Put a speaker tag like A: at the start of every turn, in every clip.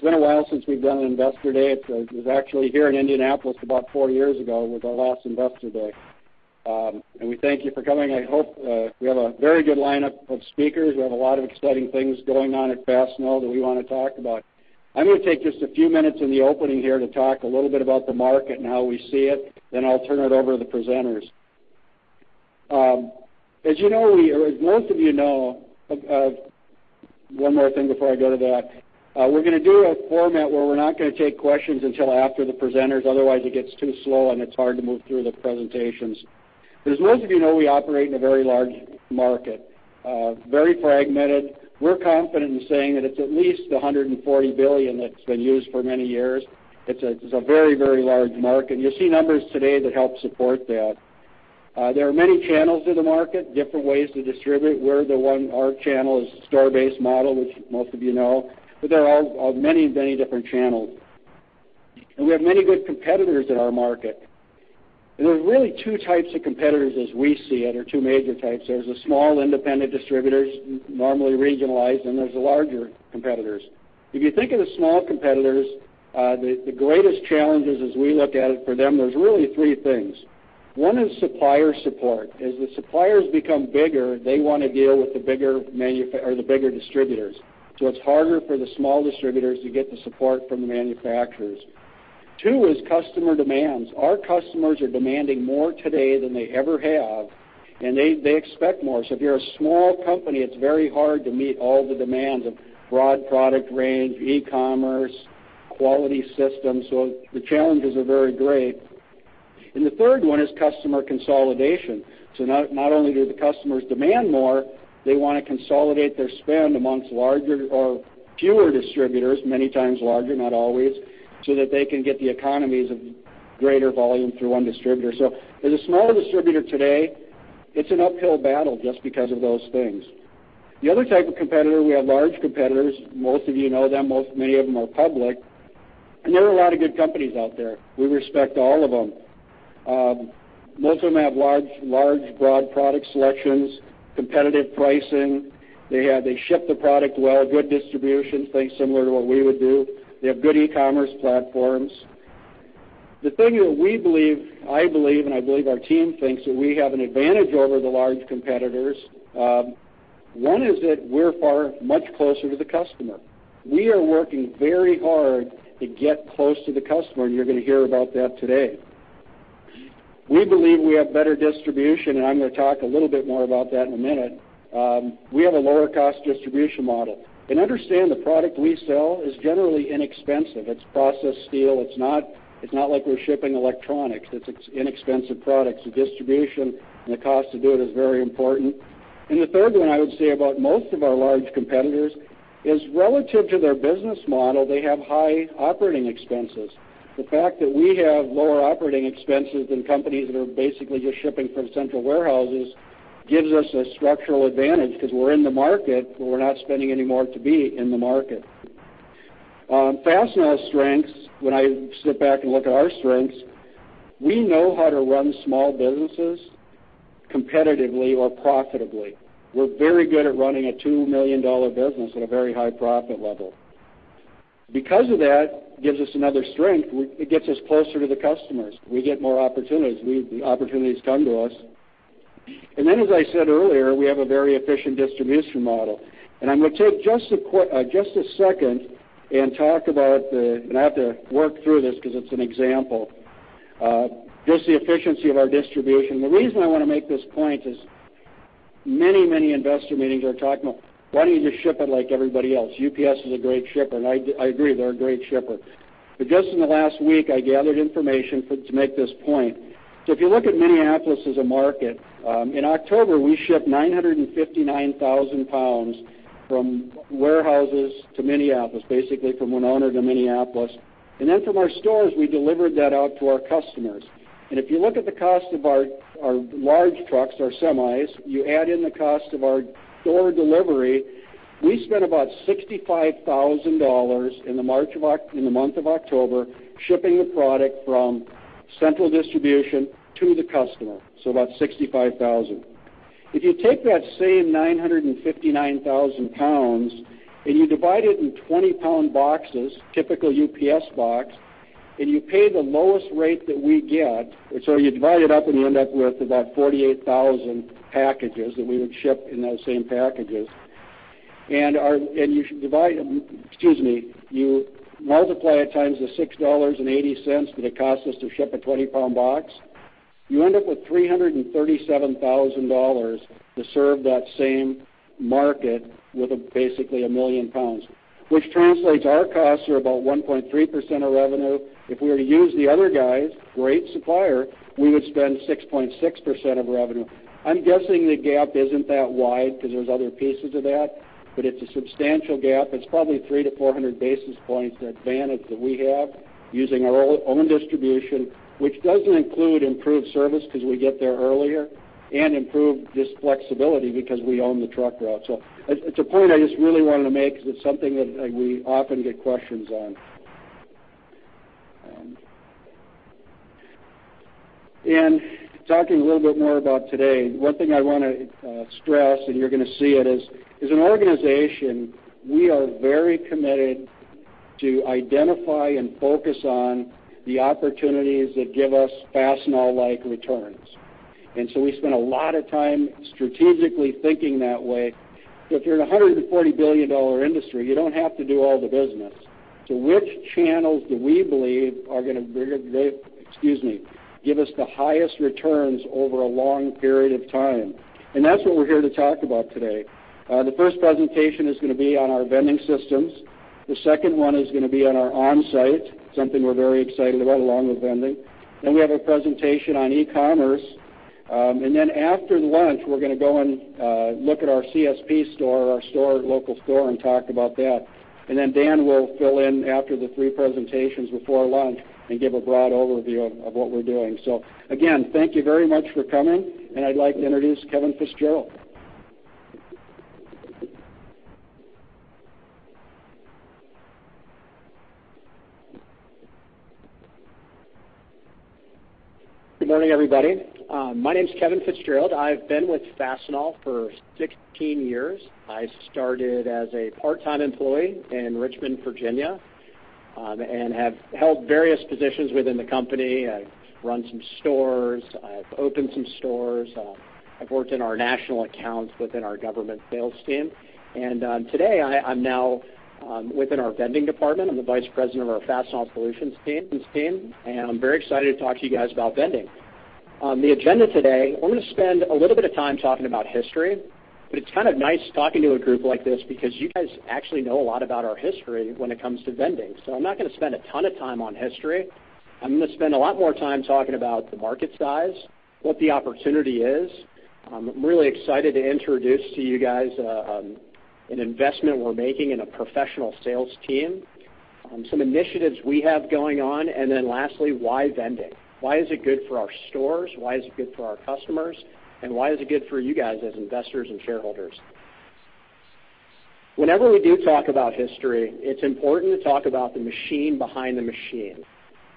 A: It's been a while since we've done an Investor Day. It was actually here in Indianapolis about four years ago was our last Investor Day. We thank you for coming. We have a very good lineup of speakers. We have a lot of exciting things going on at Fastenal that we want to talk about. I'm going to take just a few minutes in the opening here to talk a little bit about the market and how we see it. I'll turn it over to the presenters. One more thing before I go to that. We're going to do a format where we're not going to take questions until after the presenters. Otherwise, it gets too slow, and it's hard to move through the presentations. As most of you know, we operate in a very large market, very fragmented. We're confident in saying that it's at least $140 billion that's been used for many years. It's a very large market, and you'll see numbers today that help support that. There are many channels to the market, different ways to distribute. Our channel is a store-based model, which most of you know, but there are many different channels. We have many good competitors in our market. There are really 2 types of competitors as we see it, or 2 major types. There's the small independent distributors, normally regionalized, and there's the larger competitors. If you think of the small competitors, the greatest challenges as we look at it for them, there's really 3 things. 1 is supplier support. As the suppliers become bigger, they want to deal with the bigger distributors. It's harder for the small distributors to get the support from the manufacturers. 2 is customer demands. Our customers are demanding more today than they ever have, and they expect more. If you're a small company, it's very hard to meet all the demands of broad product range, e-commerce, quality systems. The challenges are very great. The third one is customer consolidation. Not only do the customers demand more, they want to consolidate their spend amongst fewer distributors, many times larger, not always, so that they can get the economies of greater volume through 1 distributor. As a smaller distributor today, it's an uphill battle just because of those things. The other type of competitor, we have large competitors. Most of you know them. Many of them are public. There are a lot of good companies out there. We respect all of them. Most of them have large, broad product selections, competitive pricing. They ship the product well, good distribution, things similar to what we would do. They have good e-commerce platforms. The thing that I believe, and I believe our team thinks, that we have an advantage over the large competitors, 1 is that we're far much closer to the customer. We are working very hard to get close to the customer, and you're going to hear about that today. We believe we have better distribution, and I'm going to talk a little bit more about that in a minute. We have a lower cost distribution model. Understand the product we sell is generally inexpensive. It's processed steel. It's not like we're shipping electronics. It's inexpensive products. Distribution and the cost to do it is very important. The third one I would say about most of our large competitors is relative to their business model, they have high operating expenses. The fact that we have lower operating expenses than companies that are basically just shipping from central warehouses gives us a structural advantage because we're in the market, but we're not spending any more to be in the market. Fastenal's strengths, when I sit back and look at our strengths, we know how to run small businesses competitively or profitably. We're very good at running a $2 million business at a very high profit level. Because of that, gives us another strength. It gets us closer to the customers. We get more opportunities. The opportunities come to us. As I said earlier, we have a very efficient distribution model. I'm going to take just a second and talk about. I have to work through this because it's an example. Just the efficiency of our distribution. The reason I want to make this point is many investor meetings are talking about, "Why don't you just ship it like everybody else? UPS is a great shipper." I agree. They're a great shipper. Just in the last week, I gathered information to make this point. If you look at Minneapolis as a market, in October, we shipped 959,000 pounds from warehouses to Minneapolis, basically from Winona to Minneapolis. From our stores, we delivered that out to our customers. If you look at the cost of our large trucks, our semis, you add in the cost of our door delivery, we spent about $65,000 in the month of October shipping the product from central distribution to the customer. About $65,000. If you take that same 959,000 pounds, and you divide it in 20-pound boxes, typical UPS box, and you pay the lowest rate that we get, and so you divide it up, and you end up with about 48,000 packages that we would ship in those same packages. You multiply it times the $6.80 that it costs us to ship a 20-pound box. You end up with $337,000 to serve that same market with basically 1 million pounds, which translates our costs are about 1.3% of revenue. If we were to use the other guys, great supplier, we would spend 6.6% of revenue. I'm guessing the gap isn't that wide because there's other pieces of that, but it's a substantial gap. It's probably 300 to 400 basis points advantage that we have using our own distribution, which doesn't include improved service because we get there earlier, and improved flexibility because we own the truck route. It's a point I just really wanted to make because it's something that we often get questions on. Talking a little bit more about today, one thing I want to stress, and you're going to see it, is as an organization, we are very committed to identify and focus on the opportunities that give us Fastenal-like returns. We spend a lot of time strategically thinking that way. If you're in a $140 billion industry, you don't have to do all the business. Which channels do we believe are going to give us the highest returns over a long period of time? That's what we're here to talk about today. The first presentation is going to be on our vending systems. The second one is going to be on our Onsite, something we're very excited about along with vending. We have a presentation on e-commerce. After lunch, we're going to go and look at our CSP store, our local store, and talk about that. Dan will fill in after the three presentations before lunch and give a broad overview of what we're doing. Again, thank you very much for coming, and I'd like to introduce Kevin Fitzgerald.
B: Good morning, everybody. My name's Kevin Fitzgerald. I've been with Fastenal for 16 years. I started as a part-time employee in Richmond, Virginia, and have held various positions within the company. I've run some stores. I've opened some stores. I've worked in our national accounts within our government sales team. Today, I'm now within our vending department. I'm the Vice President of our Fastenal Solutions team, and I'm very excited to talk to you guys about vending. On the agenda today, I'm going to spend a little bit of time talking about history. It's kind of nice talking to a group like this because you guys actually know a lot about our history when it comes to vending. I'm not going to spend a ton of time on history. I'm going to spend a lot more time talking about the market size, what the opportunity is. I'm really excited to introduce to you guys an investment we're making in a professional sales team, some initiatives we have going on. Lastly, why vending? Why is it good for our stores? Why is it good for our customers, and why is it good for you guys as investors and shareholders? Whenever we do talk about history, it's important to talk about the machine behind the machine.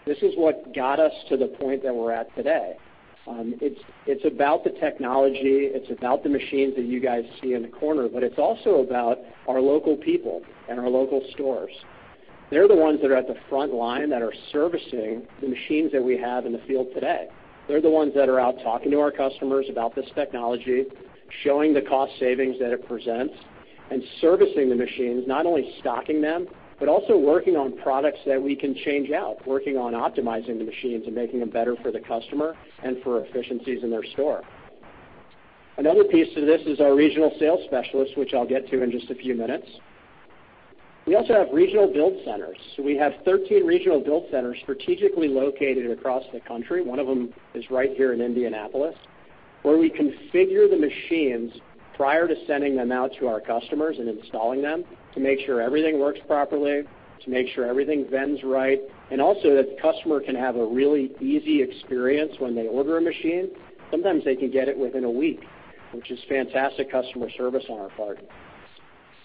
B: This is what got us to the point that we're at today. It's about the technology. It's about the machines that you guys see in the corner. It's also about our local people and our local stores. They're the ones that are at the front line that are servicing the machines that we have in the field today. They're the ones that are out talking to our customers about this technology, showing the cost savings that it presents, and servicing the machines, not only stocking them, also working on products that we can change out, working on optimizing the machines and making them better for the customer and for efficiencies in their store. Another piece to this is our regional sales specialists, which I'll get to in just a few minutes. We also have regional build centers. We have 13 regional build centers strategically located across the country, one of them is right here in Indianapolis, where we configure the machines prior to sending them out to our customers and installing them to make sure everything works properly, to make sure everything vends right, also that the customer can have a really easy experience when they order a machine. Sometimes they can get it within a week, which is fantastic customer service on our part.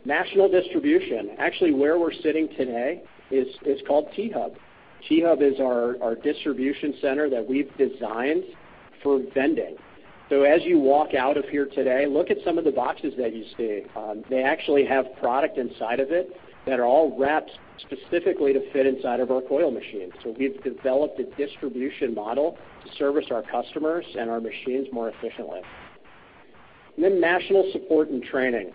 B: National distribution. Actually, where we're sitting today is called T Hub. T Hub is our distribution center that we've designed for vending. As you walk out of here today, look at some of the boxes that you see. They actually have product inside of it that are all wrapped specifically to fit inside of our coil machine. We've developed a distribution model to service our customers and our machines more efficiently. National support and training.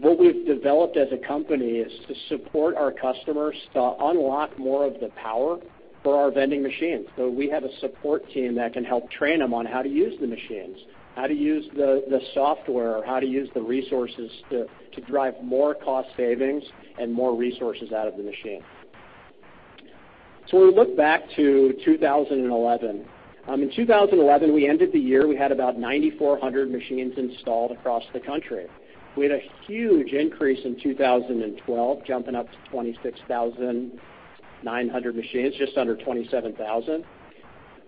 B: What we've developed as a company is to support our customers to unlock more of the power for our vending machines. We have a support team that can help train them on how to use the machines, how to use the software, how to use the resources to drive more cost savings and more resources out of the machine. When we look back to 2011, in 2011, we ended the year, we had about 9,400 machines installed across the country. We had a huge increase in 2012, jumping up to 26,900 machines, just under 27,000.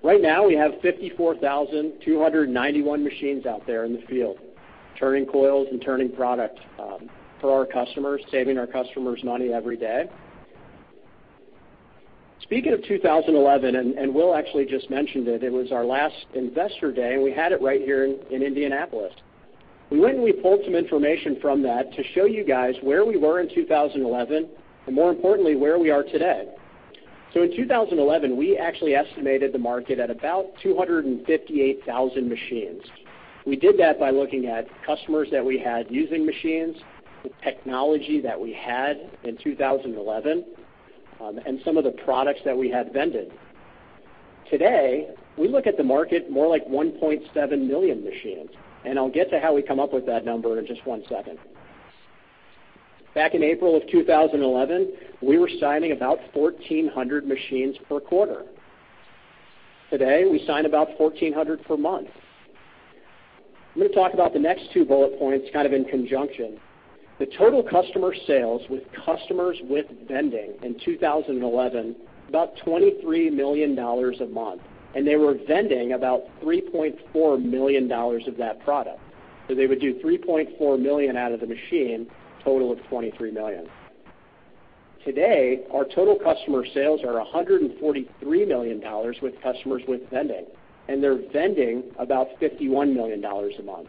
B: Right now, we have 54,291 machines out there in the field, turning coils and turning product for our customers, saving our customers money every day. Speaking of 2011, and Will actually just mentioned it was our last Investor Day, and we had it right here in Indianapolis. We went and we pulled some information from that to show you guys where we were in 2011, and more importantly, where we are today. In 2011, we actually estimated the market at about 258,000 machines. We did that by looking at customers that we had using machines, the technology that we had in 2011, and some of the products that we had vended. Today, we look at the market more like 1.7 million machines, and I'll get to how we come up with that number in just one second. Back in April of 2011, we were signing about 1,400 machines per quarter. Today, we sign about 1,400 per month. I'm going to talk about the next two bullet points kind of in conjunction. The total customer sales with customers with vending in 2011, about $23 million a month, and they were vending about $3.4 million of that product. They would do $3.4 million out of the machine, total of $23 million. Today, our total customer sales are $143 million with customers with vending, and they're vending about $51 million a month.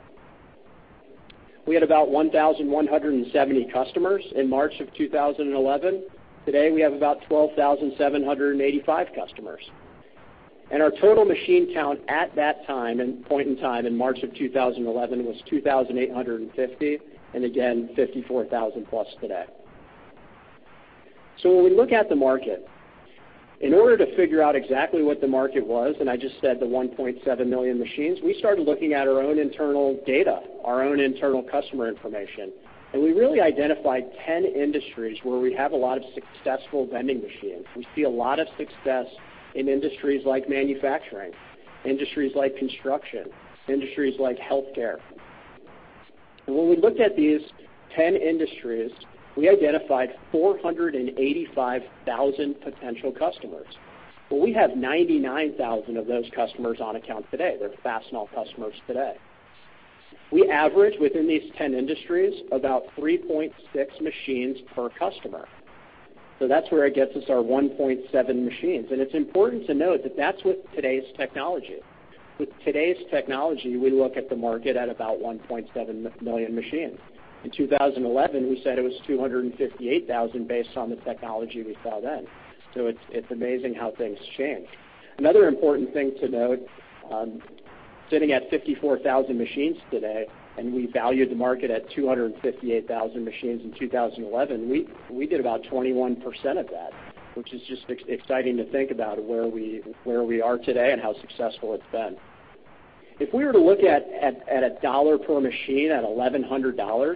B: We had about 1,170 customers in March of 2011. Today, we have about 12,785 customers. Our total machine count at that point in time, in March of 2011, was 2,850, and again, 54,000 plus today. When we look at the market, in order to figure out exactly what the market was, and I just said the 1.7 million machines, we started looking at our own internal data, our own internal customer information, and we really identified 10 industries where we have a lot of successful vending machines. We see a lot of success in industries like manufacturing, industries like construction, industries like healthcare. When we looked at these 10 industries, we identified 485,000 potential customers. Well, we have 99,000 of those customers on account today. They're Fastenal customers today. We average, within these 10 industries, about 3.6 machines per customer. That's where it gets us our 1.7 million machines. It's important to note that that's with today's technology. With today's technology, we look at the market at about 1.7 million machines. In 2011, we said it was 258,000 based on the technology we saw then. It's amazing how things change. Another important thing to note, sitting at 54,000 machines today, and we valued the market at 258,000 machines in 2011, we did about 21% of that, which is just exciting to think about where we are today and how successful it's been. If we were to look at a dollar per machine at $1,100,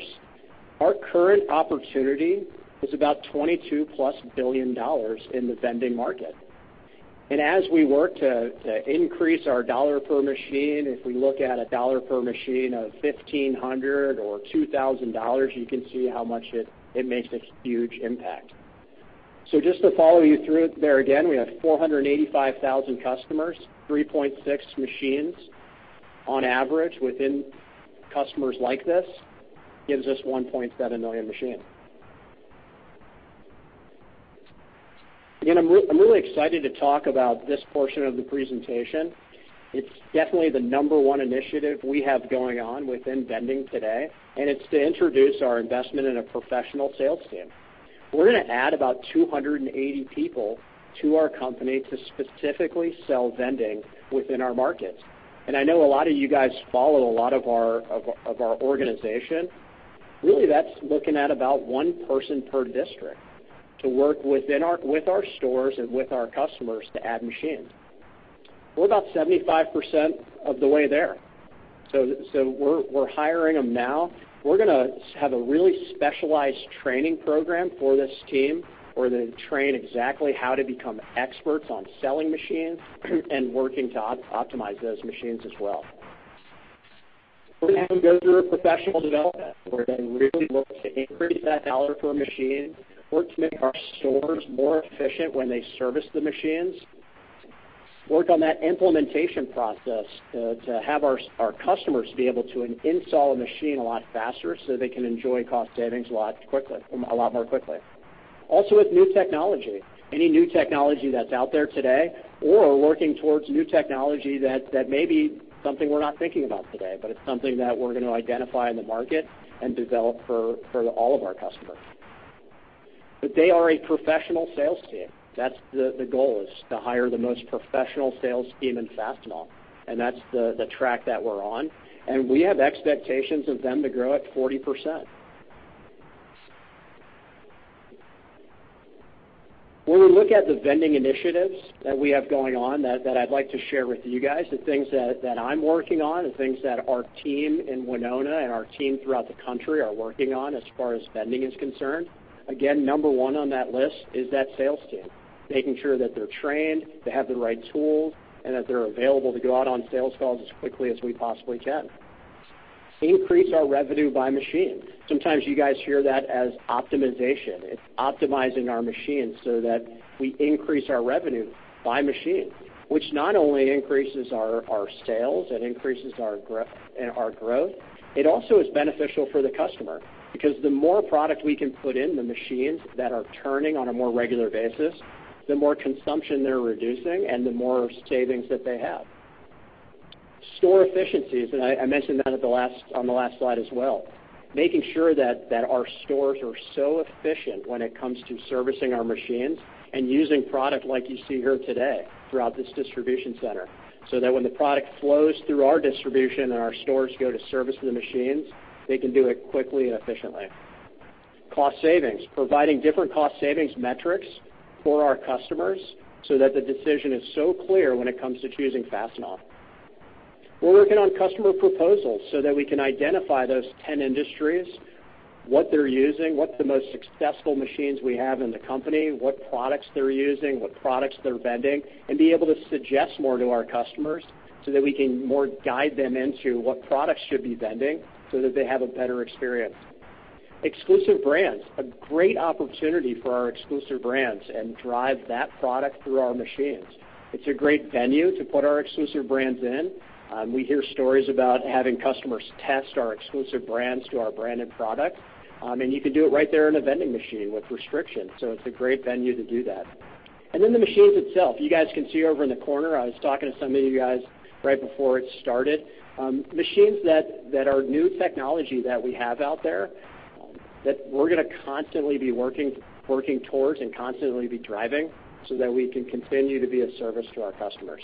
B: our current opportunity is about $22+ billion in the vending market. As we work to increase our dollar per machine, if we look at a dollar per machine of $1,500 or $2,000, you can see how much it makes a huge impact. Just to follow you through there again, we have 485,000 customers, 3.6 machines on average within customers like this, gives us 1.7 million machines. Again, I'm really excited to talk about this portion of the presentation. It's definitely the number one initiative we have going on within vending today, to introduce our investment in a professional sales team. We're going to add about 280 people to our company to specifically sell vending within our markets. I know a lot of you guys follow a lot of our organization. Really, that's looking at about one person per district to work with our stores and with our customers to add machines. We're about 75% of the way there. We're hiring them now. We're going to have a really specialized training program for this team, where they train exactly how to become experts on selling machines and working to optimize those machines as well. We're going to have them go through a professional development where they really look to increase that dollar per machine, work to make our stores more efficient when they service the machines, work on that implementation process to have our customers be able to install a machine a lot faster so they can enjoy cost savings a lot more quickly. Also, with new technology, any new technology that's out there today or working towards new technology that may be something we're not thinking about today, it's something that we're going to identify in the market and develop for all of our customers. They are a professional sales team. That's the goal is to hire the most professional sales team in Fastenal. That's the track that we're on. We have expectations of them to grow at 40%. When we look at the vending initiatives that we have going on that I'd like to share with you guys, the things that I'm working on, the things that our team in Winona and our team throughout the country are working on as far as vending is concerned, again, number 1 on that list is that sales team, making sure that they're trained, they have the right tools, they're available to go out on sales calls as quickly as we possibly can. Increase our revenue by machine. Sometimes you guys hear that as optimization. It's optimizing our machines so that we increase our revenue by machine, which not only increases our sales and increases our growth, it also is beneficial for the customer, because the more product we can put in the machines that are turning on a more regular basis, the more consumption they're reducing and the more savings that they have. Store efficiencies. I mentioned that on the last slide as well. Making sure that our stores are so efficient when it comes to servicing our machines and using product like you see here today throughout this distribution center, so that when the product flows through our distribution and our stores go to service the machines, they can do it quickly and efficiently. Cost savings, providing different cost savings metrics for our customers so that the decision is so clear when it comes to choosing Fastenal. We're working on customer proposals so that we can identify those 10 industries, what they're using, what the most successful machines we have in the company, what products they're using, what products they're vending, and be able to suggest more to our customers so that we can more guide them into what products should be vending so that they have a better experience. exclusive brands, a great opportunity for our exclusive brands and drive that product through our machines. It's a great venue to put our exclusive brands in. We hear stories about having customers test our exclusive brands to our branded product, and you can do it right there in a vending machine with restrictions. It's a great venue to do that. The machines itself. You guys can see over in the corner, I was talking to some of you guys right before it started. Machines that are new technology that we have out there, that we're going to constantly be working towards and constantly be driving so that we can continue to be of service to our customers.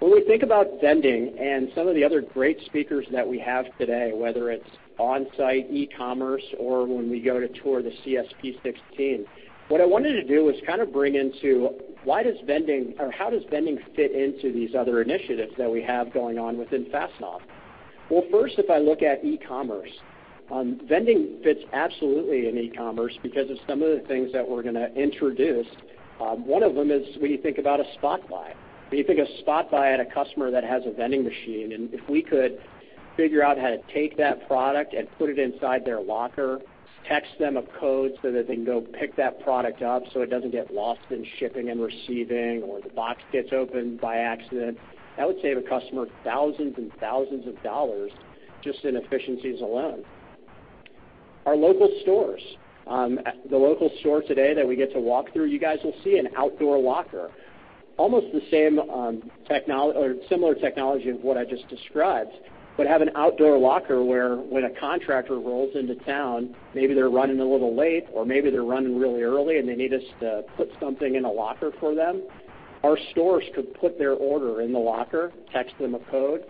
B: When we think about vending and some of the other great speakers that we have today, whether it's Onsite, e-commerce, or when we go to tour the CSP 16, what I wanted to do was kind of bring into why does vending or how does vending fit into these other initiatives that we have going on within Fastenal? First, if I look at e-commerce, vending fits absolutely in e-commerce because of some of the things that we're going to introduce. One of them is when you think about a spot buy. When you think of spot buy at a customer that has a vending machine, and if we could figure out how to take that product and put it inside their locker, text them a code so that they can go pick that product up so it doesn't get lost in shipping and receiving, or the box gets opened by accident, that would save a customer thousands and thousands of dollars just in efficiencies alone. Our local stores. The local store today that we get to walk through, you guys will see an outdoor locker. Almost the same or similar technology of what I just described, but have an outdoor locker where when a contractor rolls into town, maybe they're running a little late, or maybe they're running really early, and they need us to put something in a locker for them. Our stores could put their order in the locker, text them a code,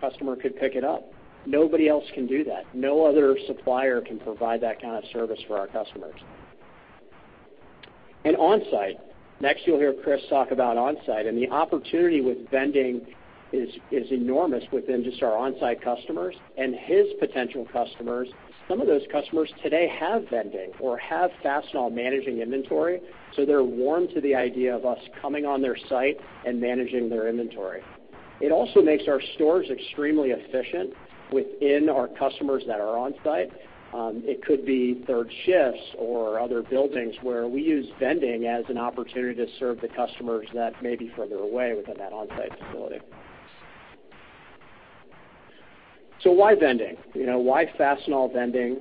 B: customer could pick it up. Nobody else can do that. No other supplier can provide that kind of service for our customers. Onsite. Next, you'll hear Chris talk about Onsite, and the opportunity with vending is enormous within just our Onsite customers and his potential customers. Some of those customers today have vending or have Fastenal managing inventory, so they're warm to the idea of us coming on their site and managing their inventory. It also makes our stores extremely efficient within our customers that are Onsite. It could be third shifts or other buildings where we use vending as an opportunity to serve the customers that may be further away within that Onsite facility. Why vending? Why Fastenal vending?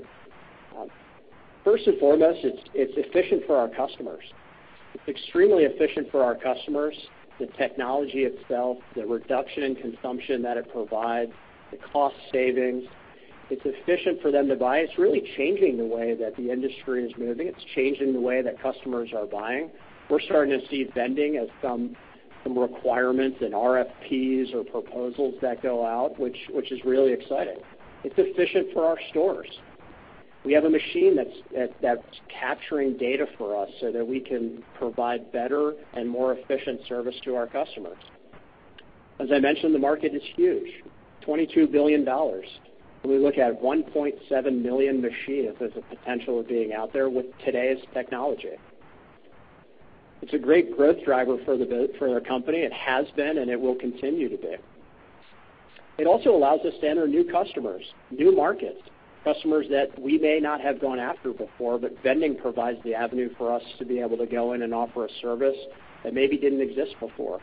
B: First and foremost, it's efficient for our customers. It's extremely efficient for our customers, the technology itself, the reduction in consumption that it provides, the cost savings. It's efficient for them to buy. It's really changing the way that the industry is moving. It's changing the way that customers are buying. We're starting to see vending as some requirements in RFPs or proposals that go out, which is really exciting. It's efficient for our stores. We have a machine that's capturing data for us so that we can provide better and more efficient service to our customers. As I mentioned, the market is huge, $22 billion. When we look at 1.7 million machines as a potential of being out there with today's technology. It's a great growth driver for our company. It has been, and it will continue to be. It also allows us to enter new customers, new markets, customers that we may not have gone after before, but vending provides the avenue for us to be able to go in and offer a service that maybe didn't exist before.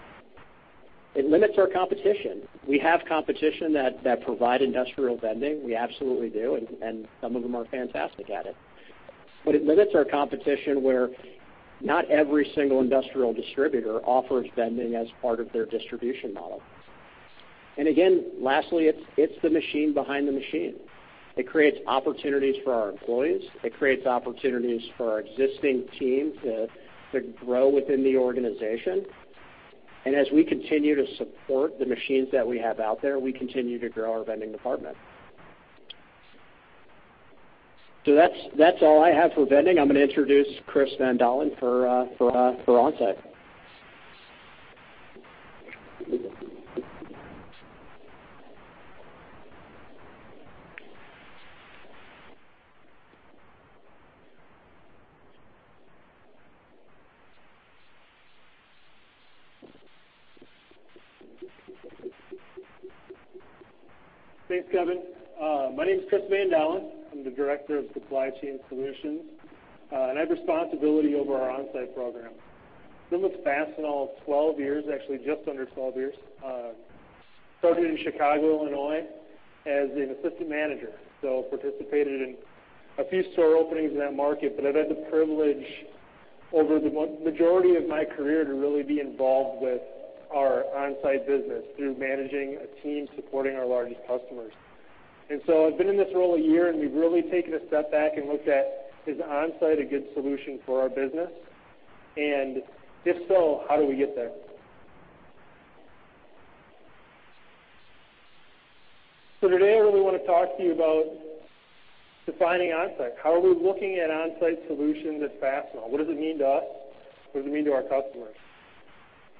B: It limits our competition. We have competition that provide industrial vending. We absolutely do, and some of them are fantastic at it. It limits our competition where not every single industrial distributor offers vending as part of their distribution model. Again, lastly, it's the machine behind the machine. It creates opportunities for our employees. It creates opportunities for our existing team to grow within the organization. As we continue to support the machines that we have out there, we continue to grow our vending department. That's all I have for vending. I'm going to introduce Kris van Dalen for Onsite.
C: Thanks, Kevin. My name is Kris van Dalen. I'm the Director of Supply Chain Solutions. I have responsibility over our Onsite program. Been with Fastenal 12 years, actually, just under 12 years. Started in Chicago, Illinois, as an assistant manager, so participated in a few store openings in that market, but I've had the privilege over the majority of my career to really be involved with our Onsite business through managing a team supporting our largest customers. I've been in this role a year, and we've really taken a step back and looked at, is Onsite a good solution for our business? If so, how do we get there? Today, I really want to talk to you about defining Onsite. How are we looking at Onsite solutions at Fastenal? What does it mean to us? What does it mean to our customers?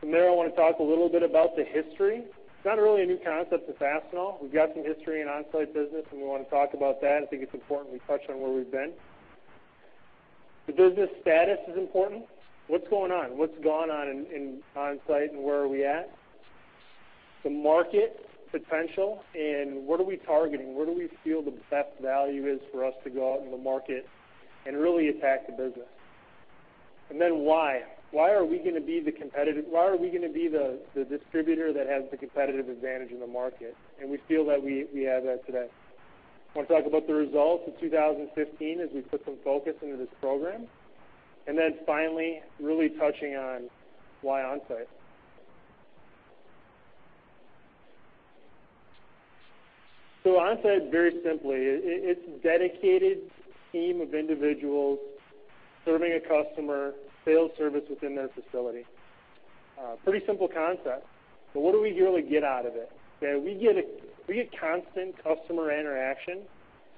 C: From there, I want to talk a little bit about the history. It's not really a new concept to Fastenal. We've got some history in Onsite business, we want to talk about that. I think it's important we touch on where we've been. The business status is important. What's going on? What's gone on in Onsite, where are we at? The market potential, what are we targeting? Where do we feel the best value is for us to go out in the market and really attack the business? Why? Why are we going to be the distributor that has the competitive advantage in the market? We feel that we have that today. I want to talk about the results of 2015 as we put some focus into this program, finally really touching on why Onsite. Onsite, very simply, it's a dedicated team of individuals serving a customer, field service within their facility. Pretty simple concept, what do we really get out of it? We get constant customer interaction,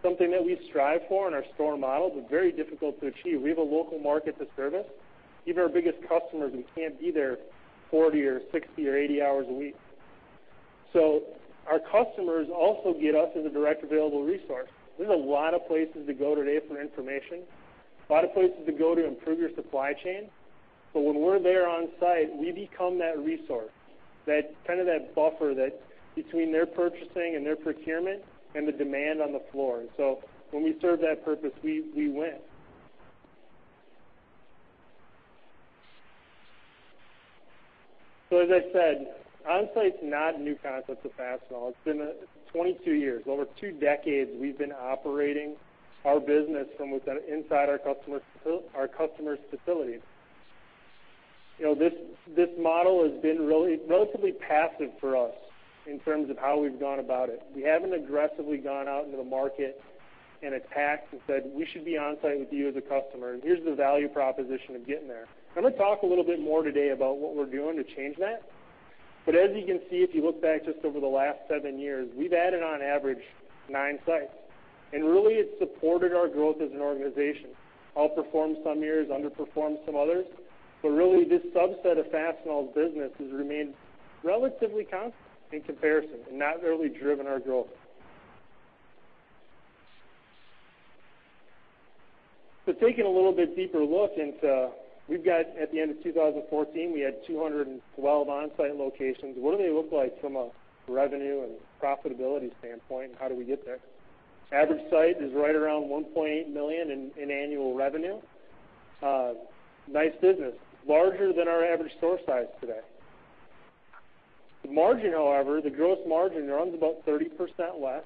C: something that we strive for in our store model very difficult to achieve. We have a local market to service. Even our biggest customers, we can't be there 40 or 60 or 80 hours a week. Our customers also get us as a direct available resource. There's a lot of places to go today for information, a lot of places to go to improve your supply chain. When we're there Onsite, we become that resource, that buffer between their purchasing and their procurement and the demand on the floor. When we serve that purpose, we win. As I said, Onsite's not a new concept to Fastenal. It's been 22 years. Over two decades, we've been operating our business from within our customer's facility. This model has been relatively passive for us in terms of how we've gone about it. We haven't aggressively gone out into the market and attacked and said, "We should be Onsite with you as a customer, here's the value proposition of getting there." I'm going to talk a little bit more today about what we're doing to change that. As you can see, if you look back just over the last seven years, we've added on average nine sites, really it's supported our growth as an organization. Outperformed some years, underperformed some others. Really, this subset of Fastenal's business has remained relatively constant in comparison not really driven our growth. Taking a little bit deeper look into, we've got at the end of 2014, we had 212 Onsite locations. What do they look like from a revenue and profitability standpoint, how do we get there? Average site is right around $1.8 million in annual revenue. Nice business. Larger than our average store size today. The margin, however, the gross margin runs about 30% less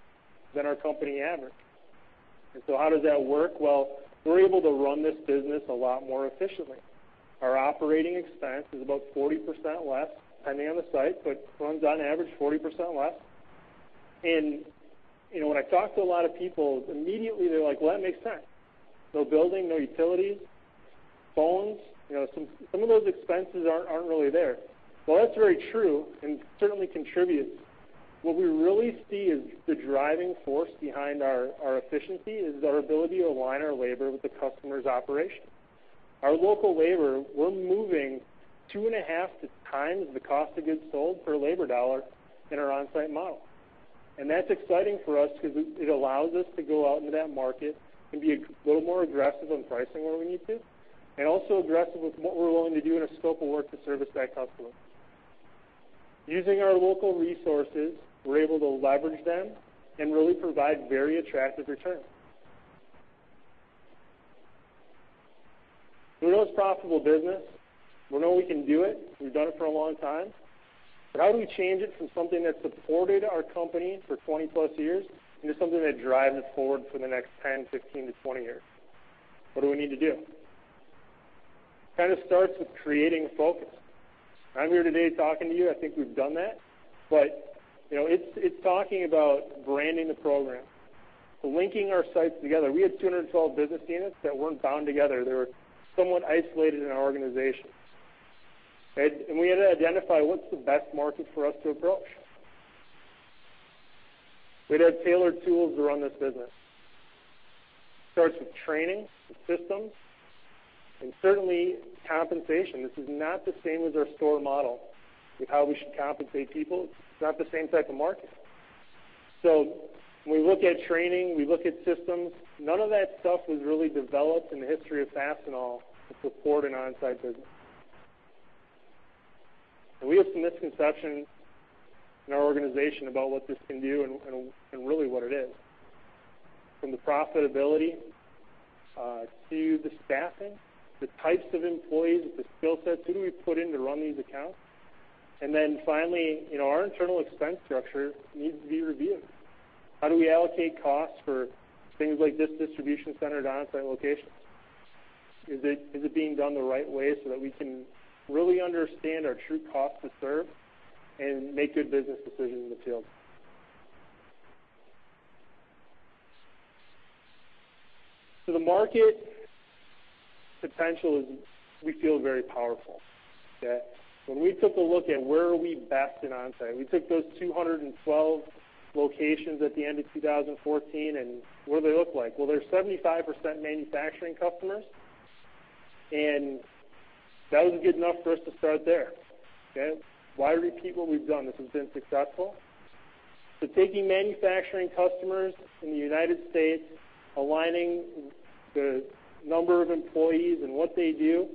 C: than our company average. How does that work? Well, we're able to run this business a lot more efficiently. Our operating expense is about 40% less. Depending on the site, runs on average 40% less. When I talk to a lot of people, immediately they're like, "Well, that makes sense." No building, no utilities, phones. Some of those expenses aren't really there. While that's very true and certainly contributes, what we really see as the driving force behind our efficiency is our ability to align our labor with the customer's operation. Our local labor, we're moving two and a half times the cost of goods sold per labor dollar in our Onsite model, and that's exciting for us because it allows us to go out into that market and be a little more aggressive on pricing where we need to, and also aggressive with what we're willing to do in a scope of work to service that customer. Using our local resources, we're able to leverage them and really provide very attractive returns. We know it's profitable business. We know we can do it. We've done it for a long time. How do we change it from something that supported our company for 20-plus years into something that drives us forward for the next 10, 15 to 20 years? What do we need to do? Starts with creating a focus. I'm here today talking to you. I think we've done that. It's talking about branding the program, linking our sites together. We had 212 business units that weren't bound together. They were somewhat isolated in our organization. We had to identify what's the best market for us to approach. We'd had tailored tools to run this business. Starts with training, with systems, and certainly compensation. This is not the same as our store model with how we should compensate people. It's not the same type of market. When we look at training, we look at systems, none of that stuff was really developed in the history of Fastenal to support an Onsite business. We have some misconceptions in our organization about what this can do and really what it is, from the profitability to the staffing, the types of employees, the skill sets. Who do we put in to run these accounts? Finally, our internal expense structure needs to be reviewed. How do we allocate costs for things like this distribution center to Onsite locations? Is it being done the right way so that we can really understand our true cost to serve and make good business decisions in the field? The market potential is, we feel, very powerful. When we took a look at where are we best in Onsite, we took those 212 locations at the end of 2014, what do they look like? Well, they're 75% manufacturing customers, that wasn't good enough for us to start there. Why repeat what we've done? This has been successful. Taking manufacturing customers in the U.S., aligning the number of employees and what they do,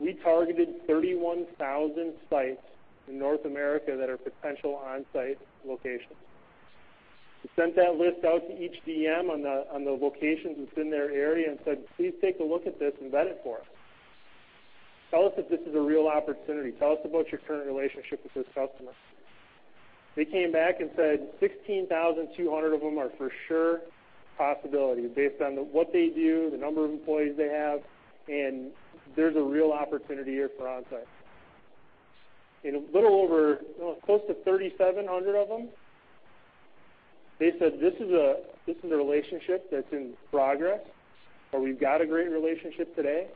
C: we targeted 31,000 sites in North America that are potential Onsite locations. We sent that list out to each DM on the locations within their area and said, "Please take a look at this and vet it for us." Tell us if this is a real opportunity. Tell us about your current relationship with this customer." They came back and said 16,200 of them are for sure possibilities based on what they do, the number of employees they have, and there's a real opportunity here for Onsite. In a little over close to 3,700 of them, they said, "This is a relationship that's in progress, or we've got a great relationship today,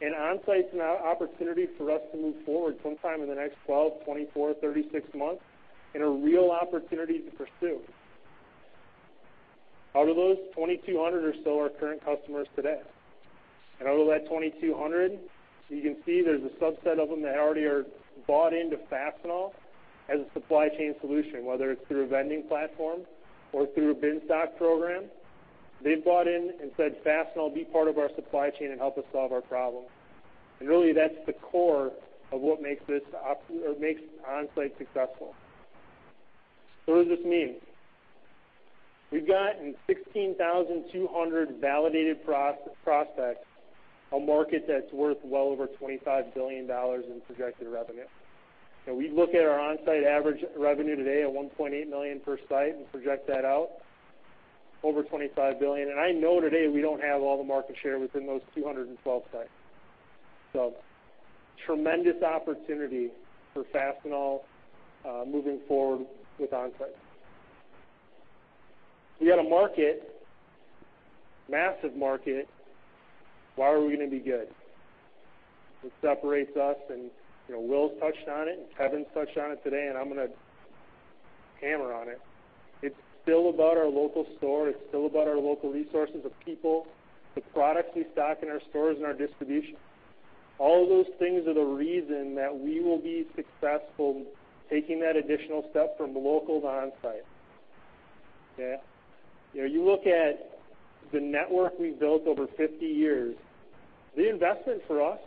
C: and Onsite's an opportunity for us to move forward sometime in the next 12, 24, 36 months, and a real opportunity to pursue." Out of those, 2,200 or so are current customers today. Out of that 2,200, you can see there's a subset of them that already are bought into Fastenal as a supply chain solution, whether it's through a vending platform or through a bin stock program. They've bought in and said, "Fastenal, be part of our supply chain and help us solve our problem." Really, that's the core of what makes Onsite successful. What does this mean? We've gotten 16,200 validated prospects, a market that's worth well over $25 billion in projected revenue. We look at our Onsite average revenue today at $1.8 million per site and project that out over $25 billion. I know today we don't have all the market share within those 212 sites. Tremendous opportunity for Fastenal moving forward with Onsite. We got a market, massive market. Why are we going to be good? What separates us, and Will's touched on it, and Kevin's touched on it today, and I'm going to hammer on it. It's still about our local store. It's still about our local resources, the people, the products we stock in our stores, and our distribution. All of those things are the reason that we will be successful taking that additional step from local to Onsite. You look at the network we've built over 50 years, the investment for us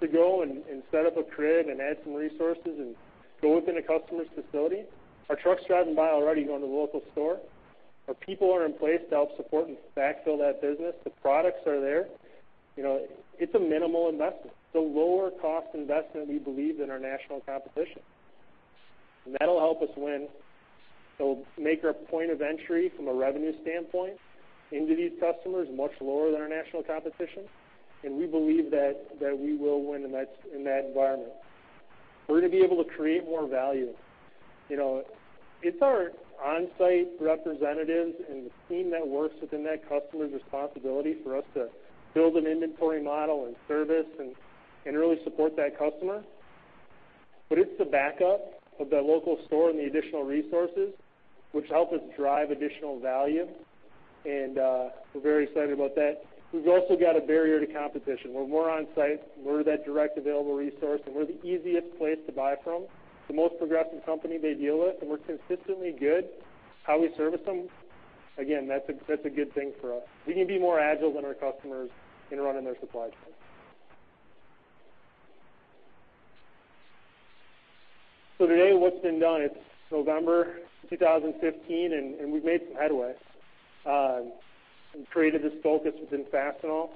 C: to go and set up a crib and add some resources and go within a customer's facility. Our trucks driving by already going to the local store. Our people are in place to help support and backfill that business. The products are there. It's a minimal investment. It's a lower cost investment, we believe, than our national competition. That'll help us win. It'll make our point of entry from a revenue standpoint into these customers much lower than our national competition, and we believe that we will win in that environment. We're going to be able to create more value. It's our Onsite representatives and the team that works within that customer's responsibility for us to build an inventory model and service and really support that customer. It's the backup of that local store and the additional resources, which help us drive additional value, and we're very excited about that. We've also got a barrier to competition, where we're on site, we're that direct available resource, and we're the easiest place to buy from, the most progressive company they deal with, and we're consistently good how we service them. Again, that's a good thing for us. We can be more agile than our customers in running their supply chain. Today, what's been done? It's November 2015, and we've made some headway. We've created this focus within Fastenal.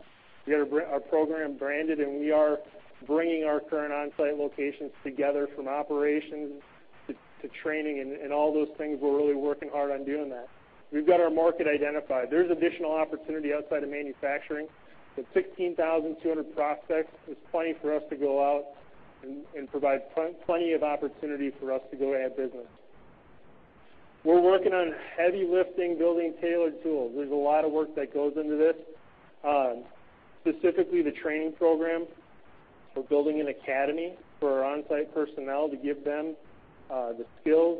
C: We got our program branded. We are bringing our current Onsite locations together from operations to training and all those things. We're really working hard on doing that. We've got our market identified. There's additional opportunity outside of manufacturing. With 16,200 prospects, it's plenty for us to go out and provide plenty of opportunity for us to go add business. We're working on heavy lifting, building tailored tools. There's a lot of work that goes into this, specifically the training program. We're building an academy for our Onsite personnel to give them the skills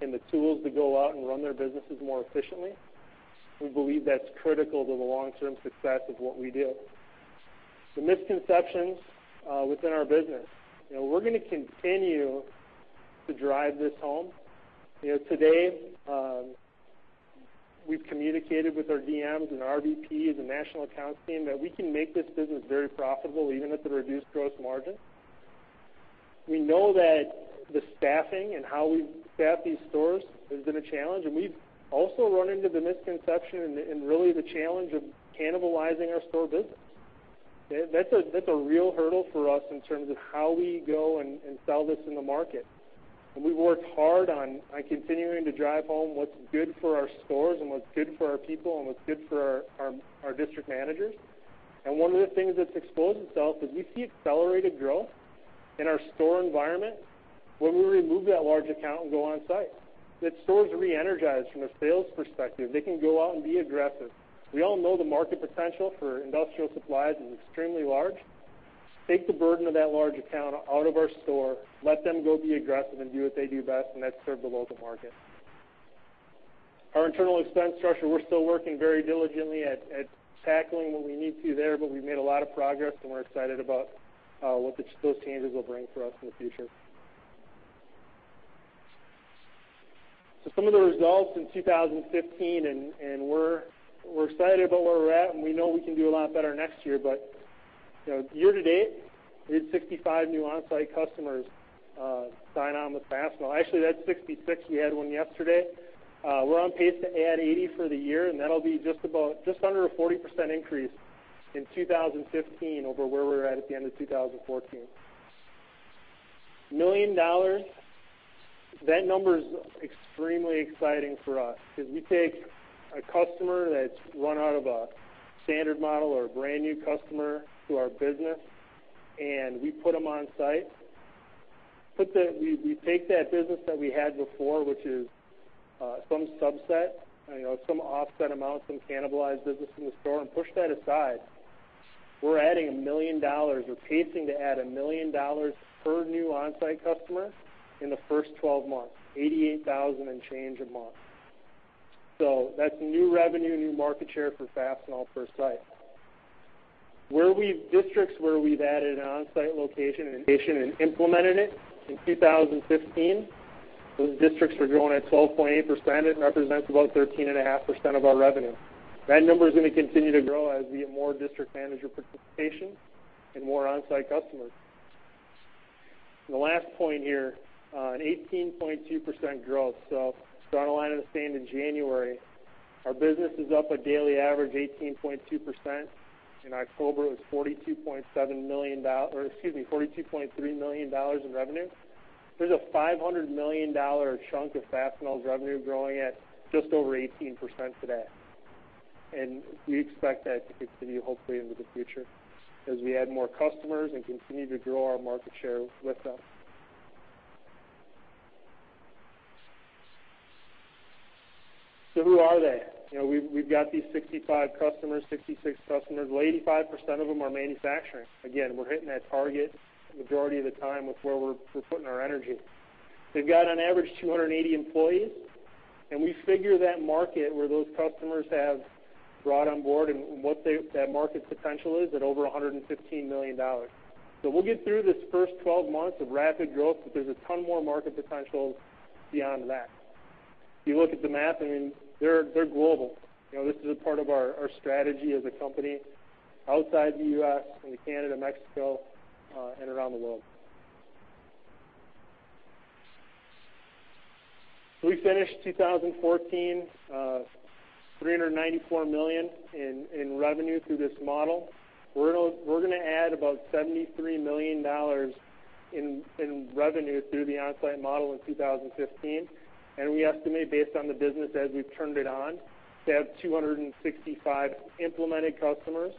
C: and the tools to go out and run their businesses more efficiently. We believe that's critical to the long-term success of what we do. Some misconceptions within our business. We're going to continue to drive this home. Today, we've communicated with our DMs and our VPs and national accounts team that we can make this business very profitable, even at the reduced gross margin. We know that the staffing and how we staff these stores has been a challenge. We've also run into the misconception and really the challenge of cannibalizing our store business. That's a real hurdle for us in terms of how we go and sell this in the market. We've worked hard on continuing to drive home what's good for our stores and what's good for our people and what's good for our district managers. One of the things that's exposed itself is we see accelerated growth in our store environment when we remove that large account and go Onsite. That stores re-energize from a sales perspective. They can go out and be aggressive. We all know the market potential for industrial supplies is extremely large. Take the burden of that large account out of our store, let them go be aggressive and do what they do best, and that's serve the local market. Our internal expense structure, we're still working very diligently at tackling what we need to there. We've made a lot of progress, and we're excited about what those changes will bring for us in the future. Some of the results in 2015, we're excited about where we're at, and we know we can do a lot better next year. Year to date We had 65 new Onsite customers sign on with Fastenal. Actually, that's 66. We had one yesterday. We're on pace to add 80 for the year. That'll be just under a 40% increase in 2015 over where we were at the end of 2014. $1 million, that number is extremely exciting for us because we take a customer that's run out of a standard model or a brand-new customer to our business, and we put them Onsite. We take that business that we had before, which is some subset, some offset amount, some cannibalized business in the store, and push that aside. We're adding $1 million. We're pacing to add $1 million per new Onsite customer in the first 12 months, 88,000 and change a month. That's new revenue, new market share for Fastenal for Onsite. Districts where we've added an Onsite location and implemented it in 2015, those districts are growing at 12.8%. It represents about 13.5% of our revenue. That number is going to continue to grow as we get more district manager participation and more Onsite customers. The last point here, an 18.2% growth. Drawn a line in the sand in January, our business is up a daily average 18.2%. In October, it was $42.3 million in revenue. There's a $500 million chunk of Fastenal's revenue growing at just over 18% today, and we expect that to continue hopefully into the future as we add more customers and continue to grow our market share with them. Who are they? We've got these 65 customers, 66 customers. 85% of them are manufacturing. Again, we're hitting that target the majority of the time with where we're putting our energy. They've got on average 280 employees, and we figure that market where those customers have brought on board and what that market potential is at over $115 million. We'll get through this first 12 months of rapid growth, but there's a ton more market potential beyond that. If you look at the map, they're global. This is a part of our strategy as a company outside the U.S. into Canada, Mexico, and around the world. We finished 2014, $394 million in revenue through this model. We're going to add about $73 million in revenue through the Onsite model in 2015, and we estimate based on the business as we've turned it on to have 265 implemented customers.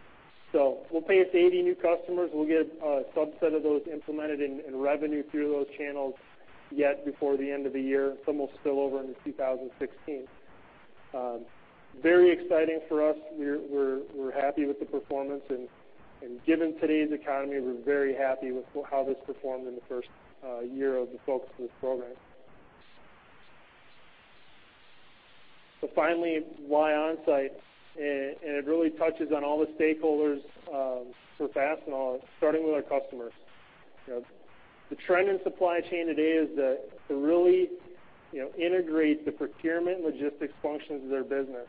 C: We'll pace 80 new customers. We'll get a subset of those implemented and revenue through those channels yet before the end of the year, some will spill over into 2016. Very exciting for us. We're happy with the performance, and given today's economy, we're very happy with how this performed in the first year of the focus of this program. Finally, why Onsite? It really touches on all the stakeholders for Fastenal, starting with our customers. The trend in supply chain today is to really integrate the procurement logistics functions of their business.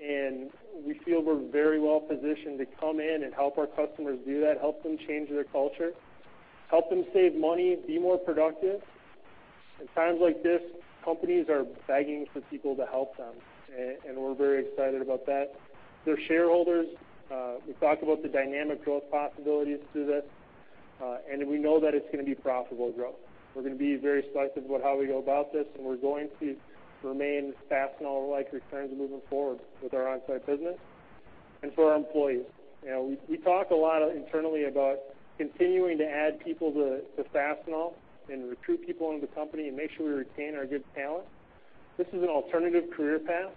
C: We feel we're very well positioned to come in and help our customers do that, help them change their culture, help them save money, be more productive. In times like this, companies are begging for people to help them, and we're very excited about that. Their shareholders, we talked about the dynamic growth possibilities through this, and we know that it's going to be profitable growth. We're going to be very selective about how we go about this, and we're going to remain Fastenal-like returns moving forward with our Onsite business and for our employees. We talk a lot internally about continuing to add people to Fastenal and recruit people into the company and make sure we retain our good talent. This is an alternative career path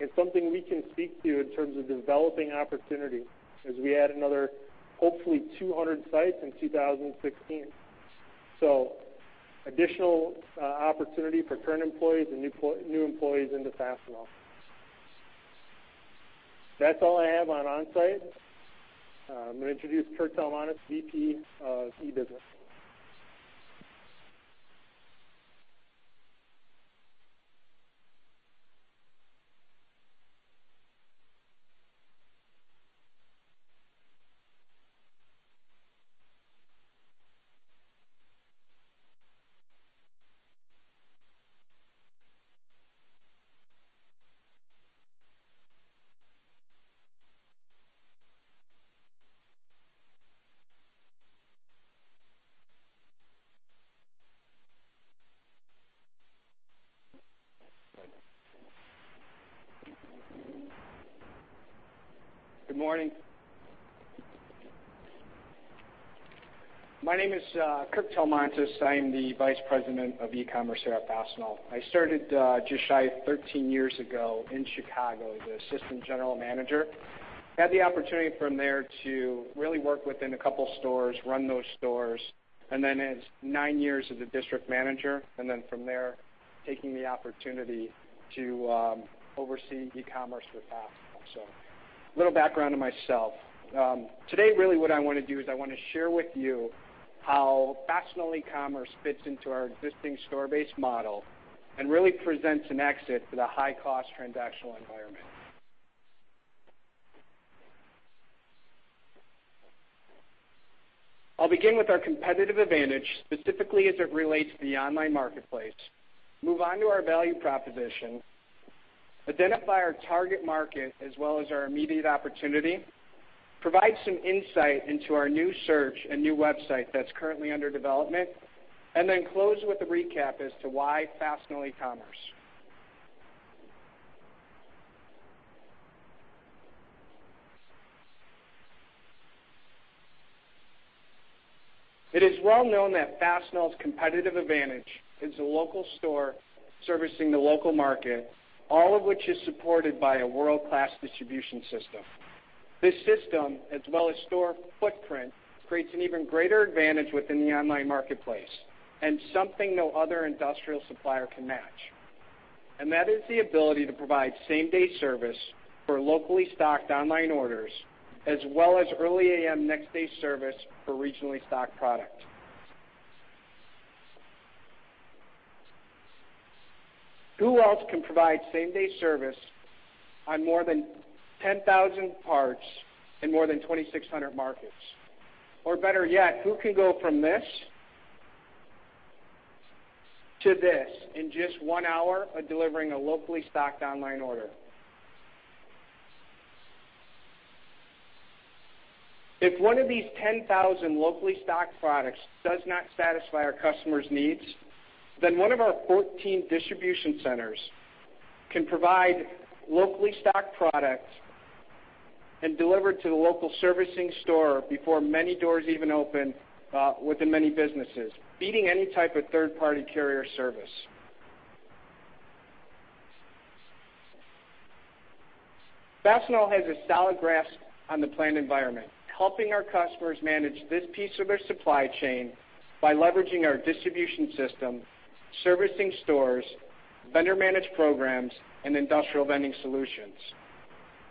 C: and something we can speak to in terms of developing opportunity as we add another hopefully 200 sites in 2016. Additional opportunity for current employees and new employees into Fastenal. That's all I have on Onsite. I'm going to introduce Kirk Talmontas, Vice President of eCommerce.
D: Good morning. My name is Kirk Talmontas. I am the Vice President of e-commerce here at Fastenal. I started just shy of 13 years ago in Chicago as Assistant General Manager. Had the opportunity from there to really work within a couple stores, run those stores, and then as nine years as a district manager. From there, taking the opportunity to oversee e-commerce for Fastenal. A little background on myself. Today, really what I want to do is I want to share with you how Fastenal e-commerce fits into our existing store-based model and really presents an exit for the high-cost transactional environment. I'll begin with our competitive advantage, specifically as it relates to the online marketplace, move on to our value proposition, identify our target market as well as our immediate opportunity, provide some insight into our new search and new website that's currently under development, and then close with a recap as to why Fastenal e-commerce. It is well known that Fastenal's competitive advantage is the local store servicing the local market, all of which is supported by a world-class distribution system. This system, as well as store footprint, creates an even greater advantage within the online marketplace. Something no other industrial supplier can match. That is the ability to provide same-day service for locally stocked online orders, as well as early A.M. next-day service for regionally stocked product. Who else can provide same-day service on more than 10,000 parts in more than 2,600 markets? Better yet, who can go from this to this in just one hour of delivering a locally stocked online order? If one of these 10,000 locally stocked products does not satisfy our customer's needs, one of our 14 distribution centers can provide locally stocked products and deliver to the local servicing store before many doors even open within many businesses, beating any type of third-party carrier service. Fastenal has a solid grasp on the planned environment, helping our customers manage this piece of their supply chain by leveraging our distribution system, servicing stores, vendor-managed programs, and industrial vending solutions.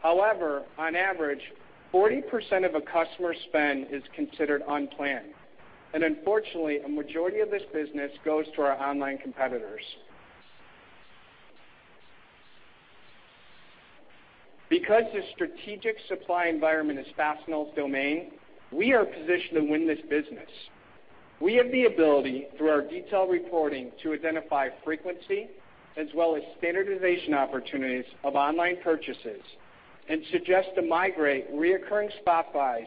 D: However, on average, 40% of a customer's spend is considered unplanned, and unfortunately, a majority of this business goes to our online competitors. Because the strategic supply environment is Fastenal's domain, we are positioned to win this business. We have the ability, through our detailed reporting, to identify frequency as well as standardization opportunities of online purchases and suggest to migrate reoccurring spot buys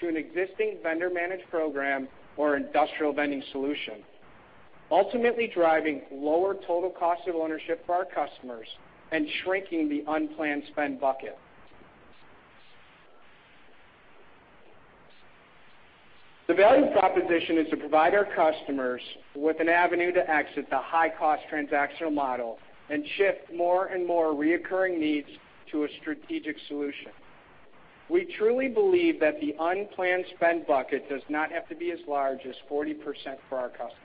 D: to an existing vendor-managed program or industrial vending solution, ultimately driving lower total cost of ownership for our customers and shrinking the unplanned spend bucket. The value proposition is to provide our customers with an avenue to exit the high-cost transactional model and shift more and more reoccurring needs to a strategic solution. We truly believe that the unplanned spend bucket does not have to be as large as 40% for our customers.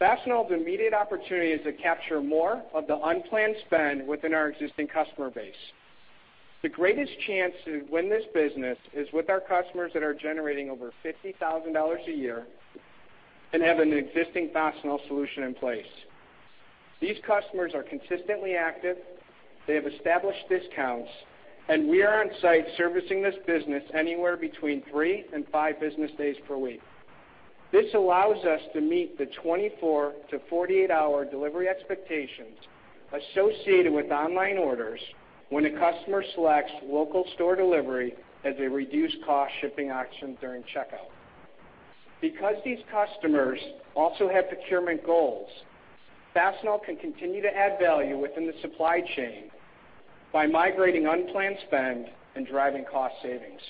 D: Fastenal's immediate opportunity is to capture more of the unplanned spend within our existing customer base. The greatest chance to win this business is with our customers that are generating over $50,000 a year and have an existing Fastenal solution in place. These customers are consistently active, they have established discounts, and we are Onsite servicing this business anywhere between three and five business days per week. This allows us to meet the 24- to 48-hour delivery expectations associated with online orders when a customer selects local store delivery as a reduced cost shipping option during checkout. These customers also have procurement goals, Fastenal can continue to add value within the supply chain by migrating unplanned spend and driving cost savings.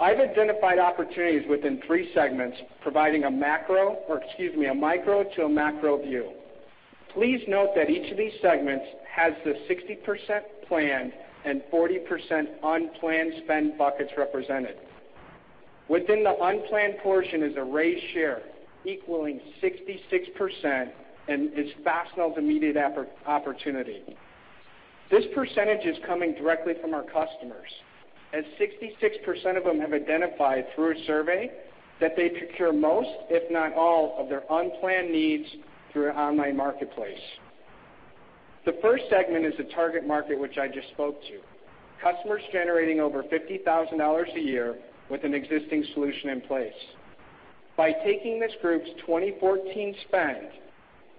D: I've identified opportunities within three segments, providing a micro to a macro view. Please note that each of these segments has the 60% planned and 40% unplanned spend buckets represented. Within the unplanned portion is a raised share equaling 66%, and it's Fastenal's immediate opportunity. This percentage is coming directly from our customers, as 66% of them have identified through a survey that they procure most, if not all, of their unplanned needs through an online marketplace. The first segment is the target market, which I just spoke to, customers generating over $50,000 a year with an existing solution in place. By taking this group's 2014 spend,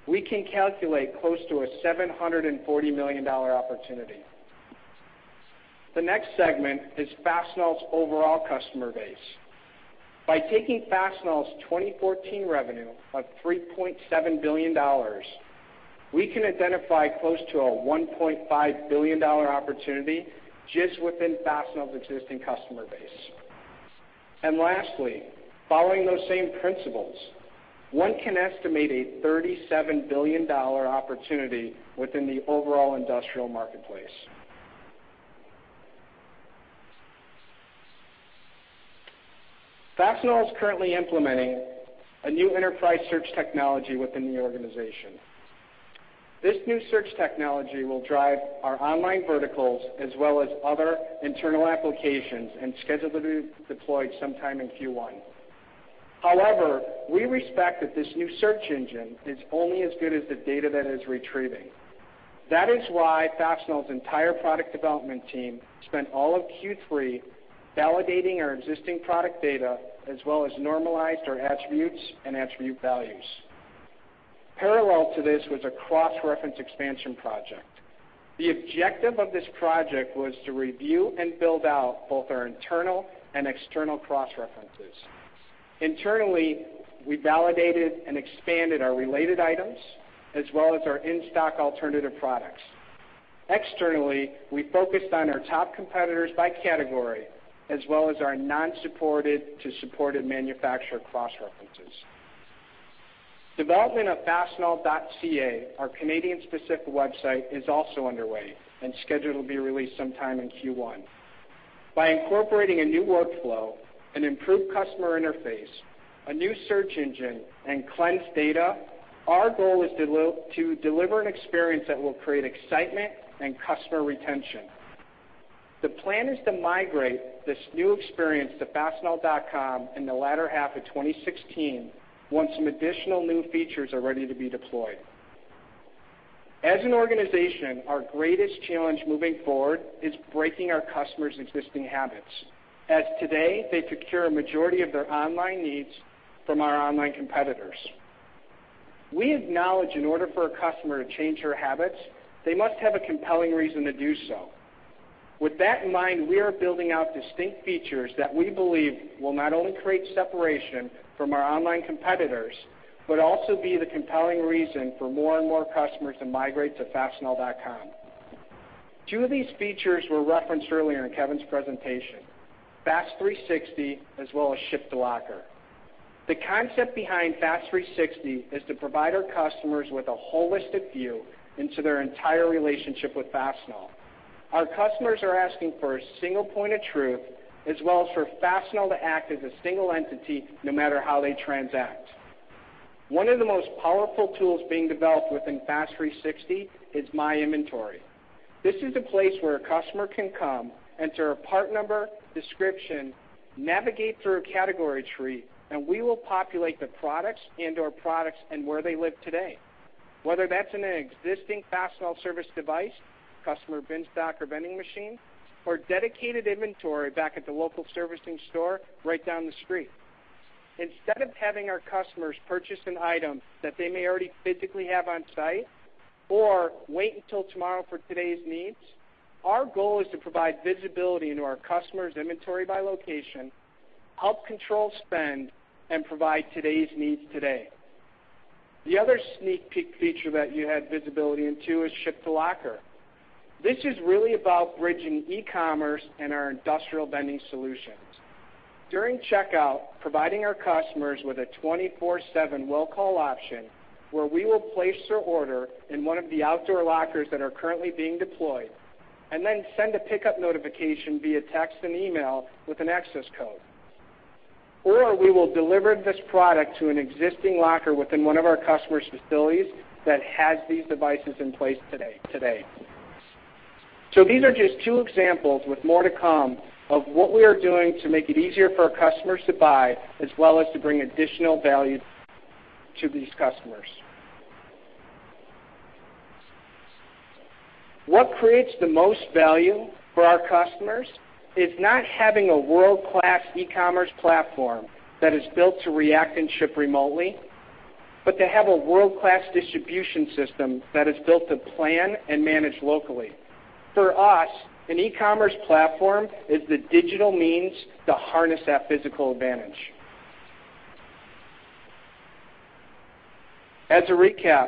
D: we can calculate close to a $740 million opportunity. The next segment is Fastenal's overall customer base. By taking Fastenal's 2014 revenue of $3.7 billion, we can identify close to a $1.5 billion opportunity just within Fastenal's existing customer base. Lastly, following those same principles, one can estimate a $37 billion opportunity within the overall industrial marketplace. Fastenal is currently implementing a new enterprise search technology within the organization. This new search technology will drive our online verticals as well as other internal applications and is scheduled to be deployed sometime in Q1. However, we respect that this new search engine is only as good as the data that it's retrieving. That is why Fastenal's entire product development team spent all of Q3 validating our existing product data, as well as normalized our attributes and attribute values. Parallel to this was a cross-reference expansion project. The objective of this project was to review and build out both our internal and external cross-references. Internally, we validated and expanded our related items, as well as our in-stock alternative products. Externally, we focused on our top competitors by category, as well as our non-supported to supported manufacturer cross-references. Development of fastenal.ca, our Canadian-specific website, is also underway and scheduled to be released sometime in Q1. By incorporating a new workflow, an improved customer interface, a new search engine, and cleansed data, our goal is to deliver an experience that will create excitement and customer retention. The plan is to migrate this new experience to fastenal.com in the latter half of 2016 once some additional new features are ready to be deployed. An organization, our greatest challenge moving forward is breaking our customers' existing habits, as today, they procure a majority of their online needs from our online competitors. We acknowledge in order for a customer to change their habits, they must have a compelling reason to do so. With that in mind, we are building out distinct features that we believe will not only create separation from our online competitors, but also be the compelling reason for more and more customers to migrate to fastenal.com. Two of these features were referenced earlier in Kevin's presentation, FAST360, as well as Ship to Locker. The concept behind FAST360 is to provide our customers with a holistic view into their entire relationship with Fastenal. Our customers are asking for a single point of truth, as well as for Fastenal to act as a single entity, no matter how they transact. One of the most powerful tools being developed within FAST360 is My Inventory. This is a place where a customer can come, enter a part number, description, navigate through a category tree, and we will populate the products, indoor products, and where they live today, whether that's in an existing Fastenal service device, customer bin stock, or vending machine, or dedicated inventory back at the local servicing store right down the street. Instead of having our customers purchase an item that they may already physically have on site or wait until tomorrow for today's needs, our goal is to provide visibility into our customers' inventory by location, help control spend, and provide today's needs today. The other sneak peek feature that you had visibility into is Ship to Locker. This is really about bridging e-commerce and our industrial vending solutions. During checkout, providing our customers with a 24/7 will-call option, where we will place their order in one of the outdoor lockers that are currently being deployed and then send a pickup notification via text and email with an access code. We will deliver this product to an existing locker within one of our customer's facilities that has these devices in place today. These are just two examples, with more to come, of what we are doing to make it easier for our customers to buy, as well as to bring additional value to these customers. What creates the most value for our customers is not having a world-class e-commerce platform that is built to react and ship remotely, but to have a world-class distribution system that is built to plan and manage locally. For us, an e-commerce platform is the digital means to harness that physical advantage. As a recap,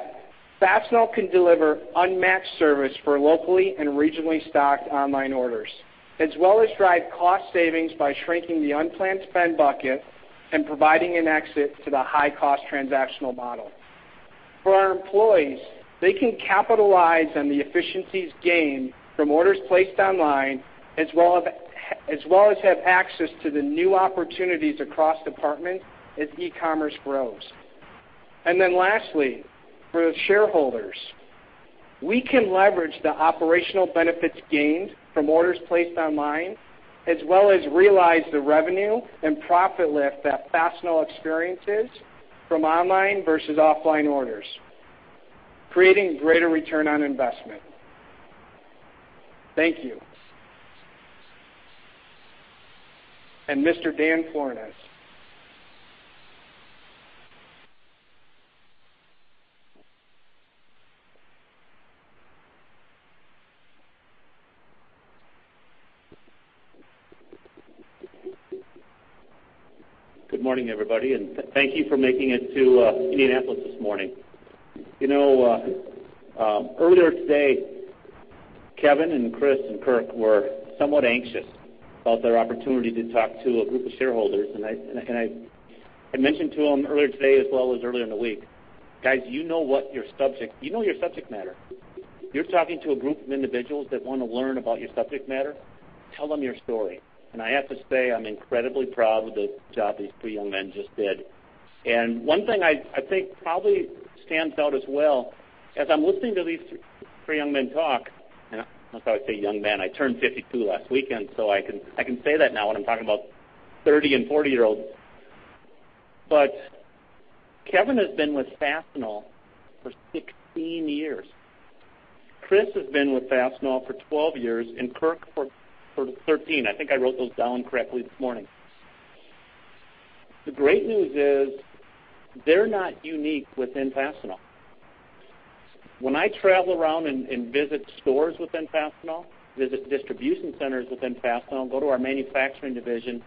D: Fastenal can deliver unmatched service for locally and regionally stocked online orders, as well as drive cost savings by shrinking the unplanned spend bucket and providing an exit to the high-cost transactional model. For our employees, they can capitalize on the efficiencies gained from orders placed online, as well as have access to the new opportunities across departments as e-commerce grows. Lastly, for the shareholders, we can leverage the operational benefits gained from orders placed online, as well as realize the revenue and profit lift that Fastenal experiences from online versus offline orders, creating greater return on investment. Thank you. Mr. Dan Florness.
E: Good morning, everybody, and thank you for making it to Indianapolis this morning. Earlier today, Kevin and Chris, and Kirk were somewhat anxious about their opportunity to talk to a group of shareholders. I mentioned to them earlier today, as well as earlier in the week, "Guys, you know your subject matter. You're talking to a group of individuals that want to learn about your subject matter." Tell them your story. I have to say, I'm incredibly proud of the job these three young men just did. One thing I think probably stands out as well, as I'm listening to these three young men talk, and I say young men, I turned 52 last weekend, so I can say that now when I'm talking about 30 and 40-year-olds. Kevin has been with Fastenal for 16 years. Chris has been with Fastenal for 12 years, and Kirk for 13. I think I wrote those down correctly this morning. The great news is they're not unique within Fastenal. When I travel around and visit stores within Fastenal, visit distribution centers within Fastenal, go to our manufacturing division,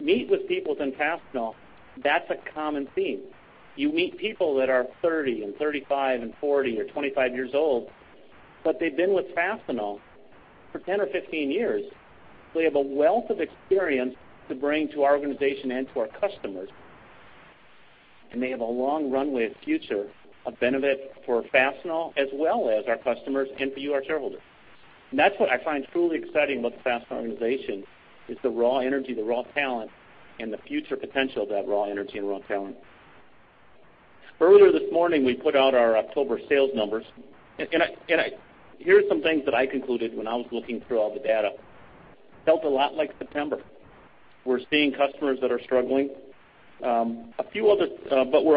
E: meet with people within Fastenal, that's a common theme. You meet people that are 30 and 35 and 40 or 25 years old, but they've been with Fastenal for 10 or 15 years. They have a wealth of experience to bring to our organization and to our customers, and they have a long runway of future, a benefit for Fastenal as well as our customers and for you, our shareholders. That's what I find truly exciting about the Fastenal organization, is the raw energy, the raw talent, and the future potential of that raw energy and raw talent. Earlier this morning, we put out our October sales numbers, here's some things that I concluded when I was looking through all the data. Felt a lot like September. We're seeing customers that are struggling. We're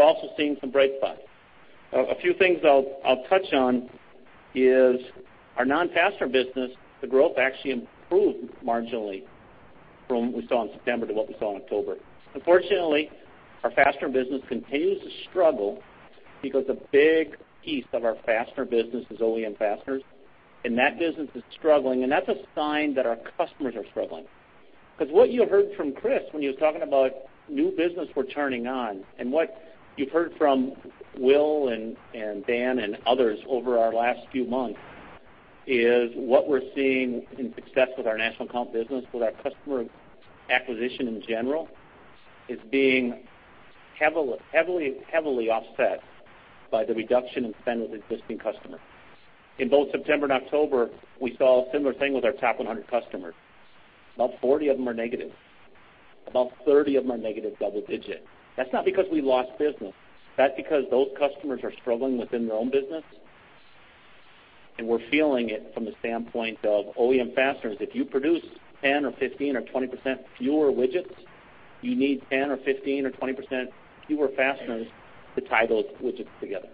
E: also seeing some bright spots. A few things I'll touch on is our non-fastener business, the growth actually improved marginally from what we saw in September to what we saw in October. Unfortunately, our fastener business continues to struggle because a big piece of our fastener business is OEM fasteners, and that business is struggling, and that's a sign that our customers are struggling. What you heard from Chris when he was talking about new business we're turning on, and what you've heard from Will and Dan and others over our last few months, is what we're seeing in success with our national account business, with our customer acquisition, in general, is being heavily offset by the reduction in spend with existing customers. In both September and October, we saw a similar thing with our top 100 customers. About 40 of them are negative. About 30 of them are negative double digit. That's not because we lost business. That's because those customers are struggling within their own business, and we're feeling it from the standpoint of OEM fasteners. If you produce 10% or 15% or 20% fewer widgets, you need 10% or 15% or 20% fewer fasteners to tie those widgets together.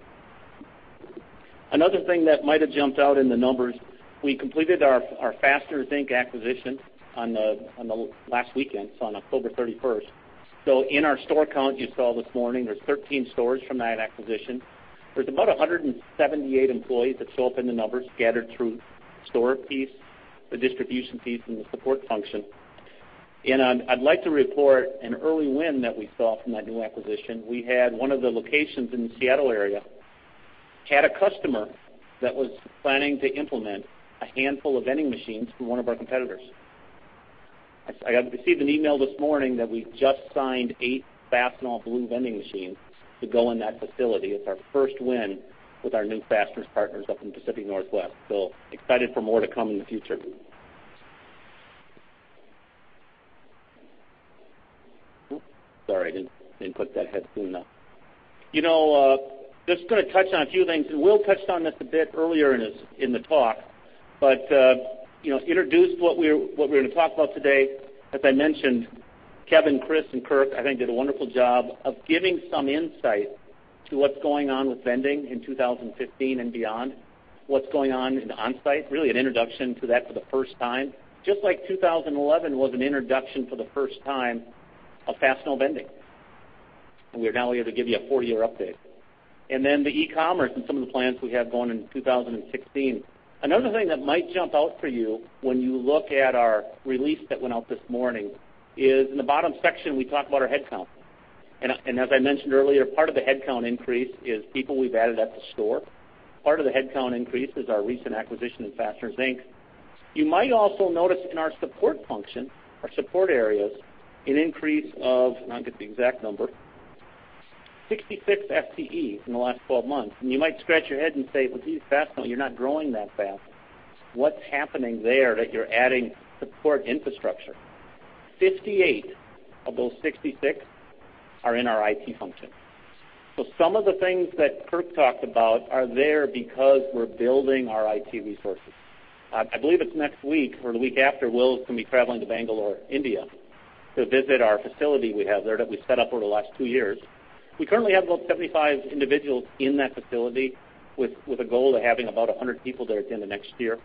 E: Another thing that might have jumped out in the numbers, we completed our Fasteners Inc. acquisition on the last weekend, so on October 31st. In our store count you saw this morning, there's 13 stores from that acquisition. There's about 178 employees that show up in the numbers scattered through store piece, the distribution piece, and the support function. I'd like to report an early win that we saw from that new acquisition. We had one of the locations in the Seattle area, had a customer that was planning to implement a handful of vending machines through one of our competitors. I received an email this morning that we just signed eight Fastenal Blue vending machines to go in that facility. It's our first win with our new Fasteners partners up in the Pacific Northwest, so excited for more to come in the future. Sorry, I didn't put that head phone on. Just going to touch on a few things. Will touched on this a bit earlier in the talk, but introduced what we're going to talk about today. As I mentioned, Kevin, Chris, and Kirk, I think did a wonderful job of giving some insight to what's going on with vending in 2015 and beyond, what's going on in the Onsite, really an introduction to that for the first time, just like 2011 was an introduction for the first time of Fastenal vending. We're now here to give you a four-year update. The e-commerce and some of the plans we have going into 2016. Another thing that might jump out for you when you look at our release that went out this morning is in the bottom section, we talk about our headcount. As I mentioned earlier, part of the headcount increase is people we've added at the store. Part of the headcount increase is our recent acquisition of Fasteners Inc. You might also notice in our support function, our support areas, an increase of, and I'll get the exact number, 66 FTEs in the last 12 months. You might scratch your head and say, "Well, geez, Fastenal, you're not growing that fast. What's happening there that you're adding support infrastructure?" 58 of those 66 are in our IT function. Some of the things that Kirk talked about are there because we're building our IT resources. I believe it's next week or the week after, Will's going to be traveling to Bangalore, India, to visit our facility we have there that we set up over the last two years. We currently have about 75 individuals in that facility with a goal of having about 100 people there at the end of next year.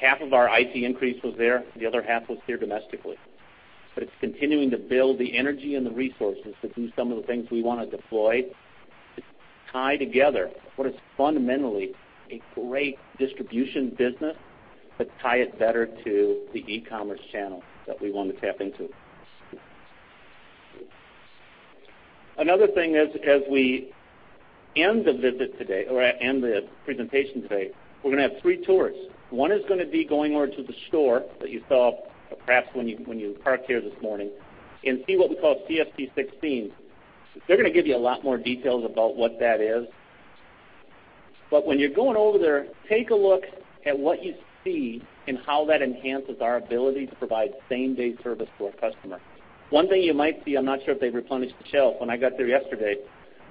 E: Half of our IT increase was there, the other half was here domestically. It's continuing to build the energy and the resources to do some of the things we want to deploy to tie together what is fundamentally a great distribution business, but tie it better to the e-commerce channel that we want to tap into. Another thing as we end the visit today, or end the presentation today, we're going to have three tours. One is going to be going over to the store that you saw perhaps when you parked here this morning and see what we call CSP 16. They're going to give you a lot more details about what that is. When you're going over there, take a look at what you see and how that enhances our ability to provide same-day service to our customer. One thing you might see, I'm not sure if they replenished the shelves. When I got there yesterday,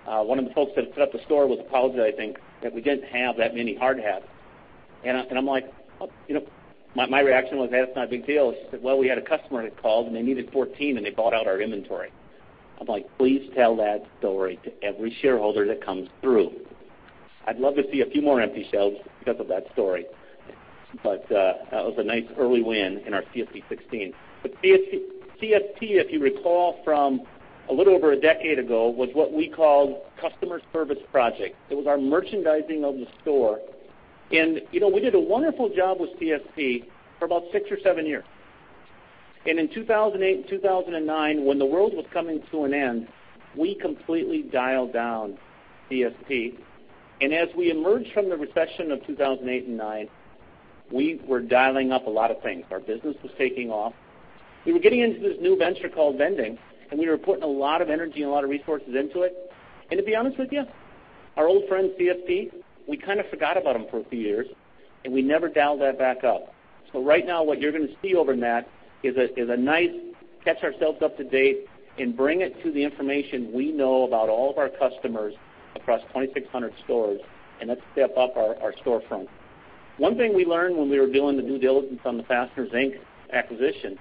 E: one of the folks that set up the store was apologizing that we didn't have that many hard hats. My reaction was, "That's not a big deal." She said, "Well, we had a customer that called, and they needed 14, and they bought out our inventory." I'm like, "Please tell that story to every shareholder that comes through." I'd love to see a few more empty shelves because of that story, but that was a nice early win in our CSP 2016. CSP, if you recall from a little over a decade ago, was what we called Customer Service Project. It was our merchandising of the store. We did a wonderful job with CSP for about six or seven years. In 2008 and 2009, when the world was coming to an end, we completely dialed down CSP. As we emerged from the recession of 2008 and 2009, we were dialing up a lot of things. Our business was taking off. We were getting into this new venture called vending, and we were putting a lot of energy and a lot of resources into it. To be honest with you, our old friend, CSP, we kind of forgot about them for a few years, and we never dialed that back up. Right now, what you're going to see over, Matt, is a nice catch ourselves up to date and bring it to the information we know about all of our customers across 2,600 stores and let's step up our storefront. One thing we learned when we were doing the due diligence on the Fasteners, Inc. acquisition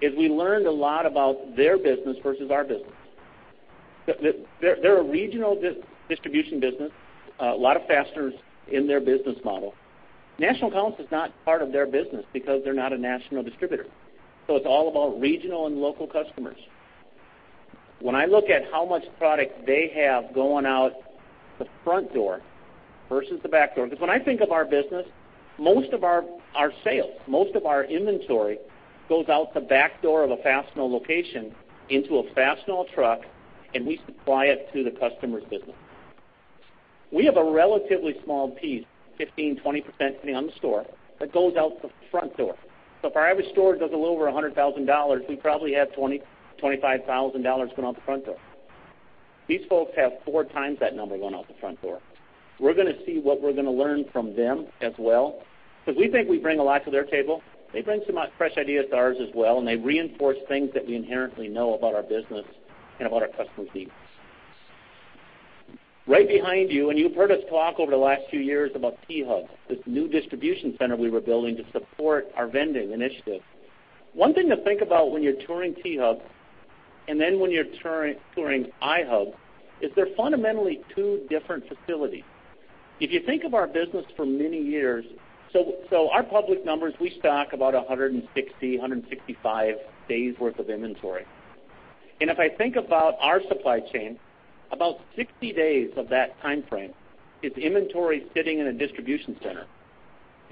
E: is we learned a lot about their business versus our business. They're a regional distribution business, a lot of fasteners in their business model. National accounts is not part of their business because they're not a national distributor. It's all about regional and local customers. When I look at how much product they have going out the front door versus the back door, because when I think of our business, most of our sales, most of our inventory goes out the back door of a Fastenal location into a Fastenal truck, and we supply it to the customer's business. We have a relatively small piece, 15%-20% depending on the store, that goes out the front door. If our average store does a little over $100,000, we probably have $25,000 going out the front door. These folks have four times that number going out the front door. We're going to see what we're going to learn from them as well, because we think we bring a lot to their table. They bring some fresh ideas to ours as well, and they reinforce things that we inherently know about our business and about our customers' needs. Right behind you. You've heard us talk over the last few years about T Hub, this new distribution center we were building to support our vending initiative. One thing to think about when you're touring T Hub, then when you're touring I Hub, is they're fundamentally two different facilities. If you think of our business for many years, our public numbers, we stock about 160, 165 days worth of inventory. If I think about our supply chain, about 60 days of that timeframe is inventory sitting in a distribution center.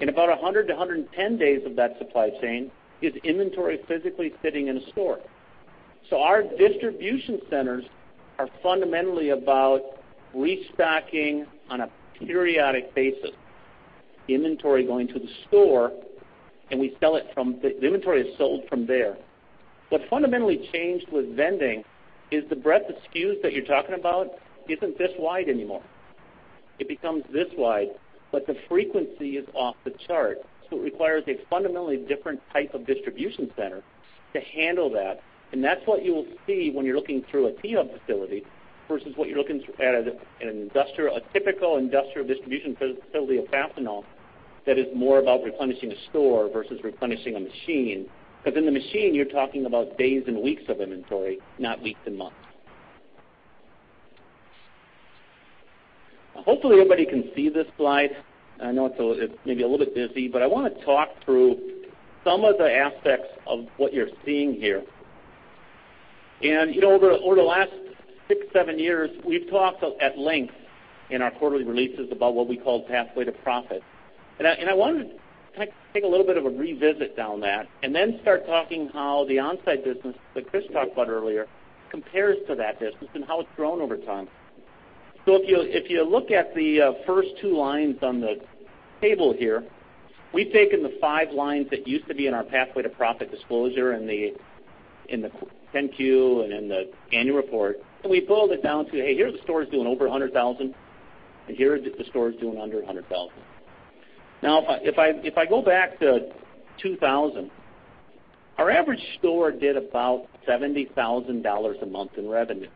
E: About 100 to 110 days of that supply chain is inventory physically sitting in a store. Our distribution centers are fundamentally about restocking on a periodic basis, inventory going to the store, and the inventory is sold from there. What fundamentally changed with vending is the breadth of SKUs that you're talking about isn't this wide anymore. It becomes this wide, but the frequency is off the chart. It requires a fundamentally different type of distribution center to handle that, and that's what you will see when you're looking through a T Hub facility versus what you're looking at a typical industrial distribution facility of Fastenal that is more about replenishing a store versus replenishing a machine. In the machine, you're talking about days and weeks of inventory, not weeks and months. Hopefully, everybody can see this slide. I know it's maybe a little bit busy, but I want to talk through some of the aspects of what you're seeing here. Over the last six, seven years, we've talked at length in our quarterly releases about what we call Pathway to Profit. I want to take a little bit of a revisit down that and then start talking how the Onsite business that Chris talked about earlier compares to that business and how it's grown over time. If you look at the first two lines on the table here, we've taken the five lines that used to be in our Pathway to Profit disclosure in the 10-Q and in the annual report, and we boiled it down to, hey, here's the stores doing over $100,000, and here are the stores doing under $100,000. If I go back to 2000, our average store did about $70,000 a month in revenue.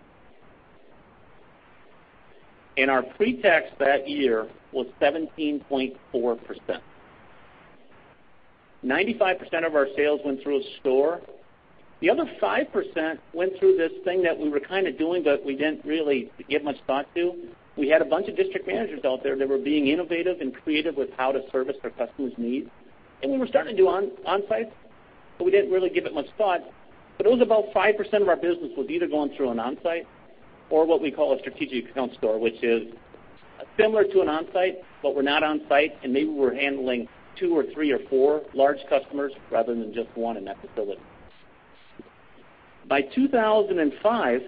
E: Our pre-tax that year was 17.4%. 95% of our sales went through a store. The other 5% went through this thing that we were kind of doing, but we didn't really give much thought to. We had a bunch of district managers out there that were being innovative and creative with how to service their customers' needs. We were starting to do Onsite, but we didn't really give it much thought. It was about 5% of our business was either going through an Onsite or what we call a strategic account store, which is similar to an Onsite, but we're not on site, and maybe we're handling two or three or four large customers rather than just one in that facility. By 2005,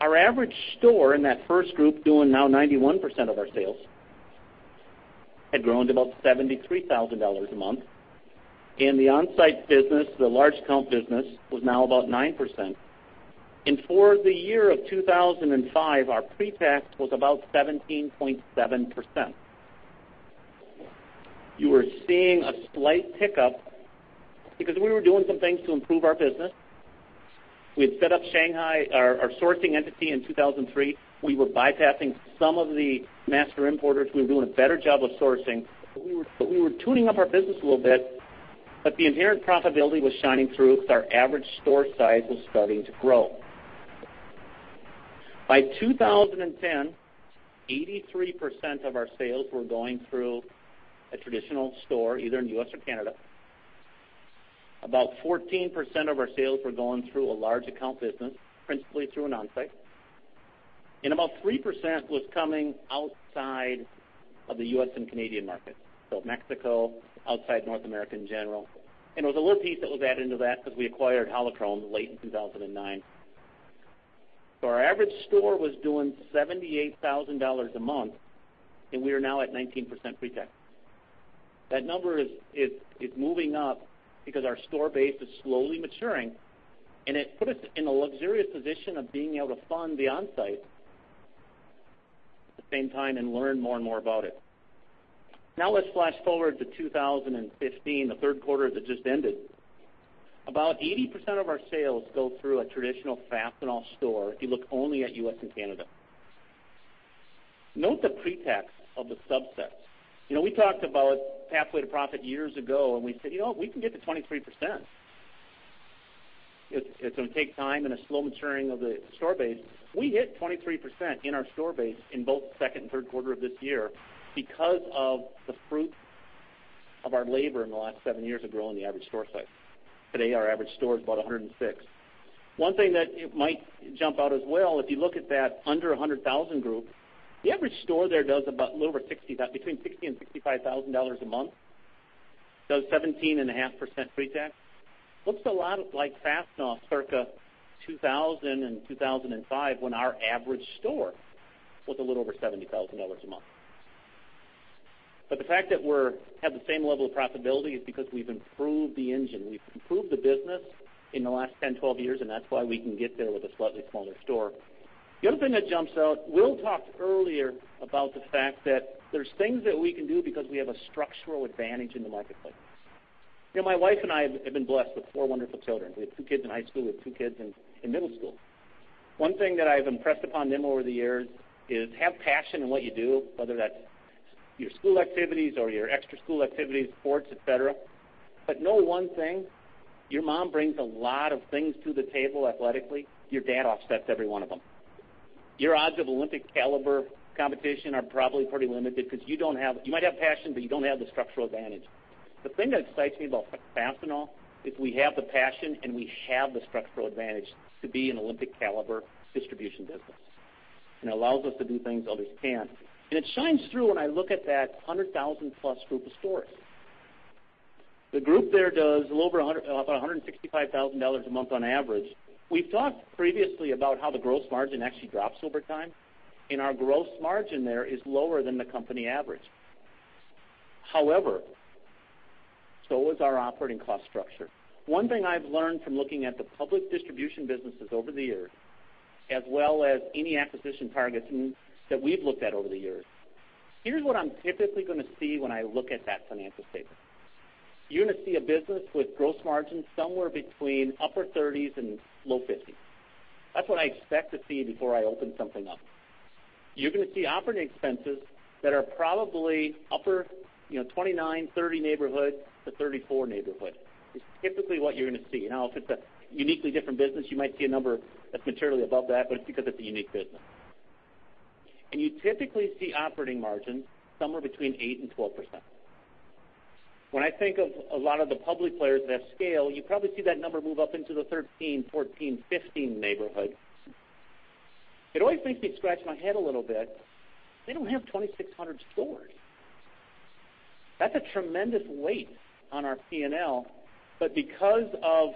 E: our average store in that first group doing now 91% of our sales had grown to about $73,000 a month. The Onsite business, the large account business, was now about 9%. For the year of 2005, our pre-tax was about 17.7%. You were seeing a slight pickup because we were doing some things to improve our business. We had set up Shanghai, our sourcing entity, in 2003. We were bypassing some of the master importers. We were doing a better job of sourcing. We were tuning up our business a little bit, but the inherent profitability was shining through because our average store size was starting to grow. By 2010, 83% of our sales were going through a traditional store, either in the U.S. or Canada. 14% of our sales were going through a large account business, principally through an Onsite. 3% was coming outside of the U.S. and Canadian markets. Mexico, outside North America in general. There was a little piece that was added into that because we acquired Holo-Krome late in 2009. Our average store was doing $78,000 a month, and we are now at 19% pre-tax. That number is moving up because our store base is slowly maturing, and it put us in the luxurious position of being able to fund the Onsite at the same time and learn more and more about it. Now let's flash forward to 2015, the third quarter that just ended. 80% of our sales go through a traditional Fastenal store if you look only at U.S. and Canada. Note the pre-tax of the subsets. We talked about Pathway to Profit years ago, and we said, "You know what? We can get to 23%. It's going to take time and a slow maturing of the store base." We hit 23% in our store base in both the second and third quarter of this year because of the fruit of our labor in the last seven years of growing the average store size. Today, our average store is about $106,000. One thing that might jump out as well, if you look at that under $100,000 group, the average store there does about a little over $60,000, between $60,000 and $65,000 a month. 17.5% pre-tax. Looks a lot like Fastenal circa 2000 and 2005 when our average store was a little over $70,000 a month. The fact that we have the same level of profitability is because we've improved the engine. We've improved the business in the last 10, 12 years, and that's why we can get there with a slightly smaller store. The other thing that jumps out, Will talked earlier about the fact that there's things that we can do because we have a structural advantage in the marketplace. My wife and I have been blessed with four wonderful children. We have two kids in high school and two kids in middle school. One thing that I've impressed upon them over the years is have passion in what you do, whether that's your school activities or your extra school activities, sports, et cetera. Know one thing, your mom brings a lot of things to the table athletically, your dad offsets every one of them. Your odds of Olympic-caliber competition are probably pretty limited because you might have passion, but you don't have the structural advantage. The thing that excites me about Fastenal is we have the passion and we have the structural advantage to be an Olympic-caliber distribution business, it allows us to do things others can't. It shines through when I look at that 100,000-plus group of stores. The group there does a little over $165,000 a month on average. We've talked previously about how the gross margin actually drops over time, our gross margin there is lower than the company average. So is our operating cost structure. One thing I've learned from looking at the public distribution businesses over the years, as well as any acquisition targets that we've looked at over the years, here's what I'm typically going to see when I look at that financial statement. You're going to see a business with gross margin somewhere between upper 30s and low 50s. That's what I expect to see before I open something up. You're going to see operating expenses that are probably upper 29, 30 neighborhood to 34 neighborhood. It's typically what you're going to see. If it's a uniquely different business, you might see a number that's materially above that, but it's because it's a unique business. You typically see operating margins somewhere between 8% and 12%. When I think of a lot of the public players that have scale, you probably see that number move up into the 13, 14, 15 neighborhood. It always makes me scratch my head a little bit. They don't have 2,600 stores. That's a tremendous weight on our P&L. Because of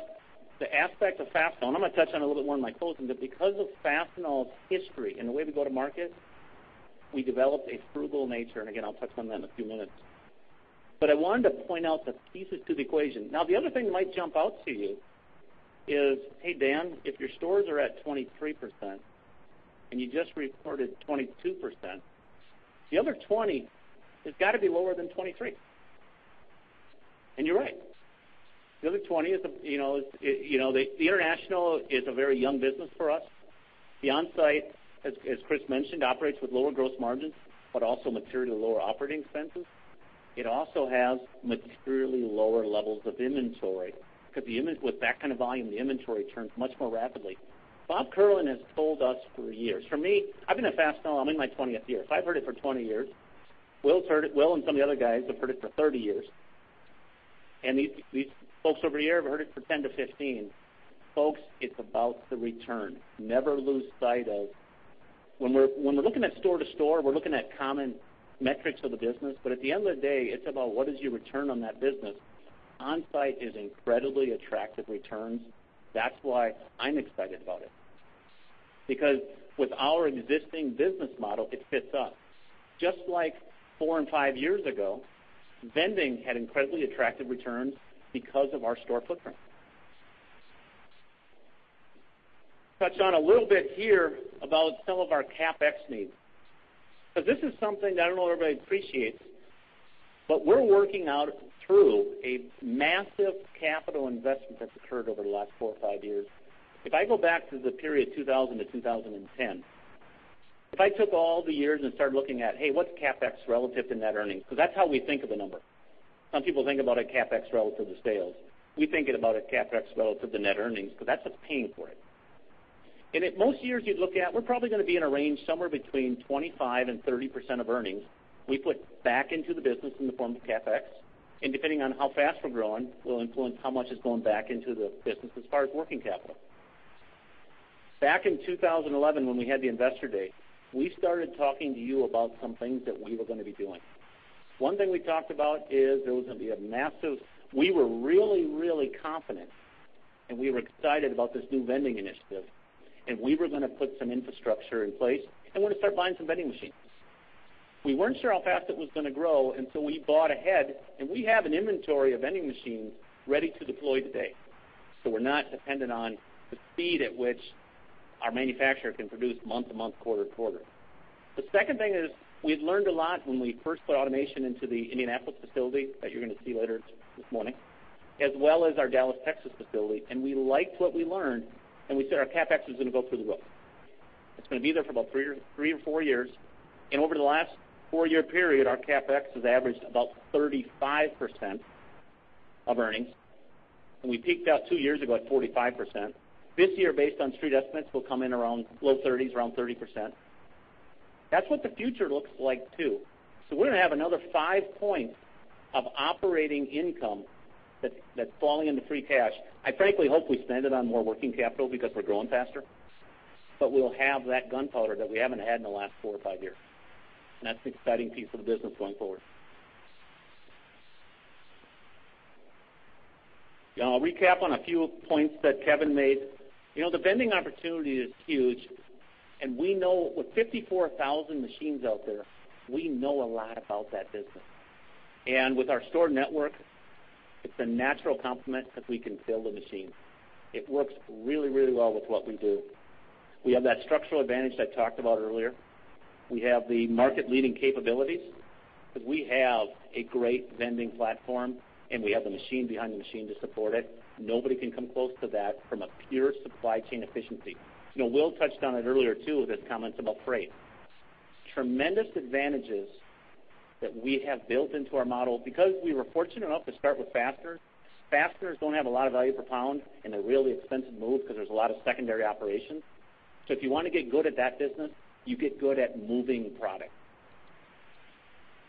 E: the aspect of Fastenal, I'm going to touch on it a little bit more in my closing, because of Fastenal's history and the way we go to market, we developed a frugal nature. Again, I'll touch on that in a few minutes. I wanted to point out the pieces to the equation. The other thing that might jump out to you is, "Hey, Dan, if your stores are at 23% and you just reported 22%, the other 20 has got to be lower than 23." You're right. The other 20 is the international is a very young business for us. The Onsite, as Chris mentioned, operates with lower gross margins, but also materially lower operating expenses. It also has materially lower levels of inventory because with that kind of volume, the inventory turns much more rapidly. Bob Kierlin has told us for years. For me, I've been at Fastenal, I'm in my 20th year. I've heard it for 20 years. Will's heard it, Will and some of the other guys have heard it for 30 years. These folks over here have heard it for 10 to 15. Folks, it's about the return. Never lose sight of when we're looking at store to store, we're looking at common metrics of the business. At the end of the day, it's about what is your return on that business. Onsite is incredibly attractive returns. That's why I'm excited about it. Because with our existing business model, it fits us. Just like four and five years ago, vending had incredibly attractive returns because of our store footprint. Touch on a little bit here about some of our CapEx needs, this is something that I don't know everybody appreciates, but we're working out through a massive capital investment that's occurred over the last four or five years. If I go back to the period 2000 to 2010, if I took all the years and started looking at, hey, what's CapEx relative to net earnings? That's how we think of the number. Some people think about a CapEx relative to sales. We think about a CapEx relative to net earnings, because that's what's paying for it. At most years you'd look at, we're probably going to be in a range somewhere between 25%-30% of earnings we put back into the business in the form of CapEx. Depending on how fast we're growing, will influence how much is going back into the business as far as working capital. Back in 2011, when we had the Investor Day, we started talking to you about some things that we were going to be doing. One thing we talked about is there was going to be, we were really confident, we were excited about this new vending initiative, we were going to put some infrastructure in place, we're going to start buying some vending machines. We weren't sure how fast it was going to grow, we bought ahead, we have an inventory of vending machines ready to deploy today. We're not dependent on the speed at which our manufacturer can produce month to month, quarter to quarter. The second thing is, we had learned a lot when we first put automation into the Indianapolis facility that you're going to see later this morning, as well as our Dallas, Texas, facility. We liked what we learned, we said our CapEx was going to go through the roof. It's going to be there for about three or four years. Over the last four-year period, our CapEx has averaged about 35% of earnings. We peaked out two years ago at 45%. This year, based on Street estimates, we'll come in around low 30s, around 30%. That's what the future looks like, too. We're going to have another five points of operating income that's falling into free cash. I frankly hope we spend it on more working capital because we're growing faster, we'll have that gunpowder that we haven't had in the last four or five years. That's an exciting piece of the business going forward. Now, I'll recap on a few points that Kevin made. The vending opportunity is huge, with 54,000 machines out there, we know a lot about that business. With our store network, it's a natural complement because we can fill the machine. It works really well with what we do. We have that structural advantage I talked about earlier. We have the market-leading capabilities because we have a great vending platform, we have the machine behind the machine to support it. Nobody can come close to that from a pure supply chain efficiency. Will touched on it earlier, too, with his comments about freight. Tremendous advantages that we have built into our model because we were fortunate enough to start with fasteners. Fasteners don't have a lot of value per pound, and they're really expensive to move because there's a lot of secondary operations. If you want to get good at that business, you get good at moving product.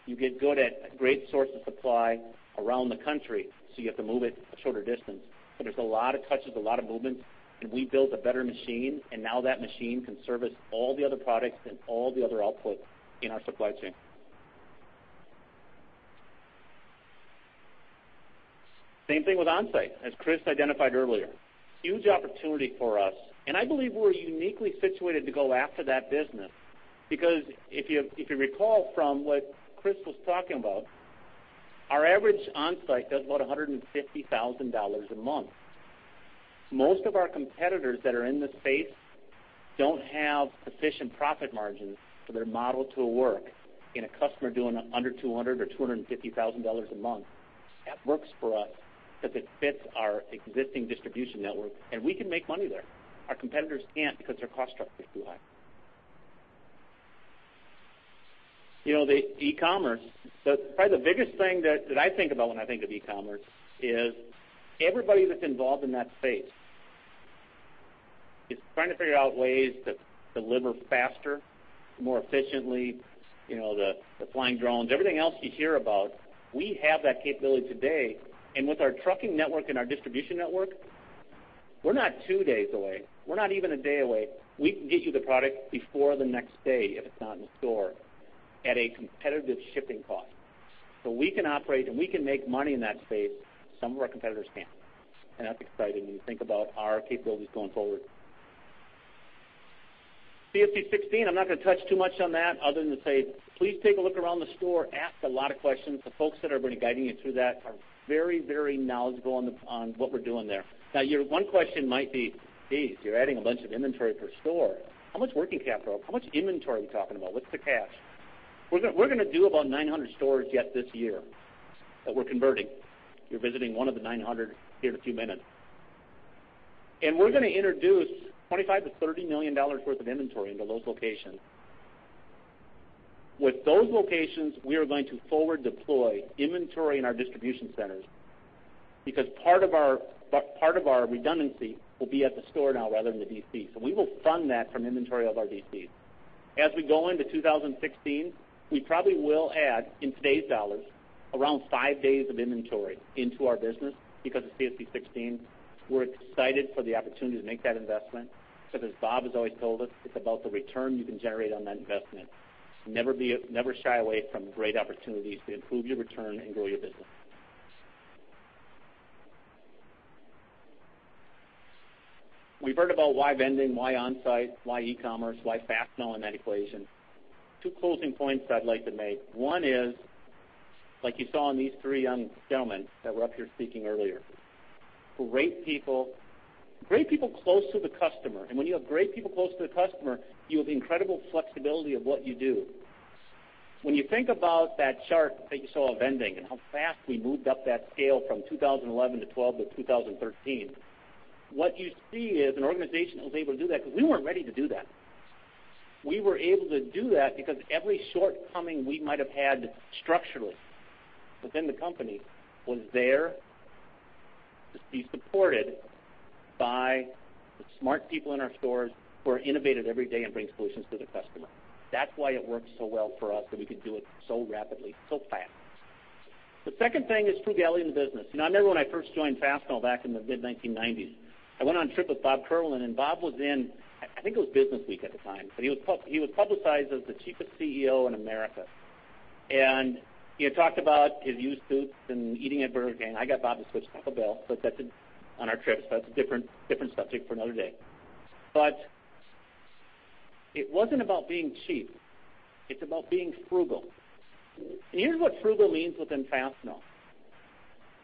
E: You get good at a great source of supply around the country, so you have to move it a shorter distance. There's a lot of touches, a lot of movements, and we built a better machine, and now that machine can service all the other products and all the other output in our supply chain. Same thing with Onsite, as Chris identified earlier. Huge opportunity for us, and I believe we're uniquely situated to go after that business. If you recall from what Chris was talking about, our average Onsite does about $150,000 a month. Most of our competitors that are in the space don't have sufficient profit margins for their model to work in a customer doing under $200,000 or $250,000 a month. That works for us because it fits our existing distribution network, and we can make money there. Our competitors can't because their cost structure is too high. E-commerce. Probably the biggest thing that I think about when I think of e-commerce is everybody that's involved in that space is trying to figure out ways to deliver faster, more efficiently, the flying drones, everything else you hear about, we have that capability today. With our trucking network and our distribution network, we're not two days away. We're not even a day away. We can get you the product before the next day if it's not in the store, at a competitive shipping cost. We can operate and we can make money in that space. Some of our competitors can't, and that's exciting when you think about our capabilities going forward. CSP 16, I'm not going to touch too much on that other than to say, please take a look around the store, ask a lot of questions. The folks that are going to be guiding you through that are very knowledgeable on what we're doing there. Your one question might be, "Geez, you're adding a bunch of inventory per store. How much working capital, how much inventory are we talking about? What's the cash?" We're going to do about 900 stores yet this year that we're converting. You're visiting one of the 900 here in a few minutes. We're going to introduce $25 million-$30 million worth of inventory into those locations. With those locations, we are going to forward deploy inventory in our distribution centers because part of our redundancy will be at the store now rather than the DC. We will fund that from inventory of our DCs. As we go into 2016, we probably will add, in today's dollars, around five days of inventory into our business because of CSP 16. We're excited for the opportunity to make that investment because as Bob has always told us, it's about the return you can generate on that investment. Never shy away from great opportunities to improve your return and grow your business. We've heard about why vending, why Onsite, why e-commerce, why Fastenal in that equation. Two closing points I'd like to make. One is, like you saw in these three young gentlemen that were up here speaking earlier, great people close to the customer. When you have great people close to the customer, you have incredible flexibility of what you do. When you think about that chart that you saw of vending and how fast we moved up that scale from 2011 to 2012 to 2013, what you see is an organization that was able to do that, because we weren't ready to do that. We were able to do that because every shortcoming we might have had structurally within the company was there to be supported by the smart people in our stores who are innovative every day and bring solutions to the customer. That's why it works so well for us that we could do it so rapidly, so fast. The second thing is frugality in the business. I remember when I first joined Fastenal back in the mid-1990s, I went on a trip with Bob Kierlin. Bob was in, I think it was BusinessWeek at the time, but he was publicized as the cheapest CEO in America. He had talked about his used suits and eating at Burger King. I got Bob to switch to Taco Bell on our trips, but that's a different subject for another day. It wasn't about being cheap. It's about being frugal. Here's what frugal means within Fastenal.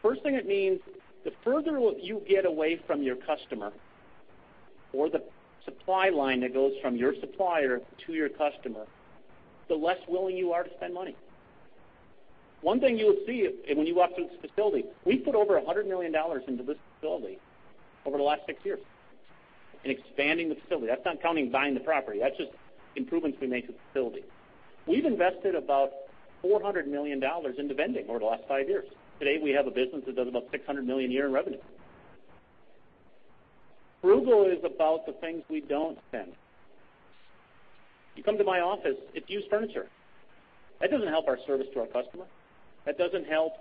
E: First thing it means, the further you get away from your customer or the supply line that goes from your supplier to your customer, the less willing you are to spend money. One thing you will see when you walk through this facility, we put over $100 million into this facility over the last six years in expanding the facility. That's not counting buying the property. That's just improvements we make to the facility. We've invested about $400 million into vending over the last five years. Today, we have a business that does about $600 million a year in revenue. Frugal is about the things we don't spend. You come to my office, it's used furniture. That doesn't help our service to our customer. That doesn't help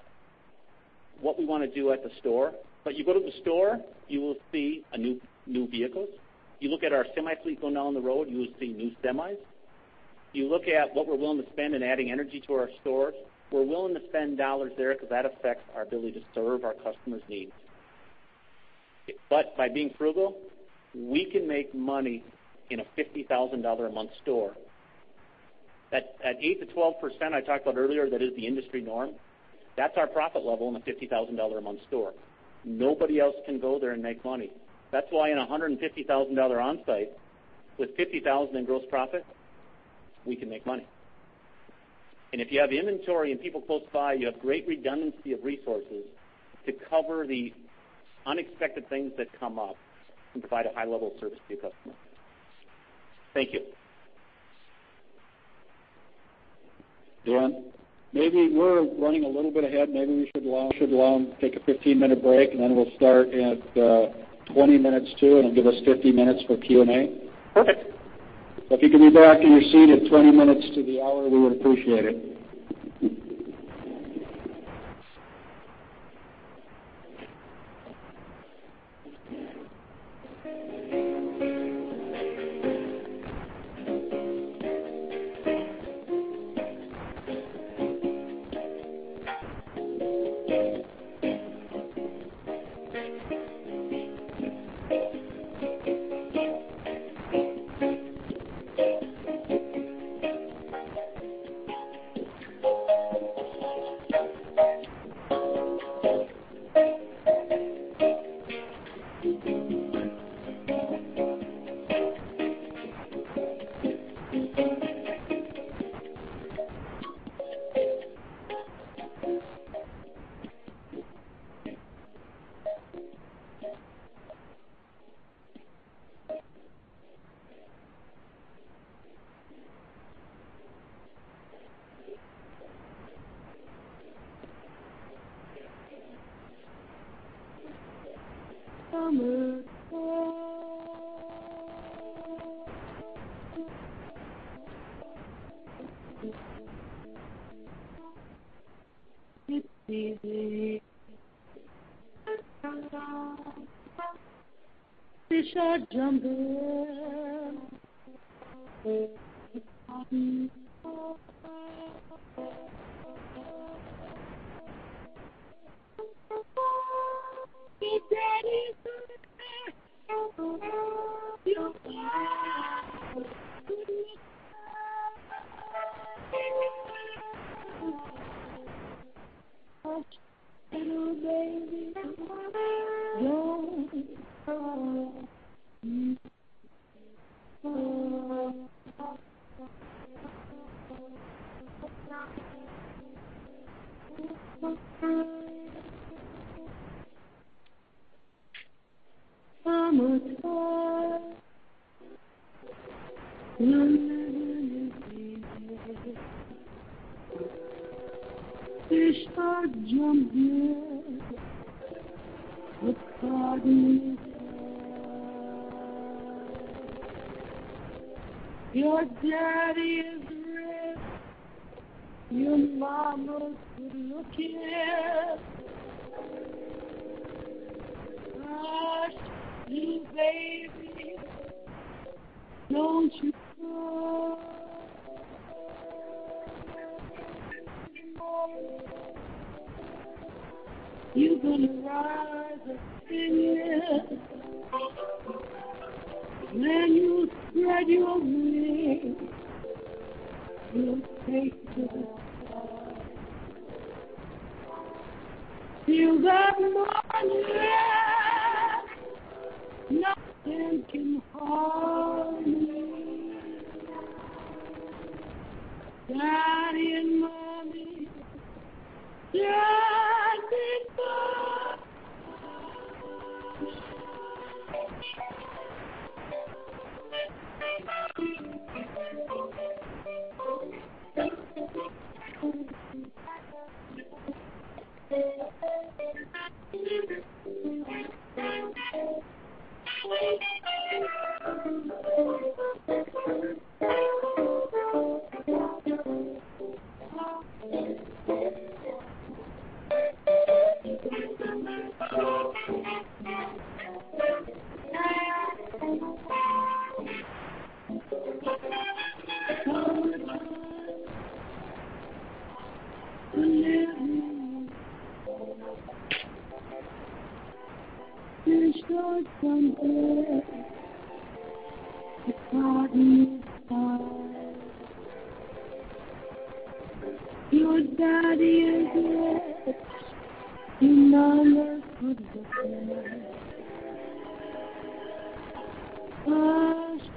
E: what we want to do at the store. You go to the store, you will see new vehicles. You look at our semi fleet going down the road, you will see new semis. You look at what we're willing to spend in adding energy to our stores. We're willing to spend dollars there because that affects our ability to serve our customers' needs. By being frugal, we can make money in a $50,000 a month store. That 8%-12% I talked about earlier, that is the industry norm, that's our profit level in a $50,000 a month store. Nobody else can go there and make money. That's why in $150,000 Onsite, with $50,000 in gross profit, we can make money. If you have inventory and people close by, you have great redundancy of resources to cover the unexpected things that come up and provide a high level of service to your customer. Thank you.
A: Dan, we're running a little bit ahead. Maybe we should take a 15-minute break, and then we'll start at 20 minutes to, and it'll give us 50 minutes for Q&A.
E: Perfect.
A: If you can be back in your seat at 20 minutes to the hour, we would appreciate it.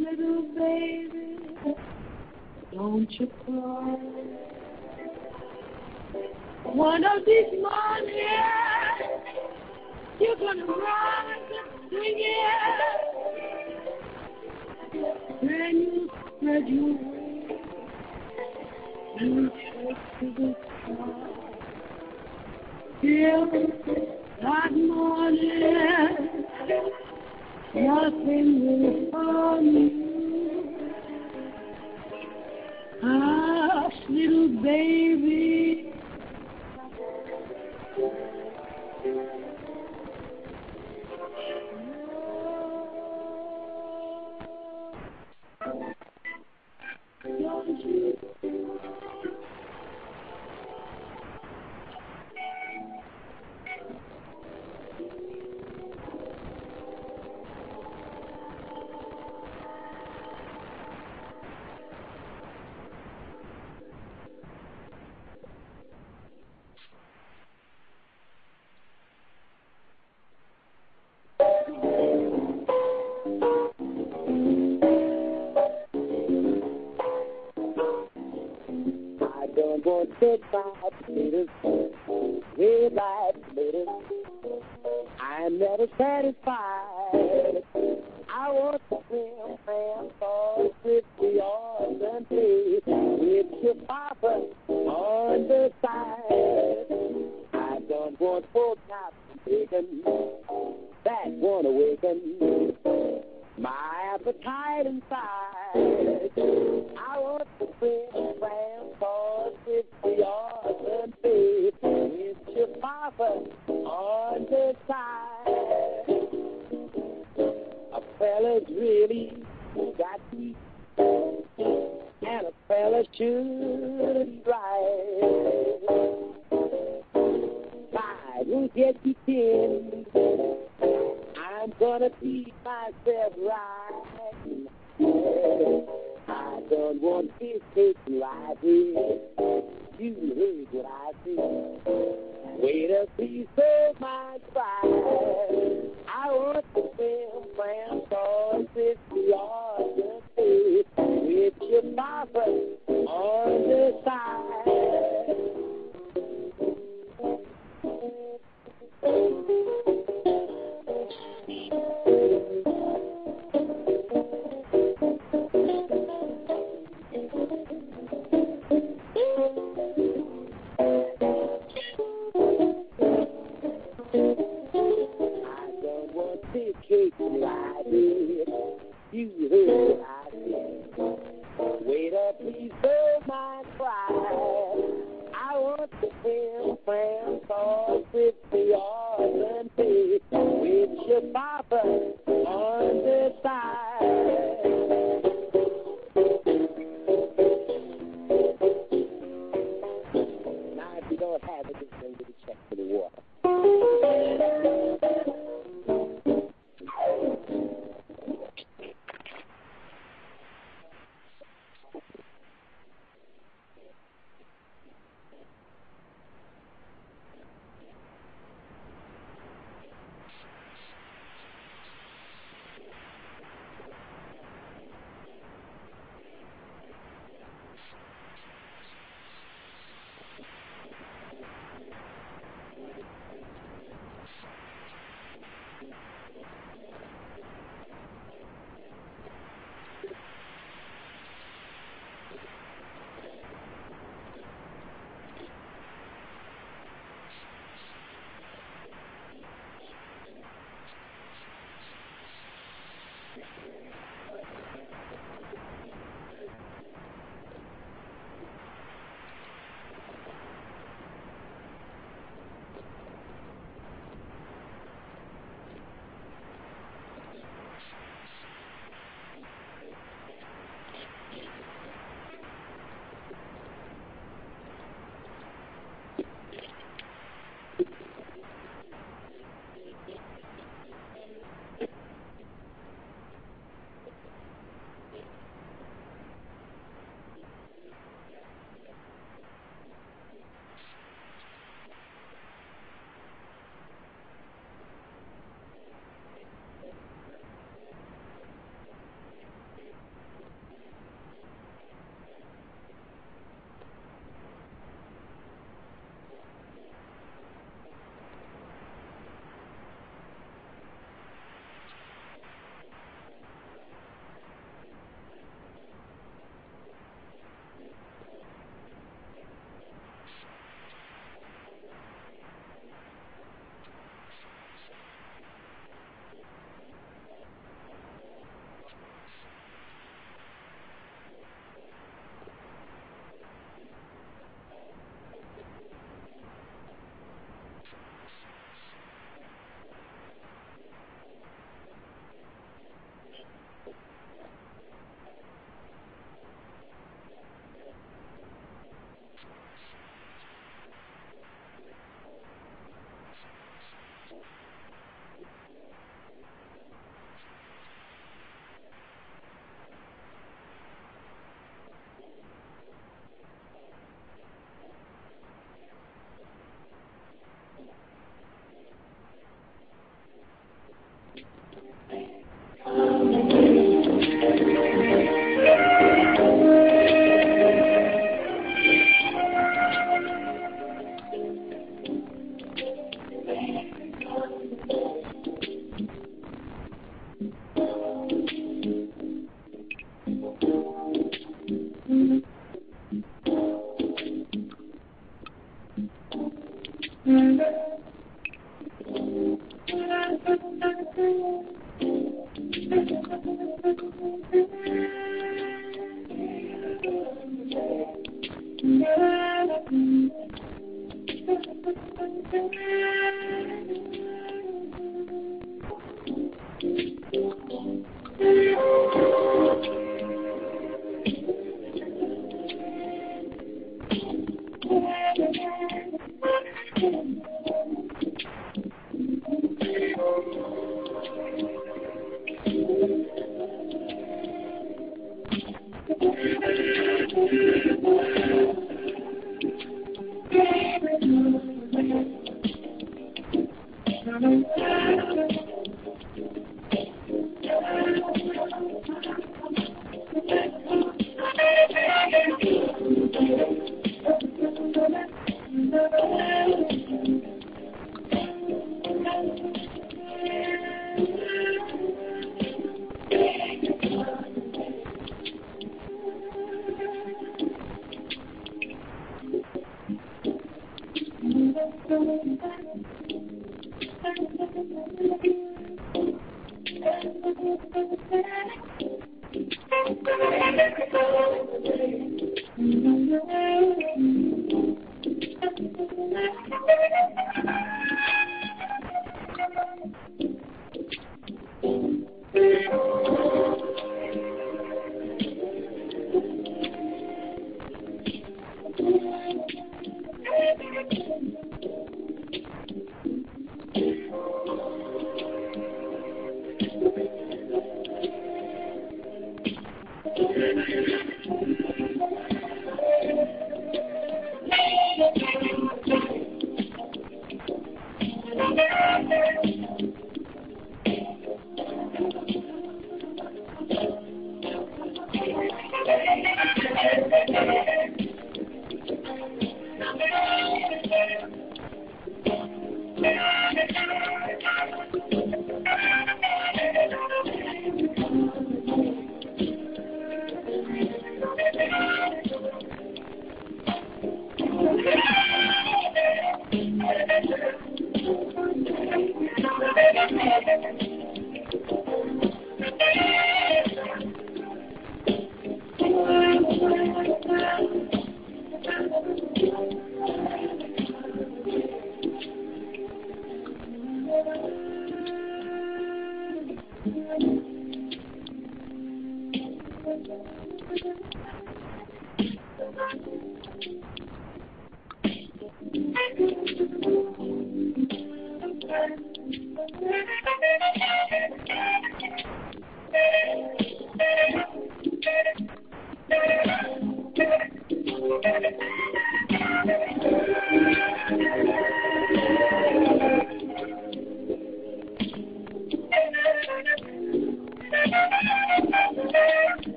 F: You're going to rise up singing. You'll spread your wings, you'll take to the sky. Feel that morning air. Nothing can harm you. Daddy and Mommy just beside you. Come what may. There's sure somewhere the cotton is high. Your daddy is rich and your mother's good looking. Hush, little baby, don't you cry. One of these mornings, you're going to rise up singing. You'll spread your wings, you'll take to the sky. Feel that morning air. Nothing will harm you. Hush, little baby.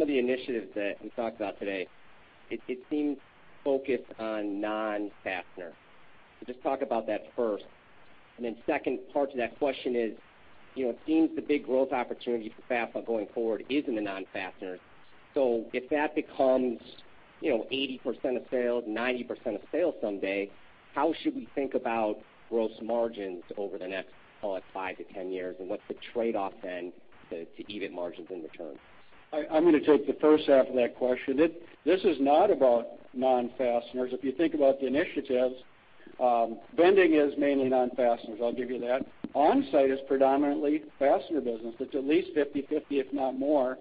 G: Some of the initiatives that we talked about today, it seems focused on non-fasteners. Just talk about that first. Then second part to that question is, it seems the big growth opportunity for Fastenal going forward is in the non-fasteners. If that becomes 80% of sales, 90% of sales someday, how should we think about gross margins over the next, call it 5 to 10 years, what's the trade-off to EBIT margins in return?
A: I'm going to take the first half of that question. This is not about non-fasteners. If you think about the initiatives, vending is mainly non-fasteners, I'll give you that. Onsite is predominantly fastener business. It's at least 50/50, if not more.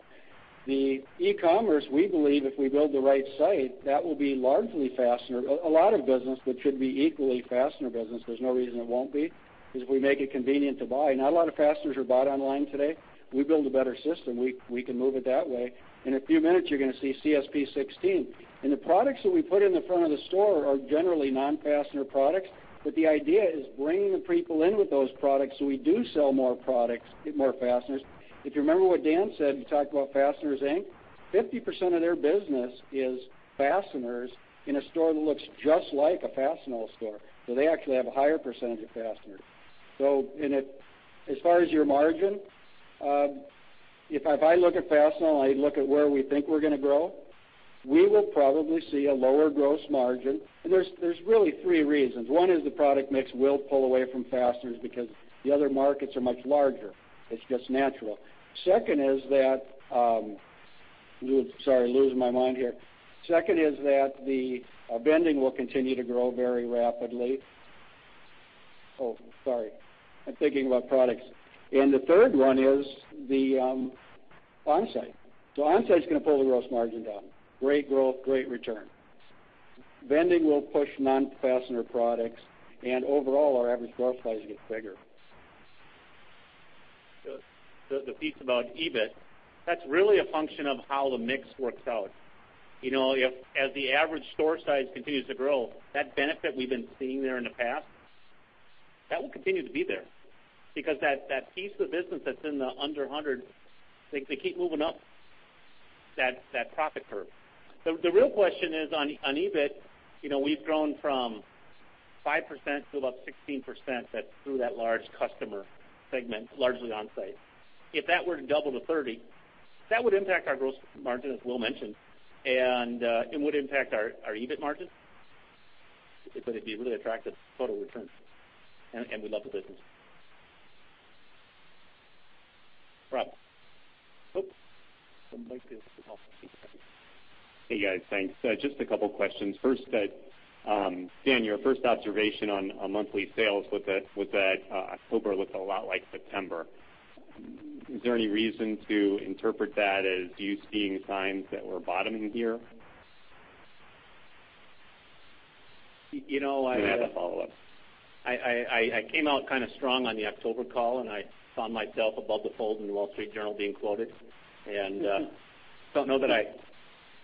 A: The e-commerce, we believe if we build the right site, that will be largely fasteners. A lot of business that should be equally fastener business. There's no reason it won't be, because if we make it convenient to buy. Not a lot of fasteners are bought online today. We build a better system, we can move it that way. In a few minutes, you're going to see CSP 16. The products that we put in the front of the store are generally non-fastener products, but the idea is bringing the people in with those products so we do sell more products, get more fasteners. If you remember what Dan said, he talked about Fasteners, Inc. 50% of their business is fasteners in a store that looks just like a Fastenal store. They actually have a higher percentage of fasteners. As far as your margin, if I look at Fastenal and I look at where we think we're going to grow, we will probably see a lower gross margin. There's really three reasons. One is the product mix will pull away from fasteners because the other markets are much larger. It's just natural. Sorry, losing my mind here. Second is that the vending will continue to grow very rapidly. Oh, sorry. I'm thinking about products. The third one is the Onsite. Onsite's going to pull the gross margin down. Great growth, great return. Vending will push non-fastener products, overall, our average gross price gets bigger.
E: The piece about EBIT, that's really a function of how the mix works out. As the average store size continues to grow, that benefit we've been seeing there in the past, that will continue to be there because that piece of business that's in the under 100, they keep moving up that profit curve. The real question is on EBIT, we've grown from 5% to about 16%. That's through that large customer segment, largely Onsite. If that were to double to 30, that would impact our gross margin, as Will mentioned, and it would impact our EBIT margin, but it'd be really attractive photo return, and we love the business. Rob.
H: Hey, guys. Thanks. Just a couple of questions. First, Dan, your first observation on monthly sales was that October looked a lot like September. Is there any reason to interpret that as you seeing signs that we're bottoming here?
E: I have a follow-up. I came out kind of strong on the October call. I found myself above the fold in The Wall Street Journal being quoted. Don't know that I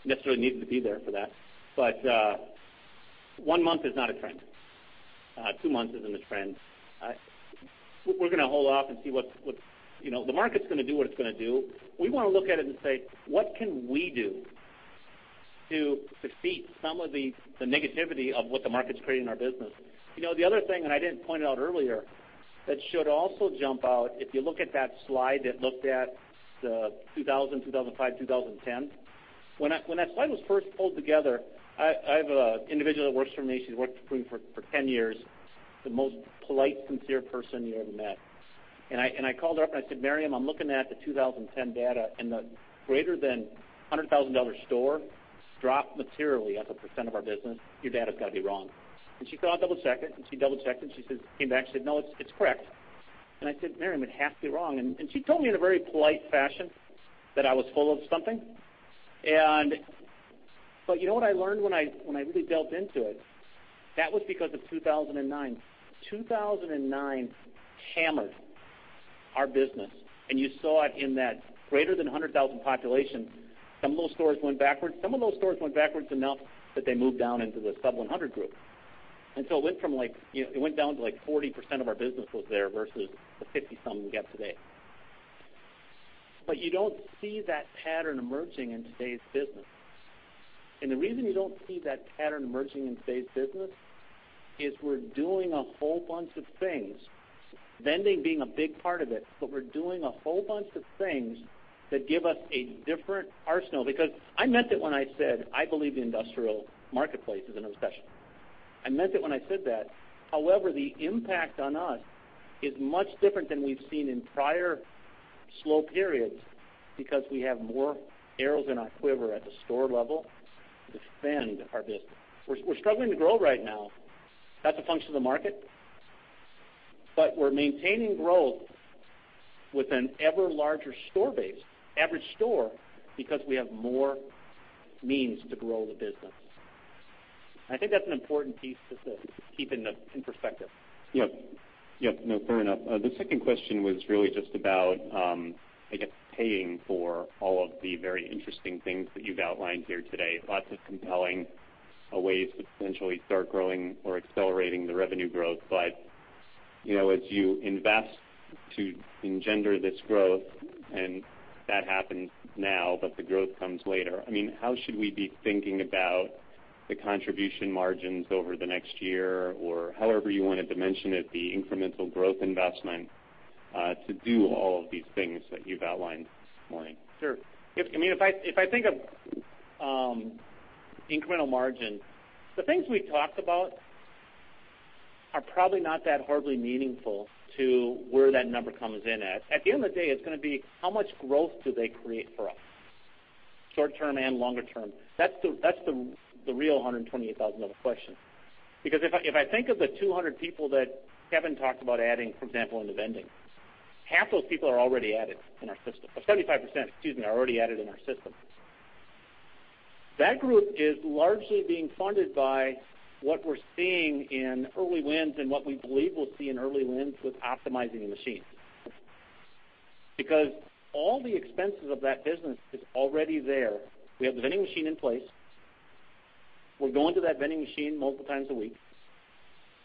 E: necessarily needed to be there for that. One month is not a trend. Two months isn't a trend. We're going to hold off and see what. The market's going to do what it's going to do. We want to look at it and say, "What can we do to defeat some of the negativity of what the market's creating in our business?" The other thing, I didn't point it out earlier, that should also jump out, if you look at that slide that looked at the 2000, 2005, 2010. When that slide was first pulled together, I have an individual that works for me. She's worked for me for 10 years, the most polite, sincere person you ever met. I called her up and I said, "Mariam, I'm looking at the 2010 data, and the greater than $100,000 store dropped materially as a percent of our business. Your data's got to be wrong." She thought I'd double-check it, and she double-checked, and she came back and said, "No, it's correct." I said, "Mariam, it has to be wrong." She told me in a very polite fashion that I was full of something. You know what I learned when I really delved into it? That was because of 2009. 2009 hammered our business, and you saw it in that greater than 100,000 population. Some of those stores went backwards. Some of those stores went backwards enough that they moved down into the sub 100 group. It went down to like 40% of our business was there versus the 50-something we got today. You don't see that pattern emerging in today's business. The reason you don't see that pattern emerging in today's business is we're doing a whole bunch of things, vending being a big part of it, but we're doing a whole bunch of things that give us a different arsenal. I meant it when I said I believe the industrial marketplace is in a recession. I meant it when I said that. However, the impact on us is much different than we've seen in prior slow periods because we have more arrows in our quiver at the store level to defend our business. Yep. No, fair enough. The second question was really just about, I guess, paying for all of the very interesting things that you've outlined here today. Lots of compelling ways to potentially start growing or accelerating the revenue growth. As you invest to engender this growth, and that happens now, but the growth comes later. How should we be thinking about the contribution margins over the next year or however you wanted to mention it, the incremental growth investment, to do all of these things that you've outlined this morning?
H: Sure. If I think of incremental margin, the things we talked about are probably not that horribly meaningful to where that number comes in at. At the end of the day, it's going to be how much growth do they create for us, short term and longer term. That's the
E: We're going to that vending machine multiple times a week.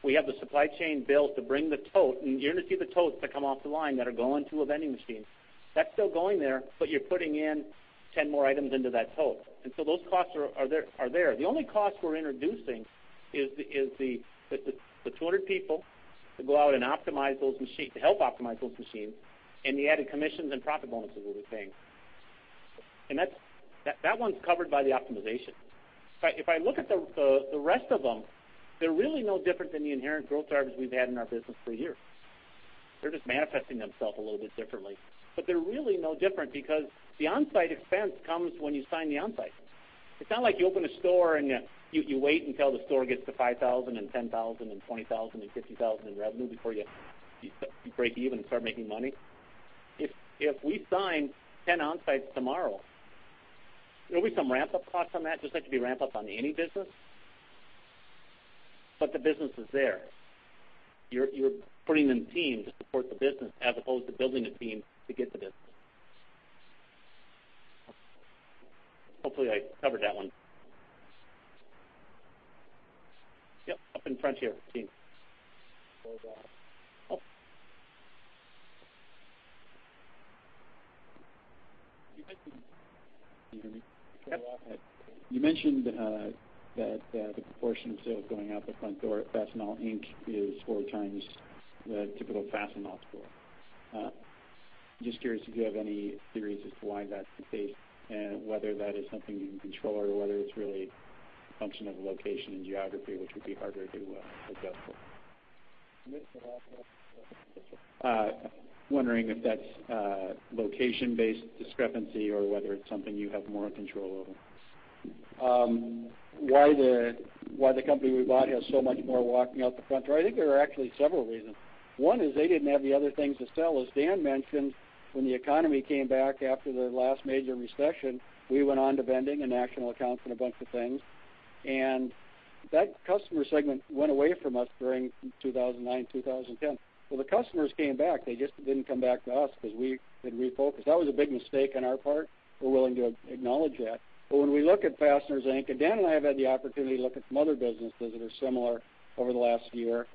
E: We have the supply chain built to bring the tote, you're going to see the totes that come off the line that are going to a vending machine. That's still going there, but you're putting in 10 more items into that tote, those costs are there. The only cost we're introducing is the 200 people to go out and help optimize those machines, and the added commissions and profit bonuses that we're paying. That one's covered by the optimization. If I look at the rest of them, they're really no different than the inherent growth drivers we've had in our business for years. They're just manifesting themselves a little bit differently. They're really no different because the Onsite expense comes when you sign the Onsites. It's not like you open a store and you wait until the store gets to 5,000 and 10,000 and 20,000 and 50,000 in revenue before you break even and start making money. If we sign 10 Onsites tomorrow, there'll be some ramp-up costs on that, just like there'd be ramp-up on any business, the business is there. You're putting in team to support the business as opposed to building a team to get the business. Hopefully, I covered that one. Yep, up in front here. Gene.
I: Can you hear me?
E: Yep.
I: You mentioned that the proportion of sales going out the front door at Fasteners, Inc. is four times the typical Fastenal store. Just curious if you have any theories as to why that's the case and whether that is something you can control or whether it's really a function of location and geography, which would be harder to adjust for.
A: Can you say that again?
I: Wondering if that's a location-based discrepancy or whether it's something you have more control over.
E: Why the company we bought has so much more walking out the front door. I think there are actually several reasons. One is they didn't have the other things to sell. As Dan mentioned, when the economy came back after the last major recession, we went on to vending and national accounts and a bunch of things, and that customer segment went away from us during 2009, 2010. The customers came back. They just didn't come back to us because we had refocused. That was a big mistake on our part. We're willing to acknowledge that. When we look at Fasteners Inc, and Dan and I have had the opportunity to look at some other businesses that are similar over the last year,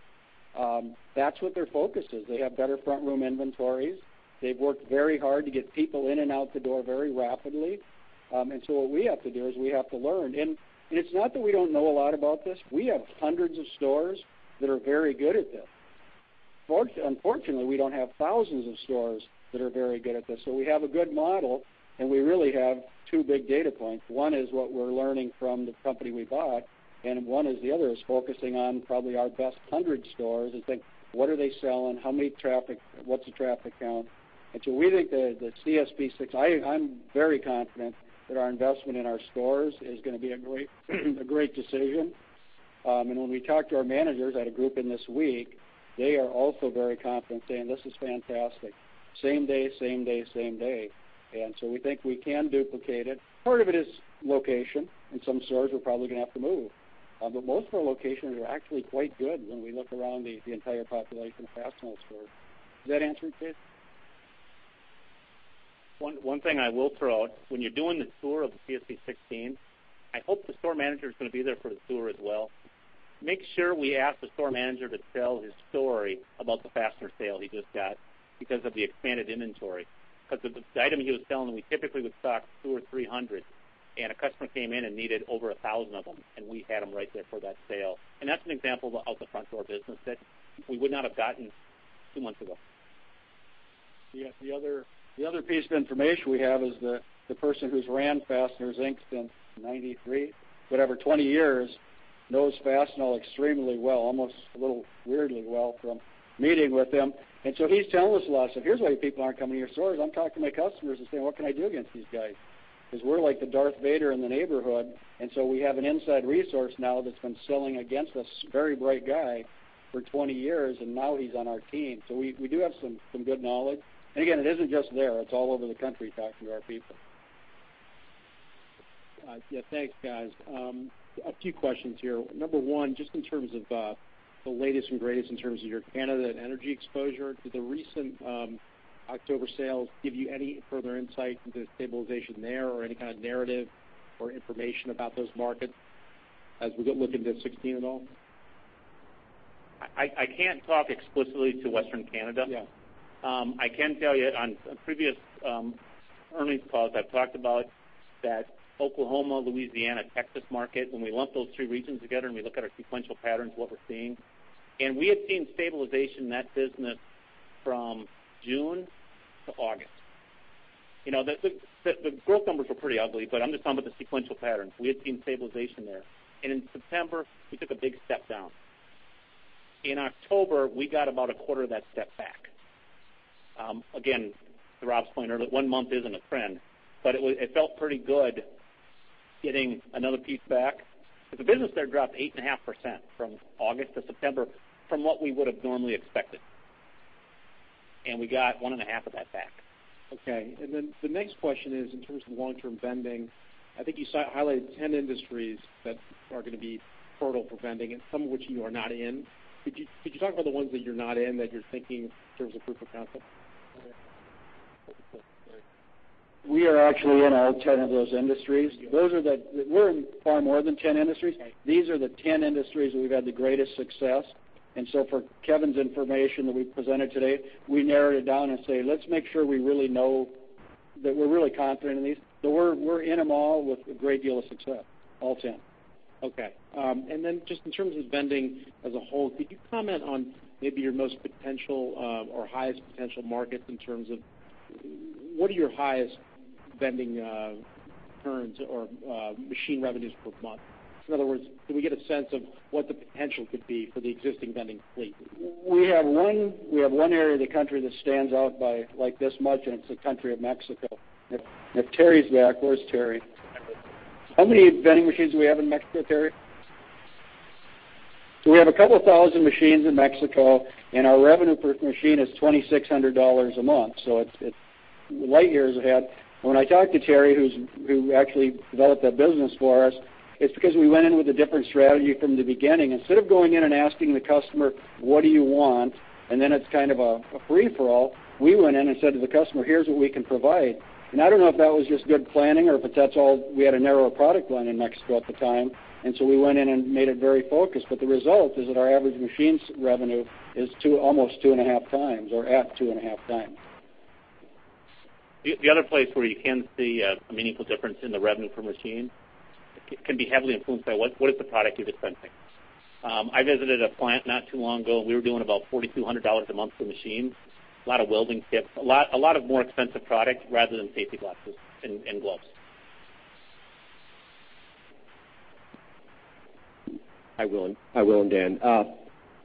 E: that's what their focus is. They have better front-room inventories. They've worked very hard to get people in and out the door very rapidly. What we have to do is we have to learn. It's not that we don't know a lot about this. We have hundreds of stores that are very good at this. Unfortunately, we don't have thousands of stores that are very good at this. We have a good model, and we really have two big data points. One is what we're learning from the company we bought, and one is the other, is focusing on probably our best hundred stores and think, what are they selling? What's the traffic count? We think the CSP 16, I'm very confident that our investment in our stores is going to be a great decision. When we talk to our managers at a group in this week, they are also very confident, saying, "This is fantastic." Same day. We think we can duplicate it. Part of it is location, and some stores we're probably going to have to move. But most of our locations are actually quite good when we look around the entire population of Fastenal stores. Does that answer it, Dave? One thing I will throw out, when you're doing the tour of the CSP 16, I hope the store manager's going to be there for the tour as well. Make sure we ask the store manager to tell his story about the fastener sale he just got because of the expanded inventory. Because the item he was selling, we typically would stock two or 300, and a customer came in and needed over 1,000 of them, and we had them right there for that sale. And that's an example of the out-the-front-door business that we would not have gotten two months ago.
A: The other piece of information we have is the person who's ran Fasteners, Inc. since 1993, whatever, 20 years, knows Fastenal extremely well, almost a little weirdly well from meeting with him. He's telling us a lot. He said, "Here's why your people aren't coming to your stores. I'm talking to my customers and saying, 'What can I do against these guys?' Because we're like the Darth Vader in the neighborhood, and so we have an inside resource now that's been selling against us, very bright guy, for 20 years, and now he's on our team. We do have some good knowledge. Again, it isn't just there, it's all over the country, talking to our people.
J: Yeah. Thanks, guys. A few questions here. Number one, just in terms of the latest and greatest in terms of your Canada and energy exposure, did the recent October sales give you any further insight into the stabilization there, or any kind of narrative or information about those markets as we look into 2016 at all?
E: I can't talk explicitly to Western Canada.
J: Yeah.
E: I can tell you, on previous earnings calls, I've talked about that Oklahoma, Louisiana, Texas market, when we lump those three regions together and we look at our sequential patterns, what we're seeing. We had seen stabilization in that business from June to August. The growth numbers were pretty ugly, but I'm just talking about the sequential patterns. We had seen stabilization there. In September, we took a big step down. In October, we got about a quarter of that step back. Again, to Bob's point earlier, one month isn't a trend, but it felt pretty good getting another piece back. The business there dropped 8.5% from August to September from what we would have normally expected, and we got 1.5 of that back.
J: Okay. The next question is, in terms of long-term vending, I think you highlighted 10 industries that are going to be fertile for vending and some of which you are not in. Could you talk about the ones that you're not in that you're thinking in terms of proof of concept?
A: We are actually in all 10 of those industries.
J: Okay.
A: We're in far more than 10 industries.
J: Right.
A: These are the 10 industries that we've had the greatest success. For Kevin's information that we presented today, we narrowed it down and say, "Let's make sure that we're really confident in these." We're in them all with a great deal of success, all 10.
J: Okay. Just in terms of vending as a whole, could you comment on maybe your most potential or highest potential markets in terms of what are your highest vending returns or machine revenues per month? In other words, can we get a sense of what the potential could be for the existing vending fleet?
A: We have one area of the country that stands out by like this much. It's the country of Mexico. If Terry's back, where's Terry? How many vending machines do we have in Mexico, Terry? We have a couple thousand machines in Mexico, and our revenue per machine is $2,600 a month. It's light years ahead. When I talk to Terry, who actually developed that business for us, it's because we went in with a different strategy from the beginning. Instead of going in and asking the customer, "What do you want?" Then it's kind of a free-for-all, we went in and said to the customer, "Here's what we can provide." I don't know if that was just good planning or if it's that we had a narrower product line in Mexico at the time. We went in and made it very focused. The result is that our average machine's revenue is almost two and a half times or at two and a half times.
E: The other place where you can see a meaningful difference in the revenue per machine can be heavily influenced by what is the product you're dispensing. I visited a plant not too long ago, and we were doing about $4,200 a month per machine. A lot of welding tips, a lot of more expensive products rather than safety glasses and gloves.
J: Hi, Will and Dan.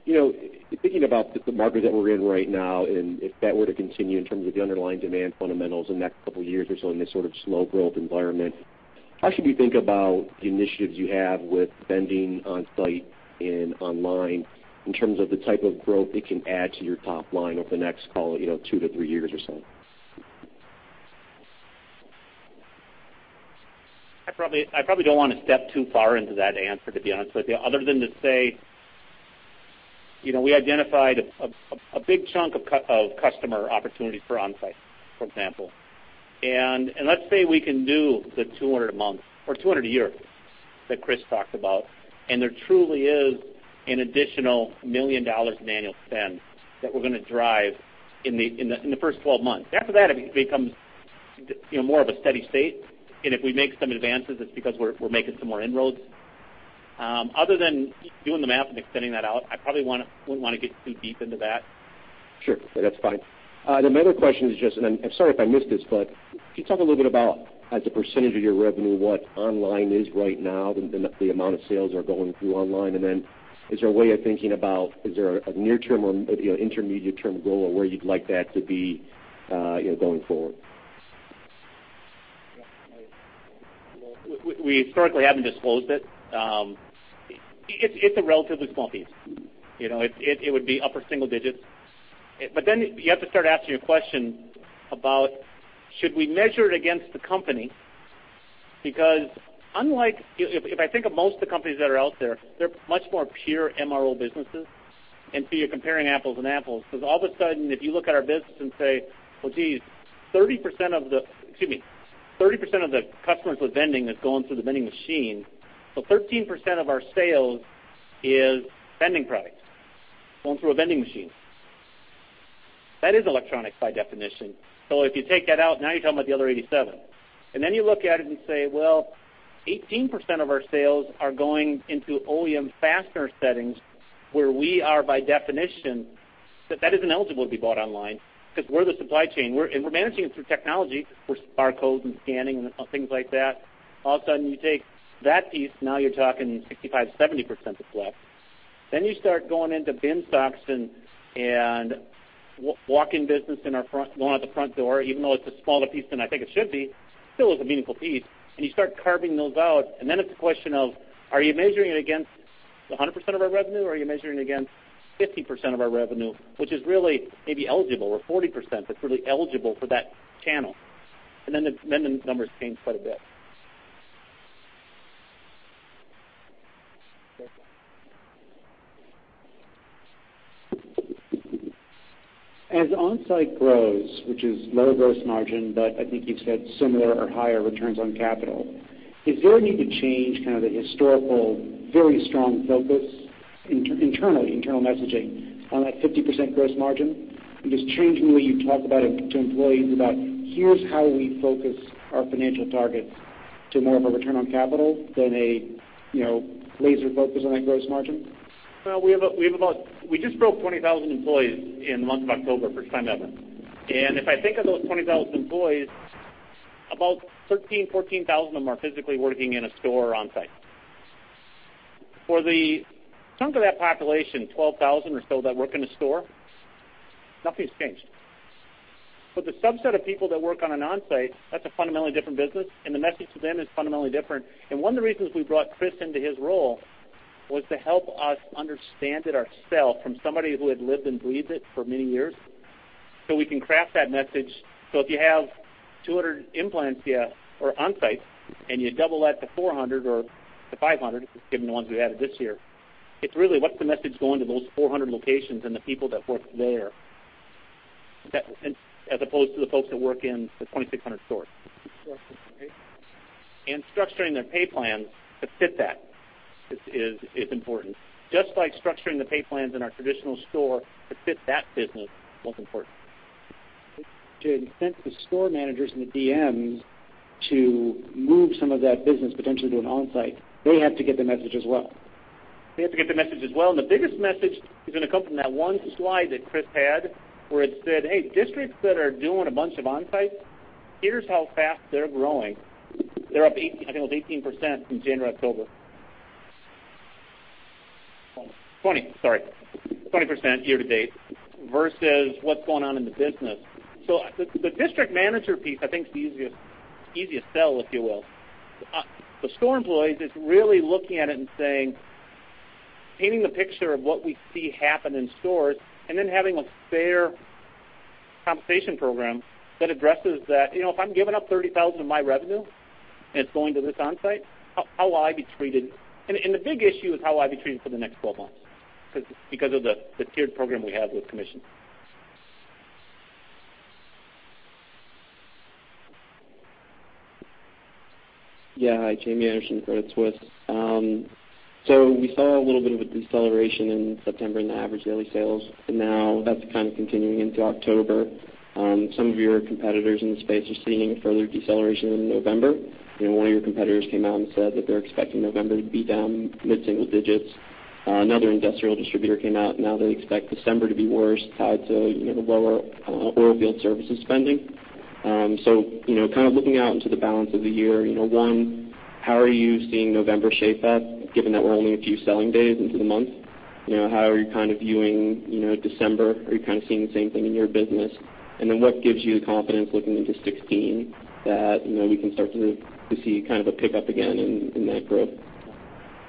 J: Thinking about the market that we're in right now, if that were to continue in terms of the underlying demand fundamentals the next couple of years or so in this sort of slow growth environment, how should we think about the initiatives you have with vending Onsite and online in terms of the type of growth it can add to your top line over the next, call it, two to three years or so?
E: I probably don't want to step too far into that answer, to be honest with you, other than to say, we identified a big chunk of customer opportunity for Onsite, for example. Let's say we can do the 200 a month or 200 a year that Chris talked about, and there truly is an additional $1 million in annual spend that we're going to drive in the first 12 months. After that, it becomes more of a steady state. If we make some advances, it's because we're making some more inroads. Other than doing the math and extending that out, I probably wouldn't want to get too deep into that.
J: Sure. That's fine. My other question is just, I'm sorry if I missed this, but could you talk a little bit about, as a percentage of your revenue, what online is right now, the amount of sales are going through online? Is there a way of thinking about, is there a near-term or intermediate-term goal of where you'd like that to be going forward?
E: We historically haven't disclosed it. It's a relatively small piece. It would be upper single digits. You have to start asking a question about should we measure it against the company? If I think of most of the companies that are out there, they're much more pure MRO businesses, you're comparing apples and apples. All of a sudden, if you look at our business and say, "Well, geez, 30% of the customers with vending is going through the vending machine." 13% of our sales is vending product going through a vending machine. That is electronics by definition. If you take that out, now you're talking about the other 87. You look at it and say, "Well, 18% of our sales are going into OEM fastener settings where we are by definition, that isn't eligible to be bought online because we're the supply chain." We're managing it through technology with barcodes and scanning and things like that. All of a sudden, you take that piece, now you're talking 65%, 70% that's left. You start going into bin stocks and walk-in business going out the front door, even though it's a smaller piece than I think it should be, still is a meaningful piece. You start carving those out, it's a question of, are you measuring it against 100% of our revenue, or are you measuring it against 50% of our revenue, which is really maybe eligible, or 40% that's really eligible for that channel? The numbers change quite a bit.
J: As Onsite grows, which is lower gross margin, but I think you've said similar or higher returns on capital, is there a need to change the historical, very strong focus internally, internal messaging, on that 50% gross margin? Just changing the way you talk to employees about here's how we focus our financial targets to more of a return on capital than a laser focus on that gross margin.
E: We just broke 20,000 employees in the month of October for the first time ever. If I think of those 20,000 employees, about 13,000, 14,000 of them are physically working in a store or Onsite. For the chunk of that population, 12,000 or so that work in a store, nothing's changed. For the subset of people that work on an Onsite, that's a fundamentally different business, and the message to them is fundamentally different. One of the reasons we brought Chris into his role was to help us understand it ourself from somebody who had lived and breathed it for many years, so we can craft that message. If you have 200 implants or Onsites and you double that to 400 or to 500, given the ones we've added this year, it's really what's the message going to those 400 locations and the people that work there, as opposed to the folks that work in the 2,600 stores.
J: Structuring the pay plans.
E: Structuring their pay plans to fit that is important. Just like structuring the pay plans in our traditional store to fit that business was important.
J: To incent the store managers and the DMs to move some of that business potentially to an Onsite, they have to get the message as well.
E: They have to get the message as well. The biggest message is going to come from that one slide that Chris had where it said, "Hey, districts that are doing a bunch of Onsites, here's how fast they're growing." They're up, I think it was 18% from January to October.
C: 20. 20% year to date versus what's going on in the business. The district manager piece, I think is the easiest sell, if you will. The store employees, it's really looking at it and painting the picture of what we see happen in stores and then having a fair compensation program that addresses that. If I'm giving up $30,000 of my revenue and it's going to this Onsite, how will I be treated? The big issue is how will I be treated for the next 12 months because of the tiered program we have with commissions.
K: Hi, Jamie Anderson, Credit Suisse. We saw a little bit of a deceleration in September in the average daily sales, and now that's continuing into October. Some of your competitors in the space are seeing a further deceleration in November. One of your competitors came out and said that they're expecting November to be down mid-single digits. Another industrial distributor came out, now they expect December to be worse tied to the lower oil field services spending. Looking out into the balance of the year, one, how are you seeing November shape up, given that we're only a few selling days into the month? How are you viewing December? Are you seeing the same thing in your business? What gives you the confidence looking into 2016 that we can start to see a pickup again in that growth?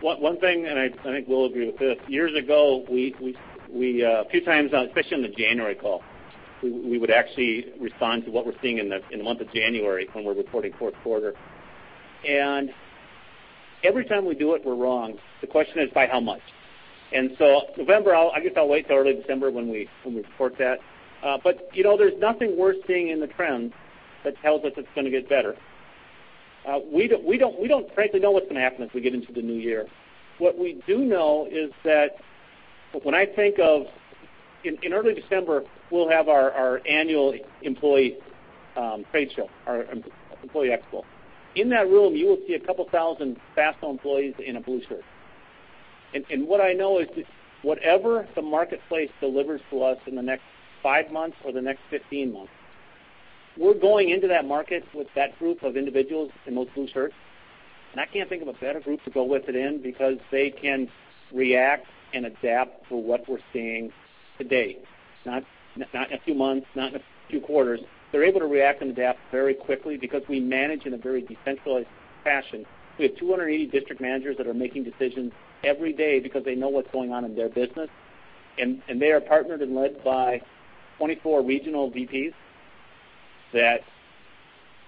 E: One thing, I think Will will agree with this. Years ago, a few times now, especially on the January call, we would actually respond to what we're seeing in the month of January when we're reporting fourth quarter. Every time we do it, we're wrong. The question is by how much. November, I guess I'll wait till early December when we report that. There's nothing we're seeing in the trends that tells us it's going to get better. We don't frankly know what's going to happen as we get into the new year. What we do know is that when I think of in early December, we'll have our annual employee trade show, our employee expo. In that room, you will see 2,000 Fastenal employees in a blue shirt. What I know is whatever the marketplace delivers to us in the next five months or the next 15 months, we're going into that market with that group of individuals in those blue shirts, I can't think of a better group to go with it in because they can react and adapt to what we're seeing today. Not in a few months, not in a few quarters. They're able to react and adapt very quickly because we manage in a very decentralized fashion. We have 280 district managers that are making decisions every day because they know what's going on in their business, and they are partnered and led by 24 regional VPs that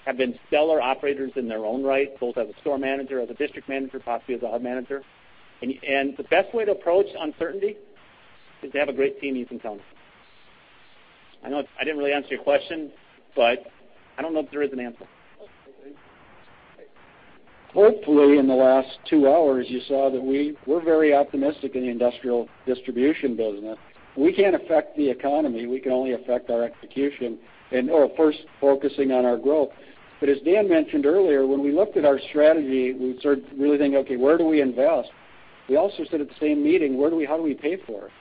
E: have been stellar operators in their own right, both as a store manager, as a district manager, possibly as a hub manager. The best way to approach uncertainty is to have a great team you can count on. I know I didn't really answer your question, but I don't know if there is an answer.
J: Hopefully.
A: Hopefully in the last two hours, you saw that we're very optimistic in the industrial distribution business. We can't affect the economy. We can only affect our execution and first focusing on our growth. As Dan mentioned earlier, when we looked at our strategy, we started really thinking, okay, where do we invest? We also said at the same meeting, how do we pay for it?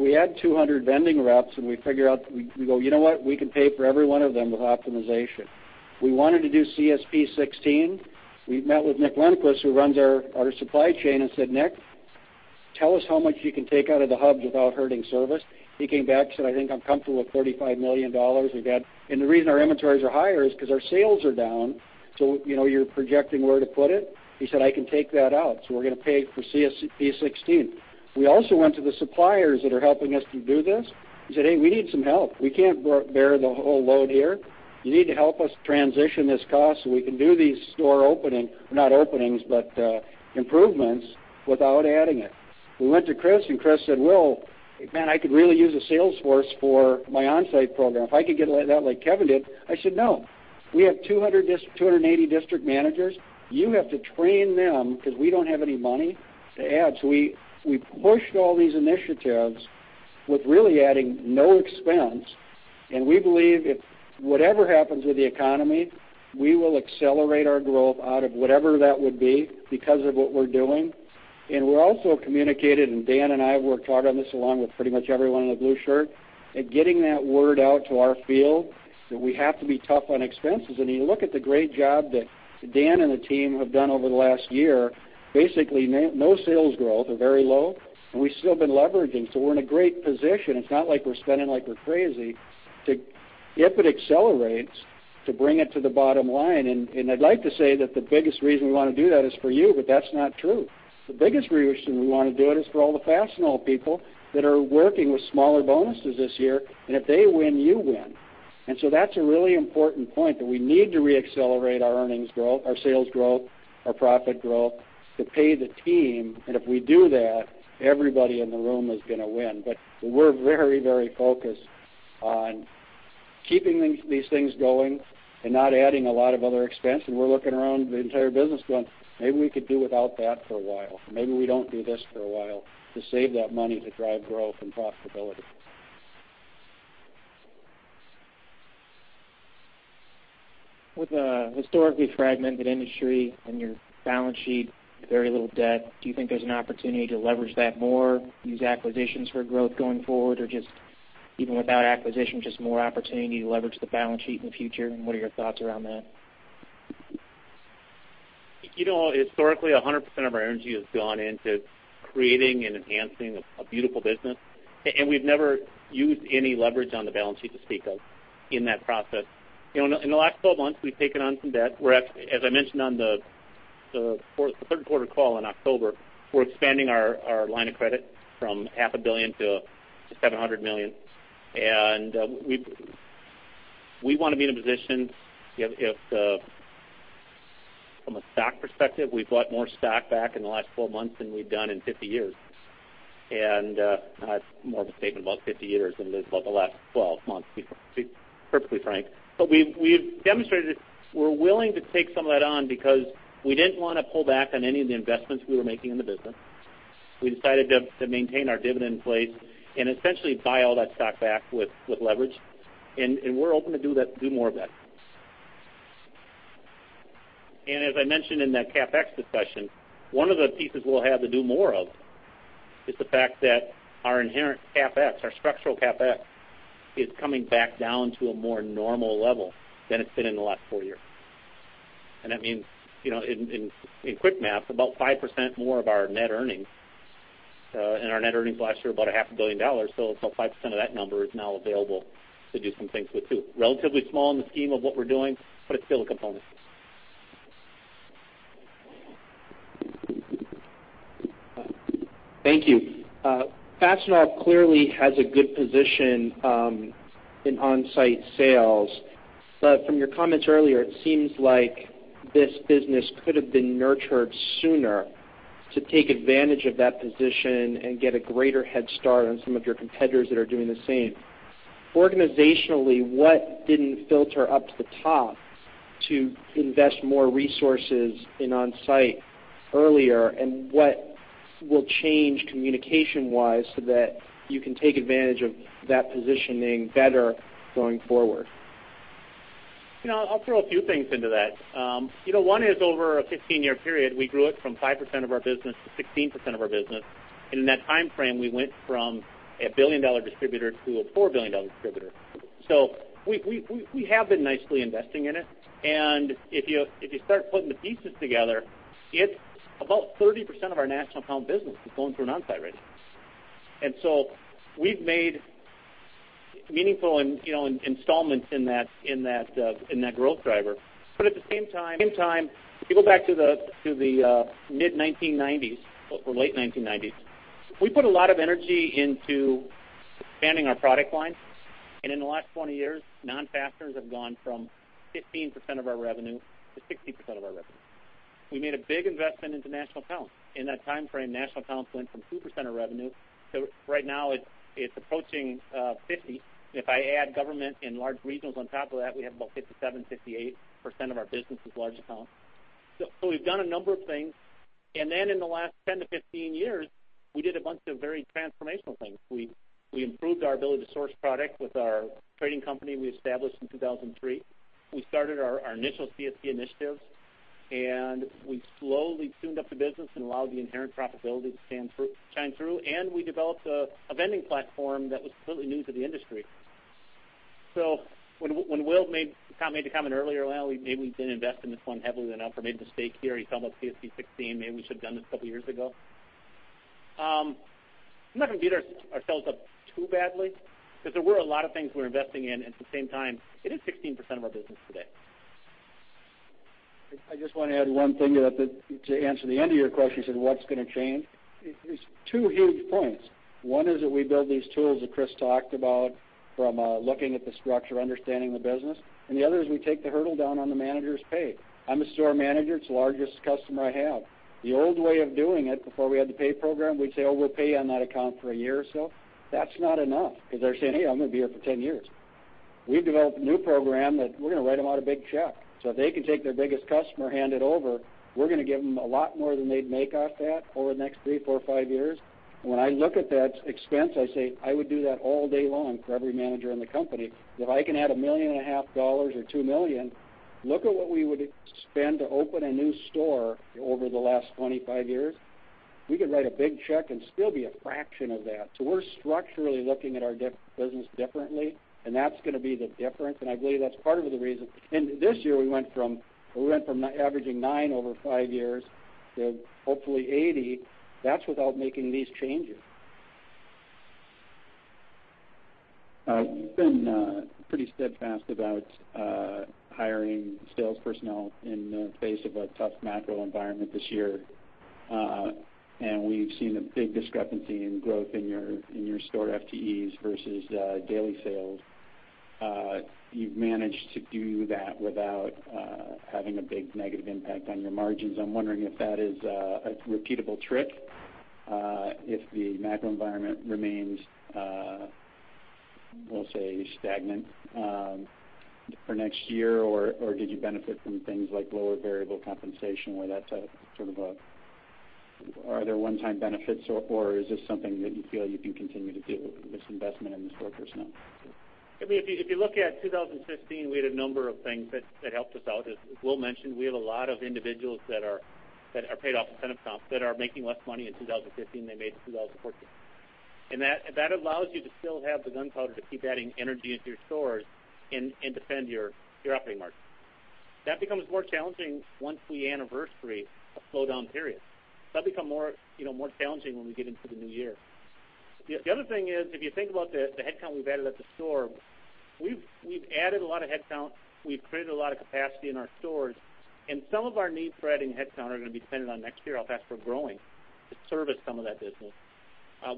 A: We had 200 vending reps. You know what? We can pay for every one of them with optimization. We wanted to do CSP16. We met with Nick Lundquist, who runs our supply chain, and said, "Nick, tell us how much you can take out of the hubs without hurting service." He came back, said, "I think I'm comfortable with $35 million we've had." The reason our inventories are higher is because our sales are down. You're projecting where to put it. He said, "I can take that out." We're going to pay for CSP16. We also went to the suppliers that are helping us to do this and said, "Hey, we need some help. We can't bear the whole load here. You need to help us transition this cost so we can do these store opening, not openings, but improvements without adding it." We went to Chris. Chris said, "Will, man, I could really use a sales force for my Onsite program. If I could get that like Kevin did." I said, "No, we have 280 district managers. You have to train them because we don't have any money to add." We pushed all these initiatives with really adding no expense. We believe if whatever happens with the economy, we will accelerate our growth out of whatever that would be because of what we're doing. We also communicated. Dan and I have worked hard on this, along with pretty much everyone in the blue shirt, at getting that word out to our field that we have to be tough on expenses. You look at the great job that Dan and the team have done over the last year. Basically, no sales growth or very low. We've still been leveraging. We're in a great position. It's not like we're spending like we're crazy. If it accelerates, to bring it to the bottom line. I'd like to say that the biggest reason we want to do that is for you. That's not true. The biggest reason we want to do it is for all the Fastenal people that are working with smaller bonuses this year. If they win, you win. That's a really important point, that we need to re-accelerate our earnings growth, our sales growth, our profit growth to pay the team. If we do that, everybody in the room is going to win. We're very focused on keeping these things going and not adding a lot of other expense. We're looking around the entire business going, "Maybe we could do without that for a while. Maybe we don't do this for a while to save that money to drive growth and profitability.
J: With a historically fragmented industry and your balance sheet, very little debt, do you think there's an opportunity to leverage that more, use acquisitions for growth going forward? Just even without acquisition, just more opportunity to leverage the balance sheet in the future, and what are your thoughts around that?
E: Historically, 100% of our energy has gone into creating and enhancing a beautiful business. We've never used any leverage on the balance sheet to speak of in that process. In the last 12 months, we've taken on some debt, whereas, as I mentioned on the third quarter call in October, we're expanding our line of credit from half a billion to $700 million. We want to be in a position if from a stock perspective, we've bought more stock back in the last four months than we've done in 50 years. That's more of a statement about 50 years than it is about the last 12 months, to be perfectly frank. We've demonstrated that we're willing to take some of that on because we didn't want to pull back on any of the investments we were making in the business.
A: We decided to maintain our dividend in place and essentially buy all that stock back with leverage, and we're open to do more of that. As I mentioned in that CapEx discussion, one of the pieces we'll have to do more of is the fact that our inherent CapEx, our structural CapEx, is coming back down to a more normal level than it's been in the last four years. That means in quick math, about 5% more of our net earnings. Our net earnings last year, about a half a billion dollars. 5% of that number is now available to do some things with too. Relatively small in the scheme of what we're doing, but it's still a component.
J: Thank you. Fastenal clearly has a good position in on-site sales. From your comments earlier, it seems like this business could have been nurtured sooner to take advantage of that position and get a greater head start on some of your competitors that are doing the same. Organizationally, what didn't filter up to the top to invest more resources in on-site earlier, and what will change communication-wise so that you can take advantage of that positioning better going forward?
A: I'll throw a few things into that. One is over a 15-year period, we grew it from 5% of our business to 16% of our business. In that timeframe, we went from a billion-dollar distributor to a $4 billion distributor. We have been nicely investing in it. If you start putting the pieces together, it's about 30% of our national account business is going through an Onsite rep. We've made meaningful installments in that growth driver. At the same time, if you go back to the mid-1990s or late 1990s, we put a lot of energy into expanding our product line. In the last 20 years, non-fasteners have gone from 15% of our revenue to 60% of our revenue. We made a big investment into national accounts. In that timeframe, national accounts went from 2% of revenue to right now, it's approaching 50%. If I add government and large regionals on top of that, we have about 57%-58% of our business is large account. We've done a number of things. In the last 10 to 15 years, we did a bunch of very transformational things. We improved our ability to source product with our trading company we established in 2003. We started our initial CSP initiatives.
E: We slowly tuned up the business and allowed the inherent profitability to shine through. We developed an industrial vending platform that was completely new to the industry. When Will made the comment earlier, well, maybe we didn't invest in this one heavily enough or made the stake here. He's talking about CSP 16, maybe we should've done this a couple of years ago. I'm not going to beat ourselves up too badly because there were a lot of things we were investing in. At the same time, it is 16% of our business today.
A: I just want to add one thing to answer the end of your question, you said what's going to change? There's two huge points. One is that we build these tools that Chris talked about from looking at the structure, understanding the business, and the other is we take the hurdle down on the manager's pay. I'm a store manager. It's the largest customer I have. The old way of doing it, before we had the pay program, we'd say, "Oh, we'll pay on that account for a year or so." That's not enough because they're saying, "Hey, I'm going to be here for 10 years." We've developed a new program that we're going to write them out a big check. If they can take their biggest customer, hand it over, we're going to give them a lot more than they'd make off that over the next three, four, or five years. When I look at that expense, I say I would do that all day long for every manager in the company. If I can add a million and a half dollars or $2 million, look at what we would spend to open a new store over the last 25 years. We could write a big check and still be a fraction of that. We're structurally looking at our business differently, and that's going to be the difference. I believe that's part of the reason. This year, we went from averaging nine over five years to hopefully 80. That's without making these changes.
I: You've been pretty steadfast about hiring sales personnel in the face of a tough macro environment this year. We've seen a big discrepancy in growth in your store FTEs versus daily sales. You've managed to do that without having a big negative impact on your margins. I'm wondering if that is a repeatable trick, if the macro environment remains, we'll say stagnant for next year, or did you benefit from things like lower variable compensation where that's sort of Are there one-time benefits, or is this something that you feel you can continue to do, this investment in this workforce now?
E: If you look at 2015, we had a number of things that helped us out. As Will mentioned, we have a lot of individuals that are paid off incentive comp that are making less money in 2015 than they made in 2014. That allows you to still have the gunpowder to keep adding energy into your stores and defend your operating margin. That becomes more challenging once we anniversary a slowdown period. That'll become more challenging when we get into the new year. The other thing is, if you think about the headcount we've added at the store, we've added a lot of headcount, we've created a lot of capacity in our stores, and some of our needs for adding headcount are going to be dependent on next year, how fast we're growing to service some of that business.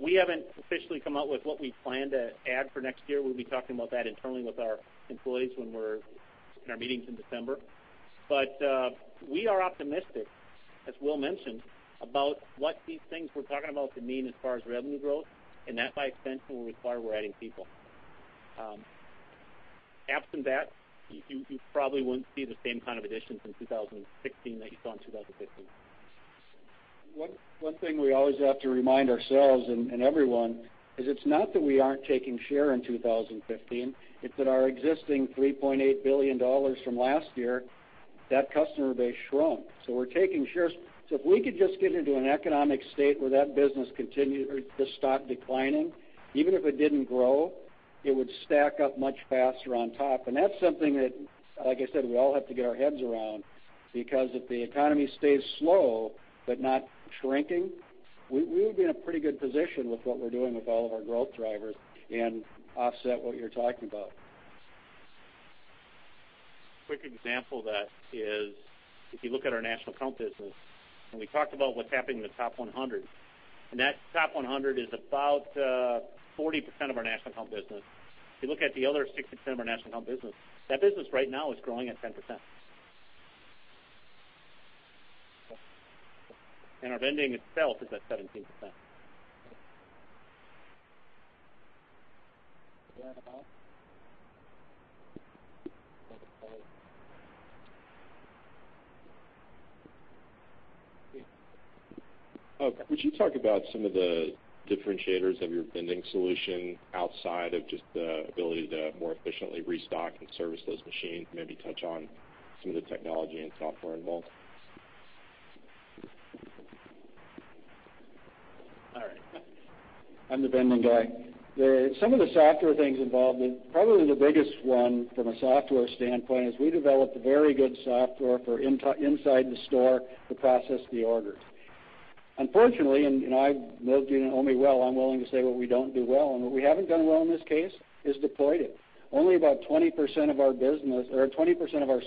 E: We haven't officially come out with what we plan to add for next year. We'll be talking about that internally with our employees when we're in our meetings in December. We are optimistic, as Will mentioned, about what these things we're talking about could mean as far as revenue growth, and that by extent will require we're adding people. Absent that, you probably wouldn't see the same kind of additions in 2016 that you saw in 2015.
A: One thing we always have to remind ourselves and everyone is it's not that we aren't taking share in 2015, it's that our existing $3.8 billion from last year, that customer base shrunk. We're taking shares. If we could just get into an economic state where that business just stopped declining, even if it didn't grow, it would stack up much faster on top. That's something that, like I said, we all have to get our heads around because if the economy stays slow but not shrinking, we would be in a pretty good position with what we're doing with all of our growth drivers and offset what you're talking about.
E: A quick example of that is if you look at our national account business, when we talked about what's happening in the top 100, that top 100 is about 40% of our national account business. If you look at the other 60% of our national account business, that business right now is growing at 10%. Our vending itself is at 17%.
A: Do you have a follow-up?
J: I have a follow-up.
A: Yeah.
J: Would you talk about some of the differentiators of your vending solution outside of just the ability to more efficiently restock and service those machines? Maybe touch on some of the technology and software involved.
E: All right.
A: I'm the vending guy. Some of the software things involved, probably the biggest one from a software standpoint is we developed very good software for inside the store to process the orders. Unfortunately, those of you that know me well, I'm willing to say what we don't do well, and what we haven't done well in this case is deploy it. Only about 20% of our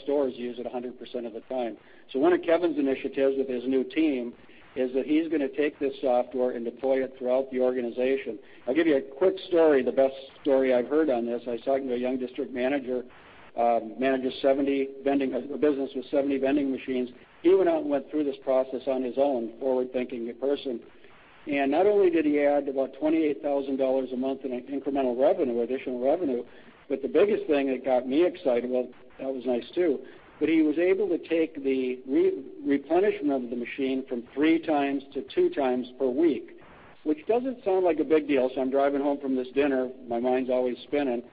A: stores use it 100% of the time. One of Kevin's initiatives with his new team is that he's going to take this software and deploy it throughout the organization. I'll give you a quick story, the best story I've heard on this. I was talking to a young district manager, manages a business with 70 vending machines. He went out and went through this process on his own, forward-thinking person. Not only did he add about $28,000 a month in incremental revenue, additional revenue, but the biggest thing that got me excited, well, that was nice, too, but he was able to take the replenishment of the machine from three times to two times per week. Which doesn't sound like a big deal. I'm driving home from this dinner, my mind's always spinning.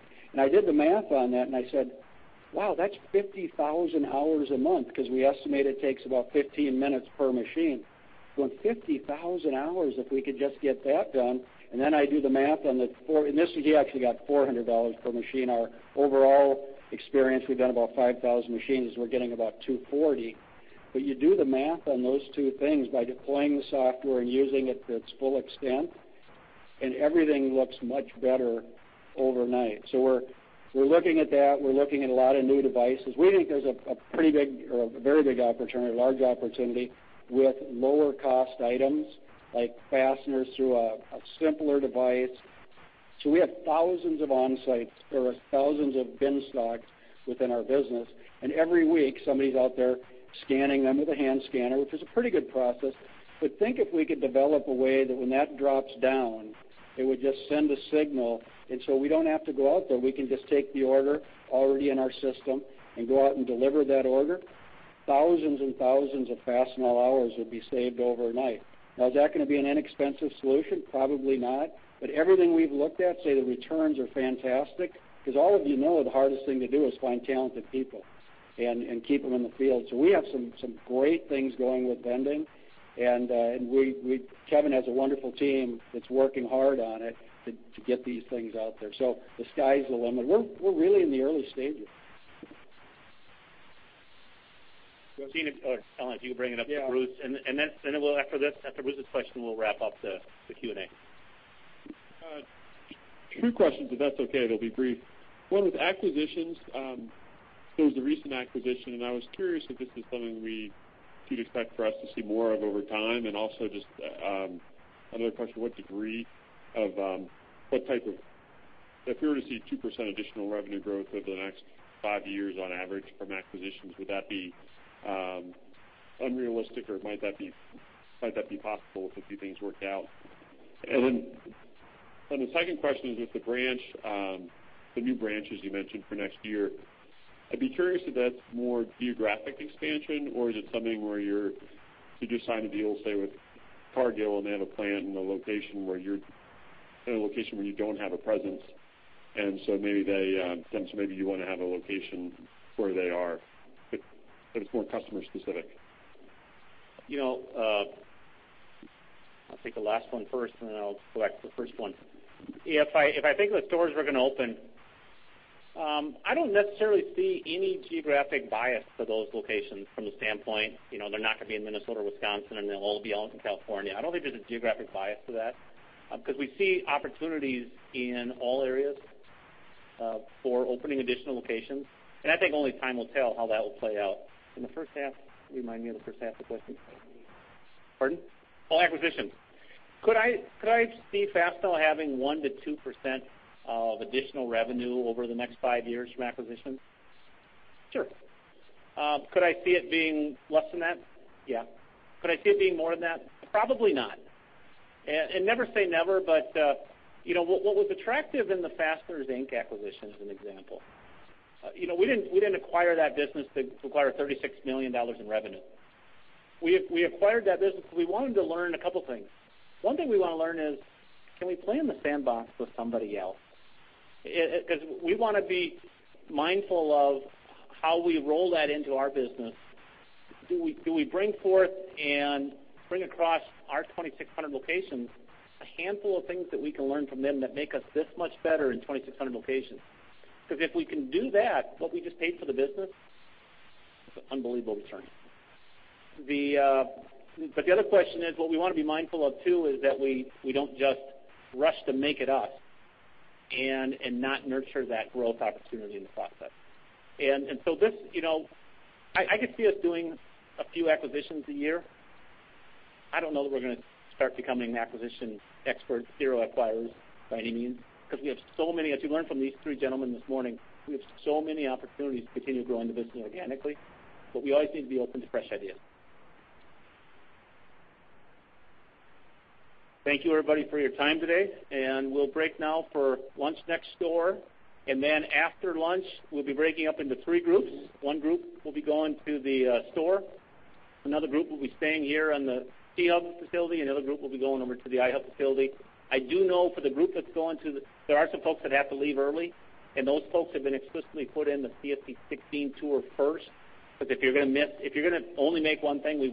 A: This, he actually got $400 per machine. Our overall experience, we've done about 5,000 machines, is we're getting about $240. You do the math on those two things by deploying the software and using it to its full extent, everything looks much better overnight. We're looking at that. We're looking at a lot of new devices. We think there's a pretty big, or a very big opportunity, a large opportunity with lower cost items like fasteners through a simpler device. We have thousands of Onsite or thousands of bin stocks within our business, and every week somebody's out there scanning them with a hand scanner, which is a pretty good process. Think if we could develop a way that when that drops down, it would just send a signal, and so we don't have to go out there, we can just take the order already in our system and go out and deliver that order. Thousands and thousands of Fastenal hours would be saved overnight. Is that going to be an inexpensive solution? Probably not. Everything we've looked at, say the returns are fantastic, because all of you know the hardest thing to do is find talented people and keep them in the field. We have some great things going with vending, and Kevin has a wonderful team that's working hard on it to get these things out there. The sky's the limit. We're really in the early stages.
E: Sean, if you could bring it up to Bruce.
A: Yeah.
E: After Bruce's question, we'll wrap up the Q&A.
L: Two questions, if that's okay. They'll be brief. One, with acquisitions, there was the recent acquisition, and I was curious if this is something we should expect for us to see more of over time. Also just, another question, what degree of, if we were to see 2% additional revenue growth over the next five years on average from acquisitions, would that be unrealistic or might that be possible if a few things work out? The second question is with the branch, the new branches you mentioned for next year. I'd be curious if that's more geographic expansion or is it something where did you sign a deal, say, with Cargill, and they have a plant in a location where you don't have a presence, and so maybe you want to have a location where they are, but it's more customer specific.
E: I'll take the last one first, and then I'll go back to the first one. If I think of the stores we're going to open, I don't necessarily see any geographic bias for those locations from the standpoint, they're not going to be in Minnesota, Wisconsin, and they'll all be out in California. I don't think there's a geographic bias to that. We see opportunities in all areas for opening additional locations, and I think only time will tell how that will play out. In the first half, remind me of the first half of the question. Pardon?
L: Oh, acquisition.
E: Could I see Fastenal having 1% to 2% of additional revenue over the next five years from acquisition? Sure. Could I see it being less than that? Yeah. Could I see it being more than that? Probably not. Never say never, but what was attractive in the Fasteners Inc. acquisition, as an example, we didn't acquire that business to acquire $36 million in revenue. We acquired that business because we wanted to learn a couple of things. One thing we want to learn is, can we play in the sandbox with somebody else? We want to be mindful of how we roll that into our business. Do we bring forth and bring across our 2,600 locations, a handful of things that we can learn from them that make us this much better in 2,600 locations? If we can do that, what we just paid for the business, it's an unbelievable return. The other question is, what we want to be mindful of too, is that we don't just rush to make it up and not nurture that growth opportunity in the process. This, I could see us doing a few acquisitions a year. I don't know that we're going to start becoming acquisition expert serial acquirers by any means, because we have so many, as you learned from these three gentlemen this morning, we have so many opportunities to continue growing the business organically, we always need to be open to fresh ideas.
A: Thank you everybody for your time today, we'll break now for lunch next door. After lunch, we'll be breaking up into three groups. One group will be going to the store, another group will be staying here on the T Hub facility, another group will be going over to the I Hub facility. I do know for the group that's There are some folks that have to leave early, and those folks have been explicitly put in the CSP 16 tour first. If you're going to only make one thing.